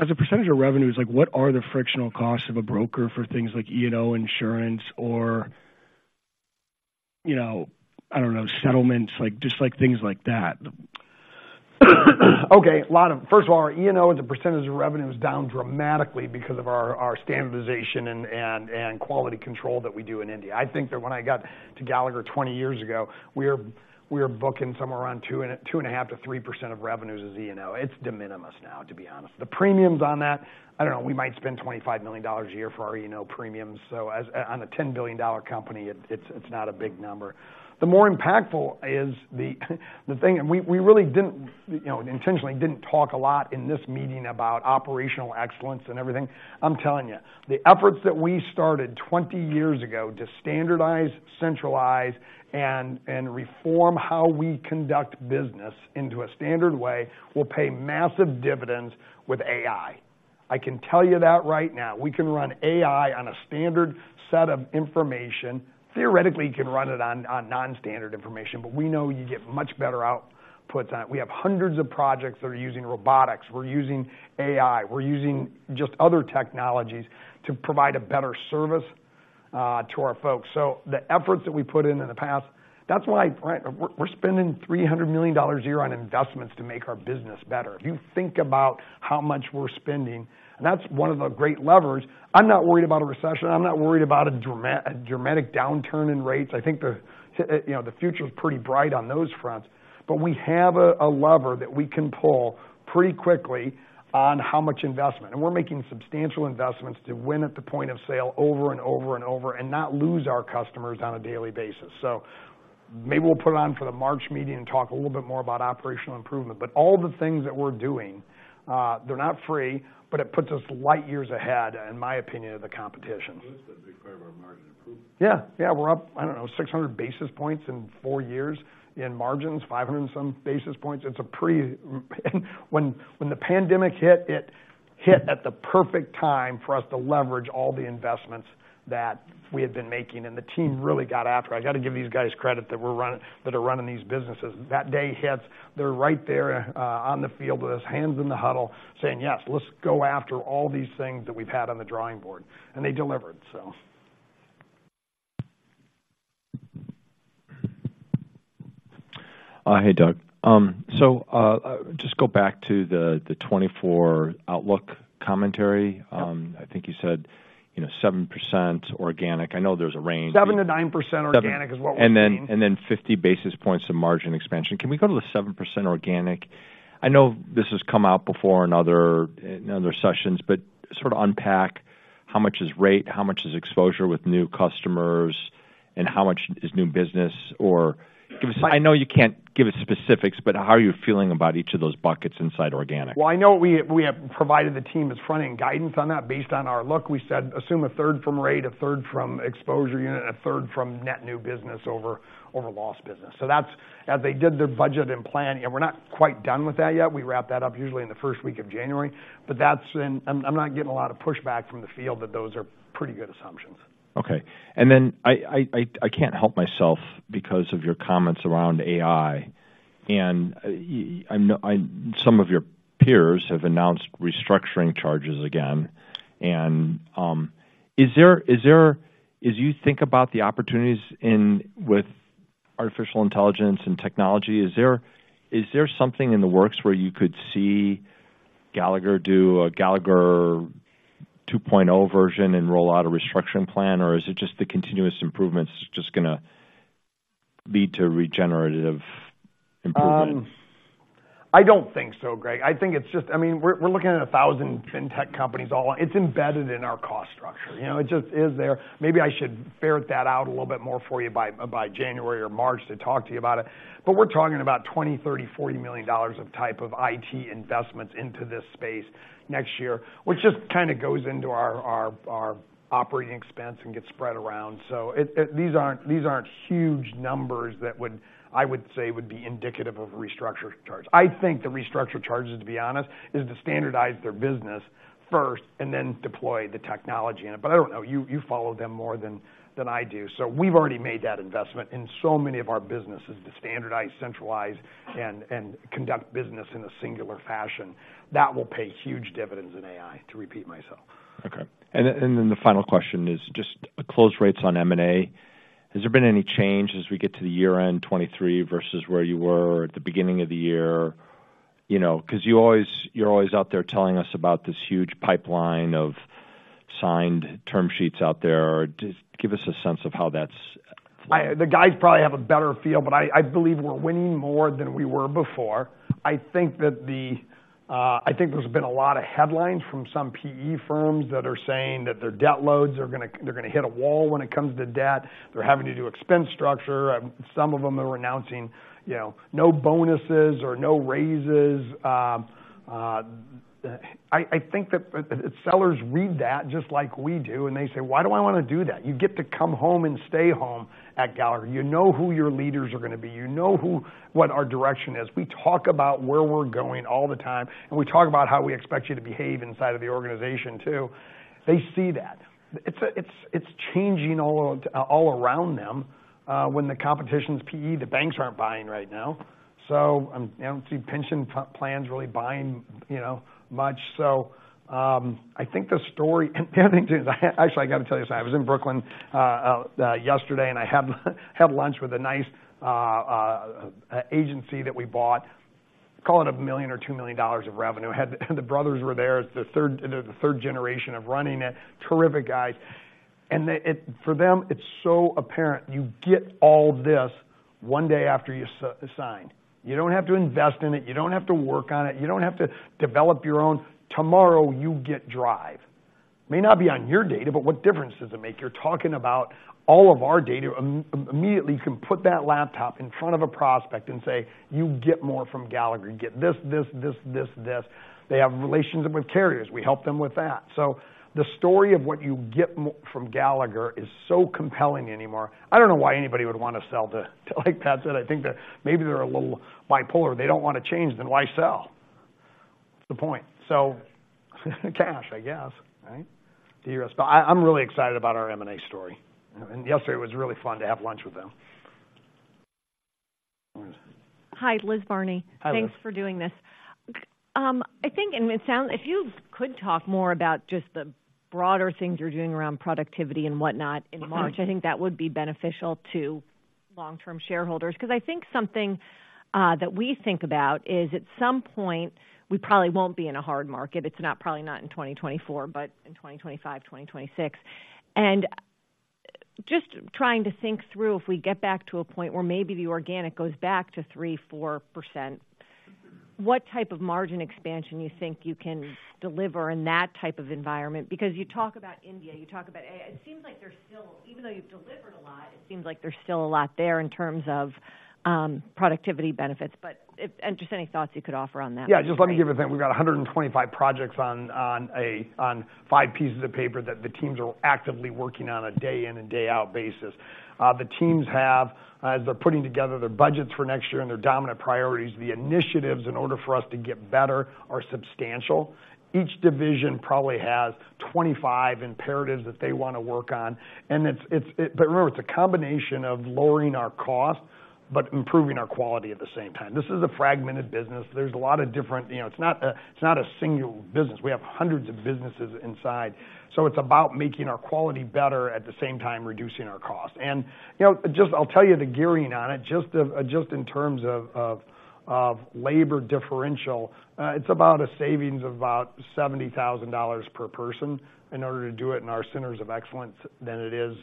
as a percentage of revenues, like, what are the frictional costs of a broker for things like E&O insurance or, you know, I don't know, settlements, like, just, like, things like that? Okay, a lot of. First of all, our E&O, the percentage of revenue is down dramatically because of our standardization and quality control that we do in India. I think that when I got to Gallagher twenty years ago, we were booking somewhere around 2.5%-3% of revenues as E&O. It's de minimis now, to be honest. The premiums on that, I don't know, we might spend $25 million a year for our E&O premiums, so as... On a $10 billion company, it's not a big number. The more impactful is the thing. And we really didn't, you know, intentionally didn't talk a lot in this meeting about operational excellence and everything. I'm telling you, the efforts that we started 20 years ago to standardize, centralize, and reform how we conduct business into a standard way will pay massive dividends with AI. I can tell you that right now. We can run AI on a standard set of information. Theoretically, you can run it on non-standard information, but we know you get much better outputs on it. We have hundreds of projects that are using robotics. We're using AI, we're using just other technologies to provide a better service to our folks. So the efforts that we put in in the past, that's why, right, we're spending $300 million a year on investments to make our business better. If you think about how much we're spending, that's one of the great levers. I'm not worried about a recession. I'm not worried about a dramatic downturn in rates. I think the, you know, the future's pretty bright on those fronts, but we have a lever that we can pull pretty quickly on how much investment. And we're making substantial investments to win at the point of sale over and over and over, and not lose our customers on a daily basis. So maybe we'll put it on for the March meeting and talk a little bit more about operational improvement. But all the things that we're doing, they're not free, but it puts us light years ahead, in my opinion, of the competition. Well, it's a big part of our margin improvement. Yeah, yeah, we're up, I don't know, 600 basis points in 4 years in margins, 500 and some basis points. When the pandemic hit, it hit at the perfect time for us to leverage all the investments that we had been making, and the team really got after it. I gotta give these guys credit that are running these businesses. That day hits, they're right there, on the field with us, hands in the huddle, saying, "Yes, let's go after all these things that we've had on the drawing board," and they delivered, so. Hey, Doug. Just go back to the 2024 outlook commentary. Yep. I think you said, you know, 7% organic. I know there's a range- 7%-9% organic is what we're seeing. And then, and then 50 basis points of margin expansion. Can we go to the 7% organic? I know this has come out before in other, in other sessions, but sort of unpack-... how much is rate? How much is exposure with new customers, and how much is new business? Or give us, I know you can't give us specifics, but how are you feeling about each of those buckets inside organic? Well, I know we have provided the team with front-end guidance on that. Based on our look, we said, assume a third from rate, a third from exposure unit, a third from net new business over lost business. So that's. As they did their budget and planning, and we're not quite done with that yet. We wrap that up usually in the first week of January, but that's in. I'm not getting a lot of pushback from the field that those are pretty good assumptions. Okay. And then I can't help myself because of your comments around AI, and I know some of your peers have announced restructuring charges again. And is there—as you think about the opportunities in—with artificial intelligence and technology, is there something in the works where you could see Gallagher do a Gallagher 2.0 version and roll out a restructuring plan? Or is it just the continuous improvements is just gonna lead to regenerative improvements? I don't think so, Greg. I think it's just... I mean, we're looking at 1,000 fintech companies all—It's embedded in our cost structure, you know? It just is there. Maybe I should ferret that out a little bit more for you by January or March to talk to you about it. But we're talking about $20-$40 million of type of IT investments into this space next year, which just kind of goes into our operating expense and gets spread around. So it—these aren't these aren't huge numbers that would, I would say, would be indicative of a restructure charge. I think the restructure charges, to be honest, is to standardize their business first and then deploy the technology in it. But I don't know, you follow them more than I do. So we've already made that investment in so many of our businesses to standardize, centralize, and conduct business in a singular fashion. That will pay huge dividends in AI, to repeat myself. Okay. And then, and then the final question is just close rates on M&A. Has there been any change as we get to the year-end 2023 versus where you were at the beginning of the year? You know, 'cause you always -- you're always out there telling us about this huge pipeline of signed term sheets out there. Just give us a sense of how that's- The guys probably have a better feel, but I believe we're winning more than we were before. I think there's been a lot of headlines from some PE firms that are saying that their debt loads are gonna—they're gonna hit a wall when it comes to debt. They're having to do expense structure. Some of them are announcing, you know, no bonuses or no raises. I think that sellers read that just like we do, and they say: "Why do I want to do that?" You get to come home and stay home at Gallagher. You know who your leaders are gonna be. You know what our direction is. We talk about where we're going all the time, and we talk about how we expect you to behave inside of the organization, too. They see that. It's changing all around them. When the competition's PE, the banks aren't buying right now, so I don't see pension plans really buying, you know, much. So, I think the story actually, I got to tell you this. I was in Brooklyn yesterday, and I had lunch with a nice agency that we bought, call it $1 million or $2 million of revenue. And the brothers were there, the third generation of running it. Terrific guys. And for them, it's so apparent, you get all this one day after you sign. You don't have to invest in it. You don't have to work on it. You don't have to develop your own. Tomorrow, you get Drive. May not be on your data, but what difference does it make? You're talking about all of our data. Immediately, you can put that laptop in front of a prospect and say, "You get more from Gallagher. You get this, this, this, this, this." They have relationships with carriers. We help them with that. So the story of what you get from Gallagher is so compelling anymore. I don't know why anybody would want to sell to, like, that's it. I think that maybe they're a little bipolar. They don't want to change, then why sell? What's the point? So cash, I guess, right? So you're... But I, I'm really excited about our M&A story, and yesterday was really fun to have lunch with them. All right. Hi, Liz Barney. Hi, Liz. Thanks for doing this. I think, and it sounds, if you could talk more about just the broader things you're doing around productivity and whatnot in March, I think that would be beneficial to long-term shareholders. 'Cause I think something that we think about is, at some point, we probably won't be in a hard market. It's not, probably not in 2024, but in 2025, 2026. And just trying to think through, if we get back to a point where maybe the organic goes back to 3%-4%, what type of margin expansion you think you can deliver in that type of environment? Because you talk about India, you talk about AI. It seems like there's still, even though you've delivered a lot, it seems like there's still a lot there in terms of productivity benefits. But if and just any thoughts you could offer on that? Yeah, just let me give you a thing. We've got 125 projects on five pieces of paper that the teams are actively working on day in and day out basis. The teams have, as they're putting together their budgets for next year and their dominant priorities, the initiatives in order for us to get better are substantial. Each division probably has 25 imperatives that they want to work on, and it's... But remember, it's a combination of lowering our cost but improving our quality at the same time. This is a fragmented business. There's a lot of different... You know, it's not a single business. We have hundreds of businesses inside, so it's about making our quality better, at the same time, reducing our cost. And, you know, just, I'll tell you the gearing on it. Just in terms of labor differential, it's about a savings of about $70,000 per person in order to do it in our centers of excellence than it is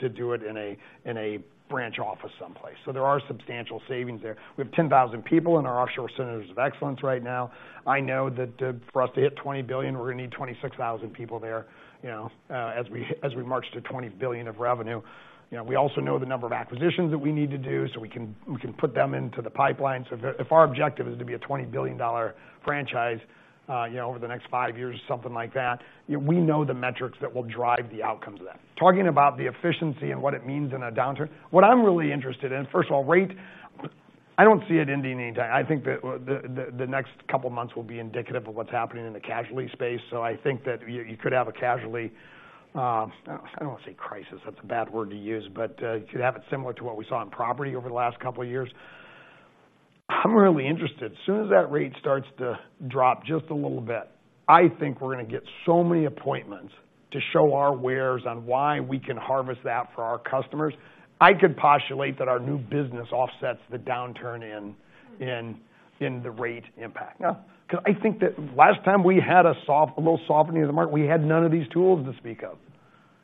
to do it in a branch office someplace. So there are substantial savings there. We have 10,000 people in our offshore centers of excellence right now. I know that for us to hit $20 billion, we're gonna need 26,000 people there, you know, as we march to $20 billion of revenue. You know, we also know the number of acquisitions that we need to do, so we can put them into the pipeline. So if our objective is to be a $20 billion franchise, you know, over the next 5 years or something like that, we know the metrics that will drive the outcomes of that. Talking about the efficiency and what it means in a downturn, what I'm really interested in, first of all, I don't see it ending anytime. I think that the next couple of months will be indicative of what's happening in the casualty space. So I think that you could have a casualty, I don't want to say crisis, that's a bad word to use, but you could have it similar to what we saw in property over the last couple of years. I'm really interested. As soon as that rate starts to drop just a little bit, I think we're gonna get so many appointments to show our wares on why we can harvest that for our customers. I could postulate that our new business offsets the downturn in the rate impact. Now, because I think that last time we had a soft, a little softening of the market, we had none of these tools to speak of,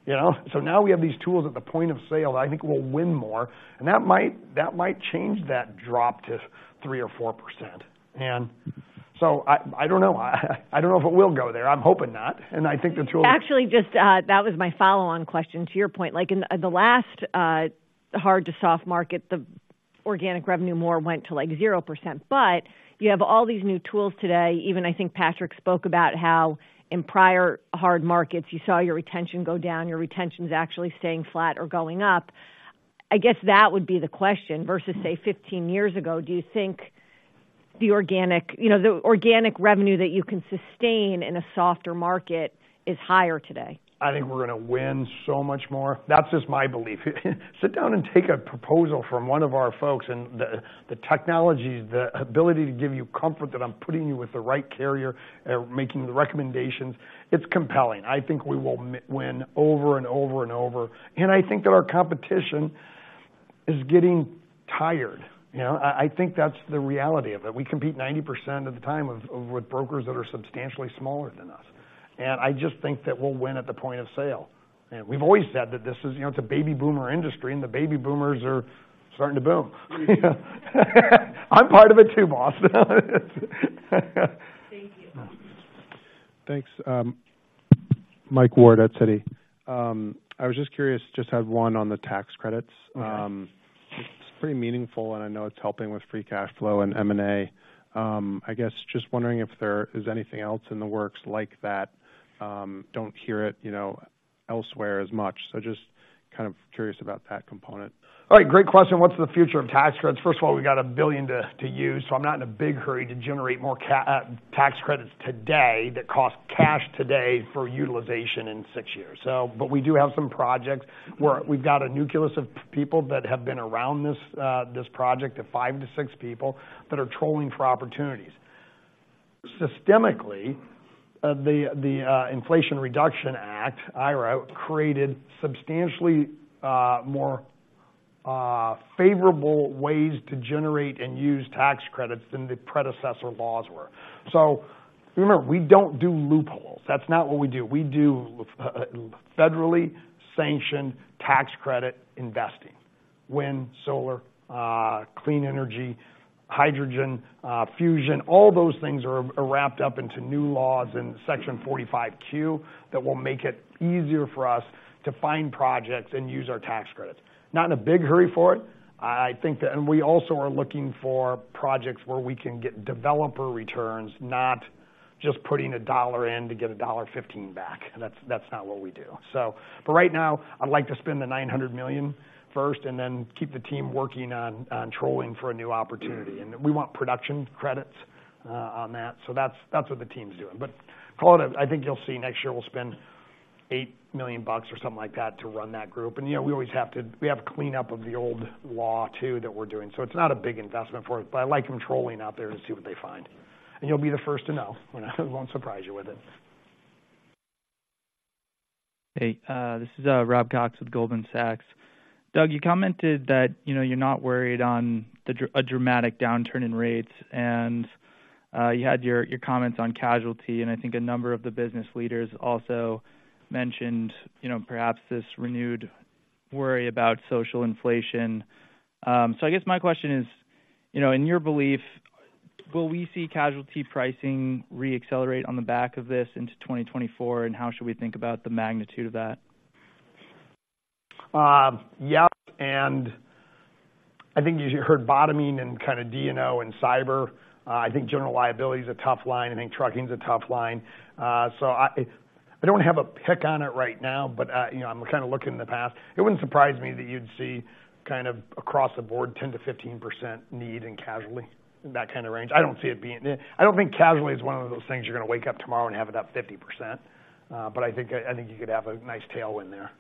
you know? So now we have these tools at the point of sale, I think we'll win more, and that might change that drop to 3% or 4%. So I don't know. I don't know if it will go there. I'm hoping not, and I think that you'll- Actually, just, that was my follow-on question to your point. Like, in the last hard to soft market, the organic revenue more went to, like, 0%. But you have all these new tools today, even I think Patrick spoke about how in prior hard markets, you saw your retention go down, your retention is actually staying flat or going up. I guess that would be the question versus, say, 15 years ago, do you think the organic, you know, the organic revenue that you can sustain in a softer market is higher today? I think we're gonna win so much more. That's just my belief. Sit down and take a proposal from one of our folks, and the technology, the ability to give you comfort that I'm putting you with the right carrier, making the recommendations, it's compelling. I think we will win over and over and over, and I think that our competition is getting tired. You know, I think that's the reality of it. We compete 90% of the time with brokers that are substantially smaller than us, and I just think that we'll win at the point of sale. And we've always said that this is, you know, it's a baby boomer industry, and the baby boomers are starting to boom. I'm part of it, too, boss. Thank you. Thanks. Mike Ward at Citi. I was just curious, just had one on the tax credits. Okay. It's pretty meaningful, and I know it's helping with free cash flow and M&A. I guess just wondering if there is anything else in the works like that. Don't hear it, you know, elsewhere as much. So just kind of curious about that component. All right, great question. What's the future of tax credits? First of all, we got $1 billion to use, so I'm not in a big hurry to generate more cash tax credits today that cost cash today for utilization in 6 years. So, but we do have some projects where we've got a nucleus of people that have been around this project, of 5-6 people, that are trolling for opportunities. Systemically, the Inflation Reduction Act, IRA, created substantially more favorable ways to generate and use tax credits than the predecessor laws were. So remember, we don't do loopholes. That's not what we do. We do federally sanctioned tax credit investing, wind, solar, clean energy, hydrogen, fusion, all those things are wrapped up into new laws in Section 45Q, that will make it easier for us to find projects and use our tax credits. Not in a big hurry for it. I think that. And we also are looking for projects where we can get developer returns, not just putting $1 in to get $1.15 back. That's not what we do. So for right now, I'd like to spend the $900 million first and then keep the team working on trolling for a new opportunity. And we want production credits on that. So that's what the team's doing. But call it, I think you'll see next year we'll spend $8 million or something like that to run that group. You know, we always have to-- we have a cleanup of the old law, too, that we're doing. It's not a big investment for it, but I like them trolling out there to see what they find. You'll be the first to know when... I won't surprise you with it. Hey, this is Rob Cox with Goldman Sachs. Doug, you commented that, you know, you're not worried on a dramatic downturn in rates, and you had your, your comments on casualty, and I think a number of the business leaders also mentioned, you know, perhaps this renewed worry about social inflation. So I guess my question is, you know, in your belief, will we see casualty pricing reaccelerate on the back of this into 2024? And how should we think about the magnitude of that? Yeah, and I think you heard bottoming and kind of D&O and cyber. I think general liability is a tough line. I think trucking is a tough line. So I don't have a pick on it right now, but you know, I'm kind of looking in the past. It wouldn't surprise me that you'd see kind of across the board, 10%-15% need in casualty, that kind of range. I don't see it being... I don't think casualty is one of those things you're gonna wake up tomorrow and have it up 50%, but I think you could have a nice tailwind there.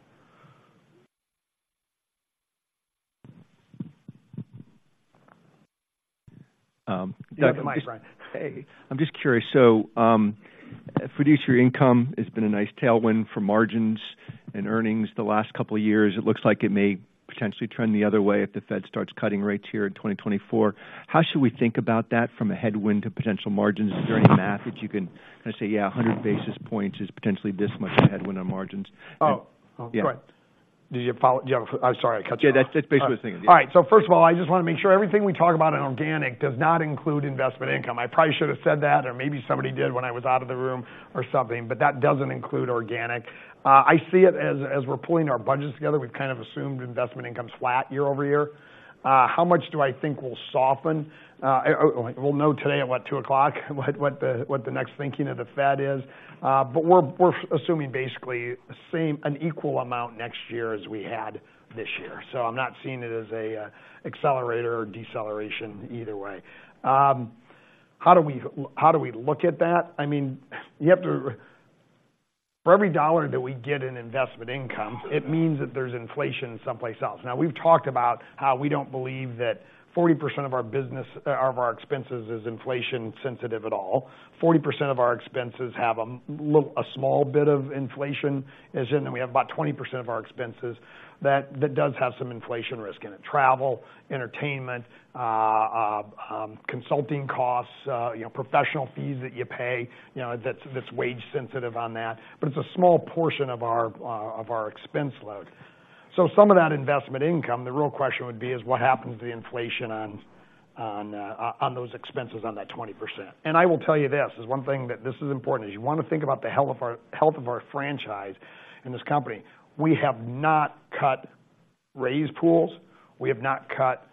Um, Doug- Yeah, Mike. Hey, I'm just curious. So, fiduciary income has been a nice tailwind for margins and earnings the last couple of years. It looks like it may potentially trend the other way if the Fed starts cutting rates here in 2024. How should we think about that from a headwind to potential margins? Is there any math that you can kind of say, "Yeah, 100 basis points is potentially this much a headwind on margins? Oh, Yeah. Right. Did you follow? Yeah, I'm sorry I cut you off. Yeah, that's, that's basically the thing. All right, so first of all, I just want to make sure everything we talk about in organic does not include investment income. I probably should have said that, or maybe somebody did when I was out of the room or something, but that doesn't include organic. I see it as, as we're pulling our budgets together, we've kind of assumed investment income's flat year-over-year. How much do I think will soften? We'll know today at 2:00 P.M., what the next thinking of the Fed is. But we're assuming basically the same, an equal amount next year as we had this year. So I'm not seeing it as a accelerator or deceleration either way. How do we look at that? I mean, you have to, for every dollar that we get in investment income, it means that there's inflation someplace else. Now, we've talked about how we don't believe that 40% of our business, of our expenses is inflation-sensitive at all. 40% of our expenses have a little, a small bit of inflation in, and we have about 20% of our expenses that does have some inflation risk in it. Travel, entertainment, consulting costs, you know, professional fees that you pay, you know, that's wage sensitive on that, but it's a small portion of our expense load. So some of that investment income, the real question would be is what happens to the inflation on those expenses on that 20%? I will tell you this, there's one thing that this is important, is you want to think about the health of our franchise in this company. We have not cut raise pools. We have not cut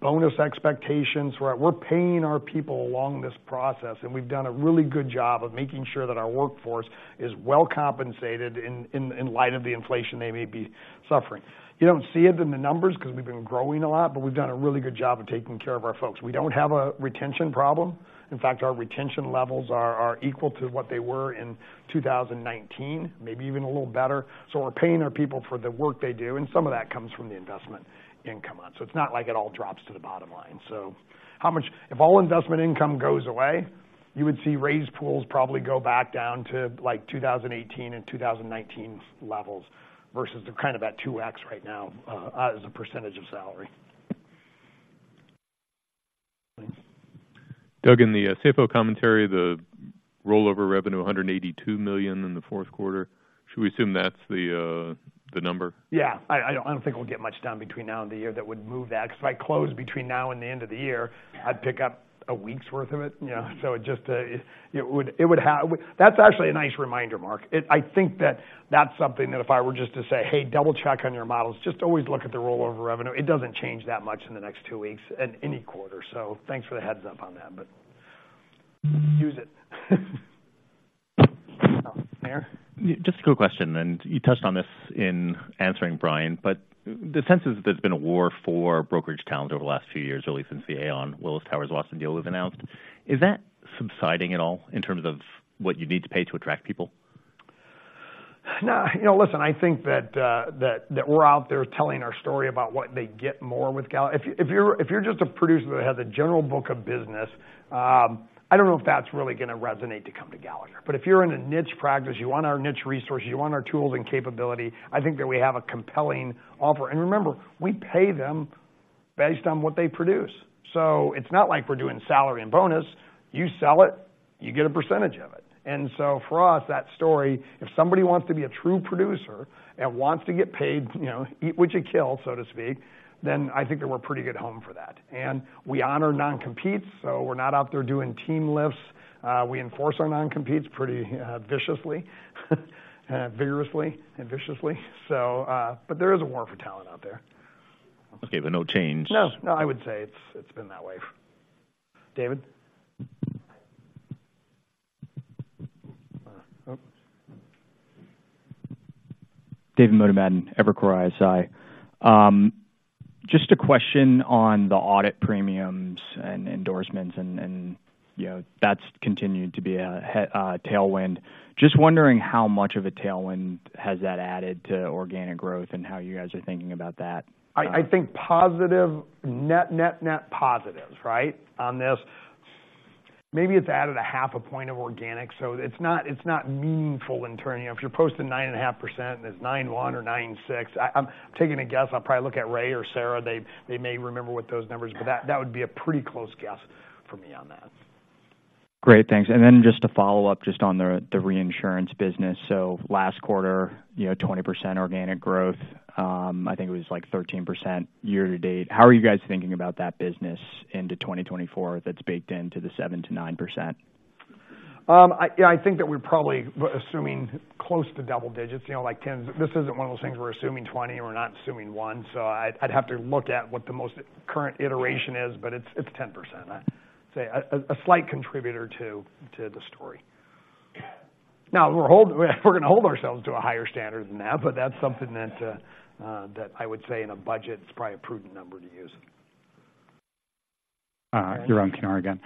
bonus expectations. We're paying our people along this process, and we've done a really good job of making sure that our workforce is well compensated in light of the inflation they may be suffering. You don't see it in the numbers, 'cause we've been growing a lot, but we've done a really good job of taking care of our folks. We don't have a retention problem. In fact, our retention levels are equal to what they were in 2019, maybe even a little better. So we're paying our people for the work they do, and some of that comes from the investment income on. So it's not like it all drops to the bottom line. So how much... If all investment income goes away, you would see raise pools probably go back down to, like, 2018 and 2019 levels, versus they're kind of at 2x right now, as a percentage of salary. Doug, in the CFO commentary, the rollover revenue, $182 million in the fourth quarter, should we assume that's the, the number? Yeah. I don't think we'll get much done between now and the year that would move that, 'cause if I close between now and the end of the year, I'd pick up a week's worth of it, you know? So it just would have. That's actually a nice reminder, Mark. It. I think that's something that if I were just to say, "Hey, double-check on your models," just always look at the rollover revenue. It doesn't change that much in the next two weeks at any quarter. So thanks for the heads up on that, but use it. Meyer? Just a quick question, and you touched on this in answering Brian, but the sense is there's been a war for brokerage talent over the last few years, really since the Aon Willis Towers Watson deal was announced. Is that subsiding at all in terms of what you need to pay to attract people? Nah. You know, listen, I think that that we're out there telling our story about what they get more with Gallagher. If you're just a producer that has a general book of business, I don't know if that's really gonna resonate to come to Gallagher. But if you're in a niche practice, you want our niche resources, you want our tools and capability, I think that we have a compelling offer. And remember, we pay them based on what they produce, so it's not like we're doing salary and bonus. You sell it, you get a percentage of it. And so for us, that story, if somebody wants to be a true producer and wants to get paid, you know, eat what you kill, so to speak, then I think that we're a pretty good home for that. We honor non-competes, so we're not out there doing team lifts. We enforce our non-competes pretty viciously, vigorously and viciously. So, but there is a war for talent out there. Okay, but no change? No. No, I would say it's, it's been that way. David? David Motemedi, Evercore ISI. Just a question on the audit premiums and endorsements and, and, you know, that's continued to be a tailwind. Just wondering how much of a tailwind has that added to organic growth and how you guys are thinking about that? I think positive, net, net, net positives, right, on this. Maybe it's added 0.5 point of organic, so it's not meaningful in turning... If you're posting 9.5% and it's 9.1 or 9.6, I'm taking a guess. I'll probably look at Ray or Sarah. They may remember what those numbers, but that would be a pretty close guess for me on that. Great, thanks. And then just to follow up, just on the reinsurance business. So last quarter, you know, 20% organic growth, I think it was, like, 13% year to date. How are you guys thinking about that business into 2024 that's baked into the 7%-9%? I think that we're probably assuming close to double digits, you know, like 10. This isn't one of those things we're assuming 20 or we're not assuming 1, so I'd have to look at what the most current iteration is, but it's 10%. I'd say a slight contributor to the story. Now, we're gonna hold ourselves to a higher standard than that, but that's something that I would say in a budget, it's probably a prudent number to use. You're on again.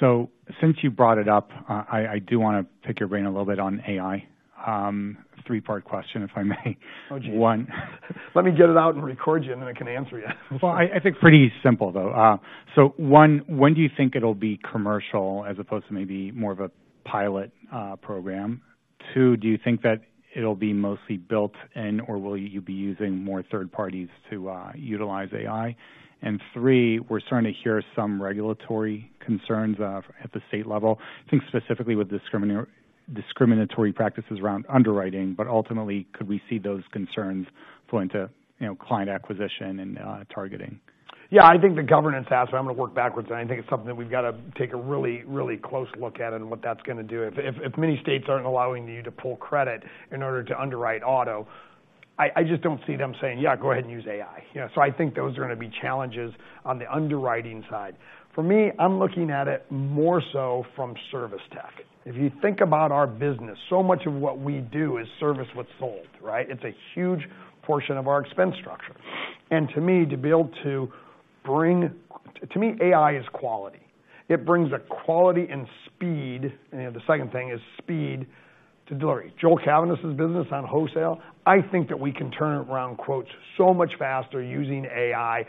So since you brought it up, I do wanna pick your brain a little bit on AI. Three-part question, if I may. Oh, gee. One- Let me get it out and record you, and then I can answer you. Well, I think pretty simple, though. So one, when do you think it'll be commercial as opposed to maybe more of a pilot program? Two, do you think that it'll be mostly built in, or will you be using more third parties to utilize AI? And three, we're starting to hear some regulatory concerns at the state level, I think specifically with discriminatory practices around underwriting, but ultimately, could we see those concerns flowing to, you know, client acquisition and targeting? Yeah, I think the governance aspect, I'm gonna work backwards, and I think it's something that we've got to take a really, really close look at and what that's gonna do. If many states aren't allowing you to pull credit in order to underwrite auto, I just don't see them saying, "Yeah, go ahead and use AI." You know, so I think those are gonna be challenges on the underwriting side. For me, I'm looking at it more so from service tech. If you think about our business, so much of what we do is service what's sold, right? It's a huge portion of our expense structure.... And to me, to be able to bring, to me, AI is quality. It brings a quality and speed, and, you know, the second thing is speed to delivery. Joel Cavaness's business on wholesale, I think that we can turn around quotes so much faster using AI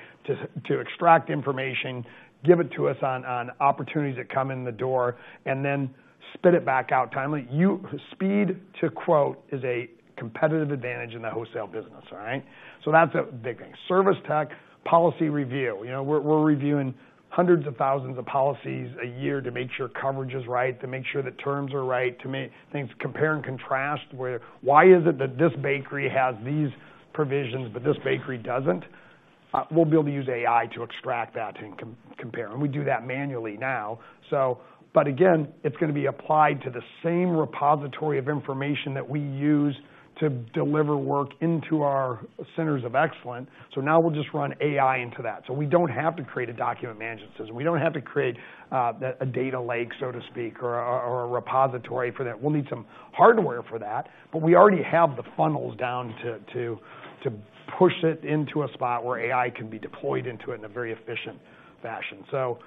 to extract information, give it to us on opportunities that come in the door, and then spit it back out timely. You - Speed to quote is a competitive advantage in the wholesale business, all right? So that's a big thing. Service tech, policy review. You know, we're reviewing hundreds of thousands of policies a year to make sure coverage is right, to make sure the terms are right, to make things compare and contrast, where, why is it that this bakery has these provisions, but this bakery doesn't? We'll be able to use AI to extract that and compare, and we do that manually now. So... But again, it's gonna be applied to the same repository of information that we use to deliver work into our centers of excellence. So now we'll just run AI into that. So we don't have to create a document management system. We don't have to create a data lake, so to speak, or a repository for that. We'll need some hardware for that, but we already have the funnels down to push it into a spot where AI can be deployed into it in a very efficient fashion. So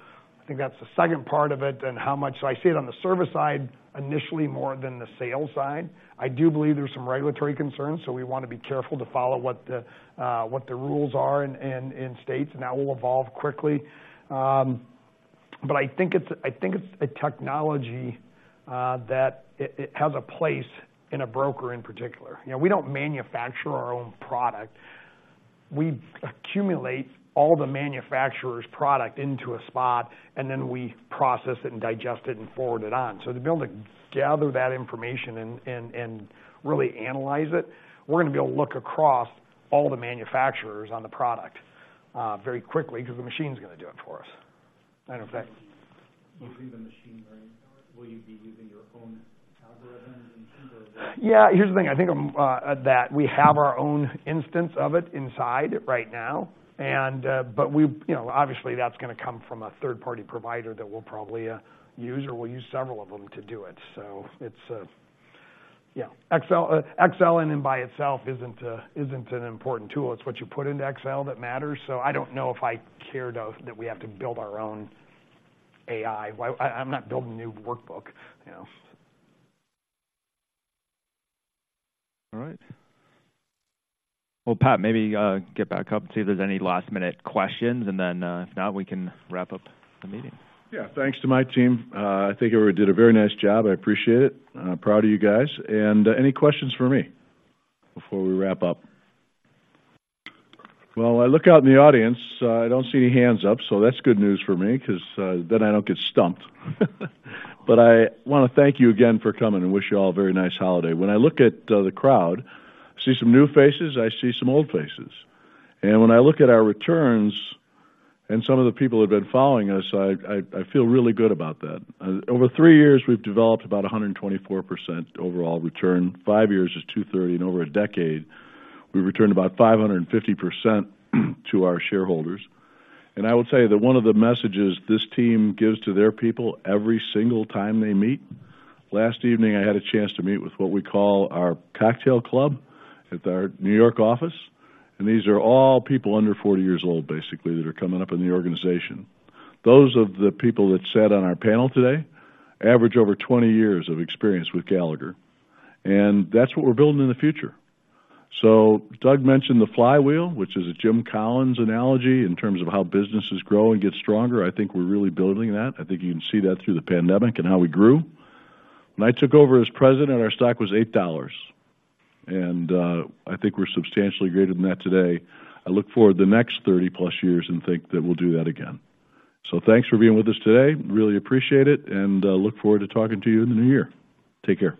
I think that's the second part of it and how much I see it on the service side initially, more than the sales side. I do believe there's some regulatory concerns, so we want to be careful to follow what the rules are in states, and that will evolve quickly. But I think it's, I think it's a technology that it has a place in a broker in particular. You know, we don't manufacture our own product. We accumulate all the manufacturer's product into a spot, and then we process it and digest it and forward it on. So to be able to gather that information and really analyze it, we're gonna be able to look across all the manufacturers on the product very quickly because the machine's gonna do it for us. Matter of fact- Using the machine learning, will you be using your own algorithms and things, or? Yeah, here's the thing. I think that we have our own instance of it inside right now, and... But we, you know, obviously, that's gonna come from a third-party provider that we'll probably use, or we'll use several of them to do it. So it's a... Yeah, Excel, Excel in and by itself isn't an important tool. It's what you put into Excel that matters, so I don't know if I care to, that we have to build our own AI. Why-- I, I'm not building a new workbook, you know? All right. Well, Pat, maybe, get back up and see if there's any last-minute questions, and then, if not, we can wrap up the meeting. Yeah. Thanks to my team. I think everyone did a very nice job. I appreciate it. I'm proud of you guys. And any questions for me before we wrap up? Well, I look out in the audience, I don't see any hands up, so that's good news for me because then I don't get stumped. But I want to thank you again for coming and wish you all a very nice holiday. When I look at the crowd, I see some new faces, I see some old faces. And when I look at our returns and some of the people who have been following us, I feel really good about that. Over three years, we've developed about 124% overall return. Five years is 230, and over a decade, we've returned about 550% to our shareholders. And I will tell you that one of the messages this team gives to their people every single time they meet... Last evening, I had a chance to meet with what we call our cocktail club at our New York office, and these are all people under 40 years old, basically, that are coming up in the organization. Those of the people that sat on our panel today average over 20 years of experience with Gallagher, and that's what we're building in the future. So Doug mentioned the flywheel, which is a Jim Collins analogy in terms of how businesses grow and get stronger. I think we're really building that. I think you can see that through the pandemic and how we grew. When I took over as president, our stock was $8, and, I think we're substantially greater than that today. I look forward to the next 30+ years and think that we'll do that again. So thanks for being with us today. Really appreciate it, and, look forward to talking to you in the new year. Take care.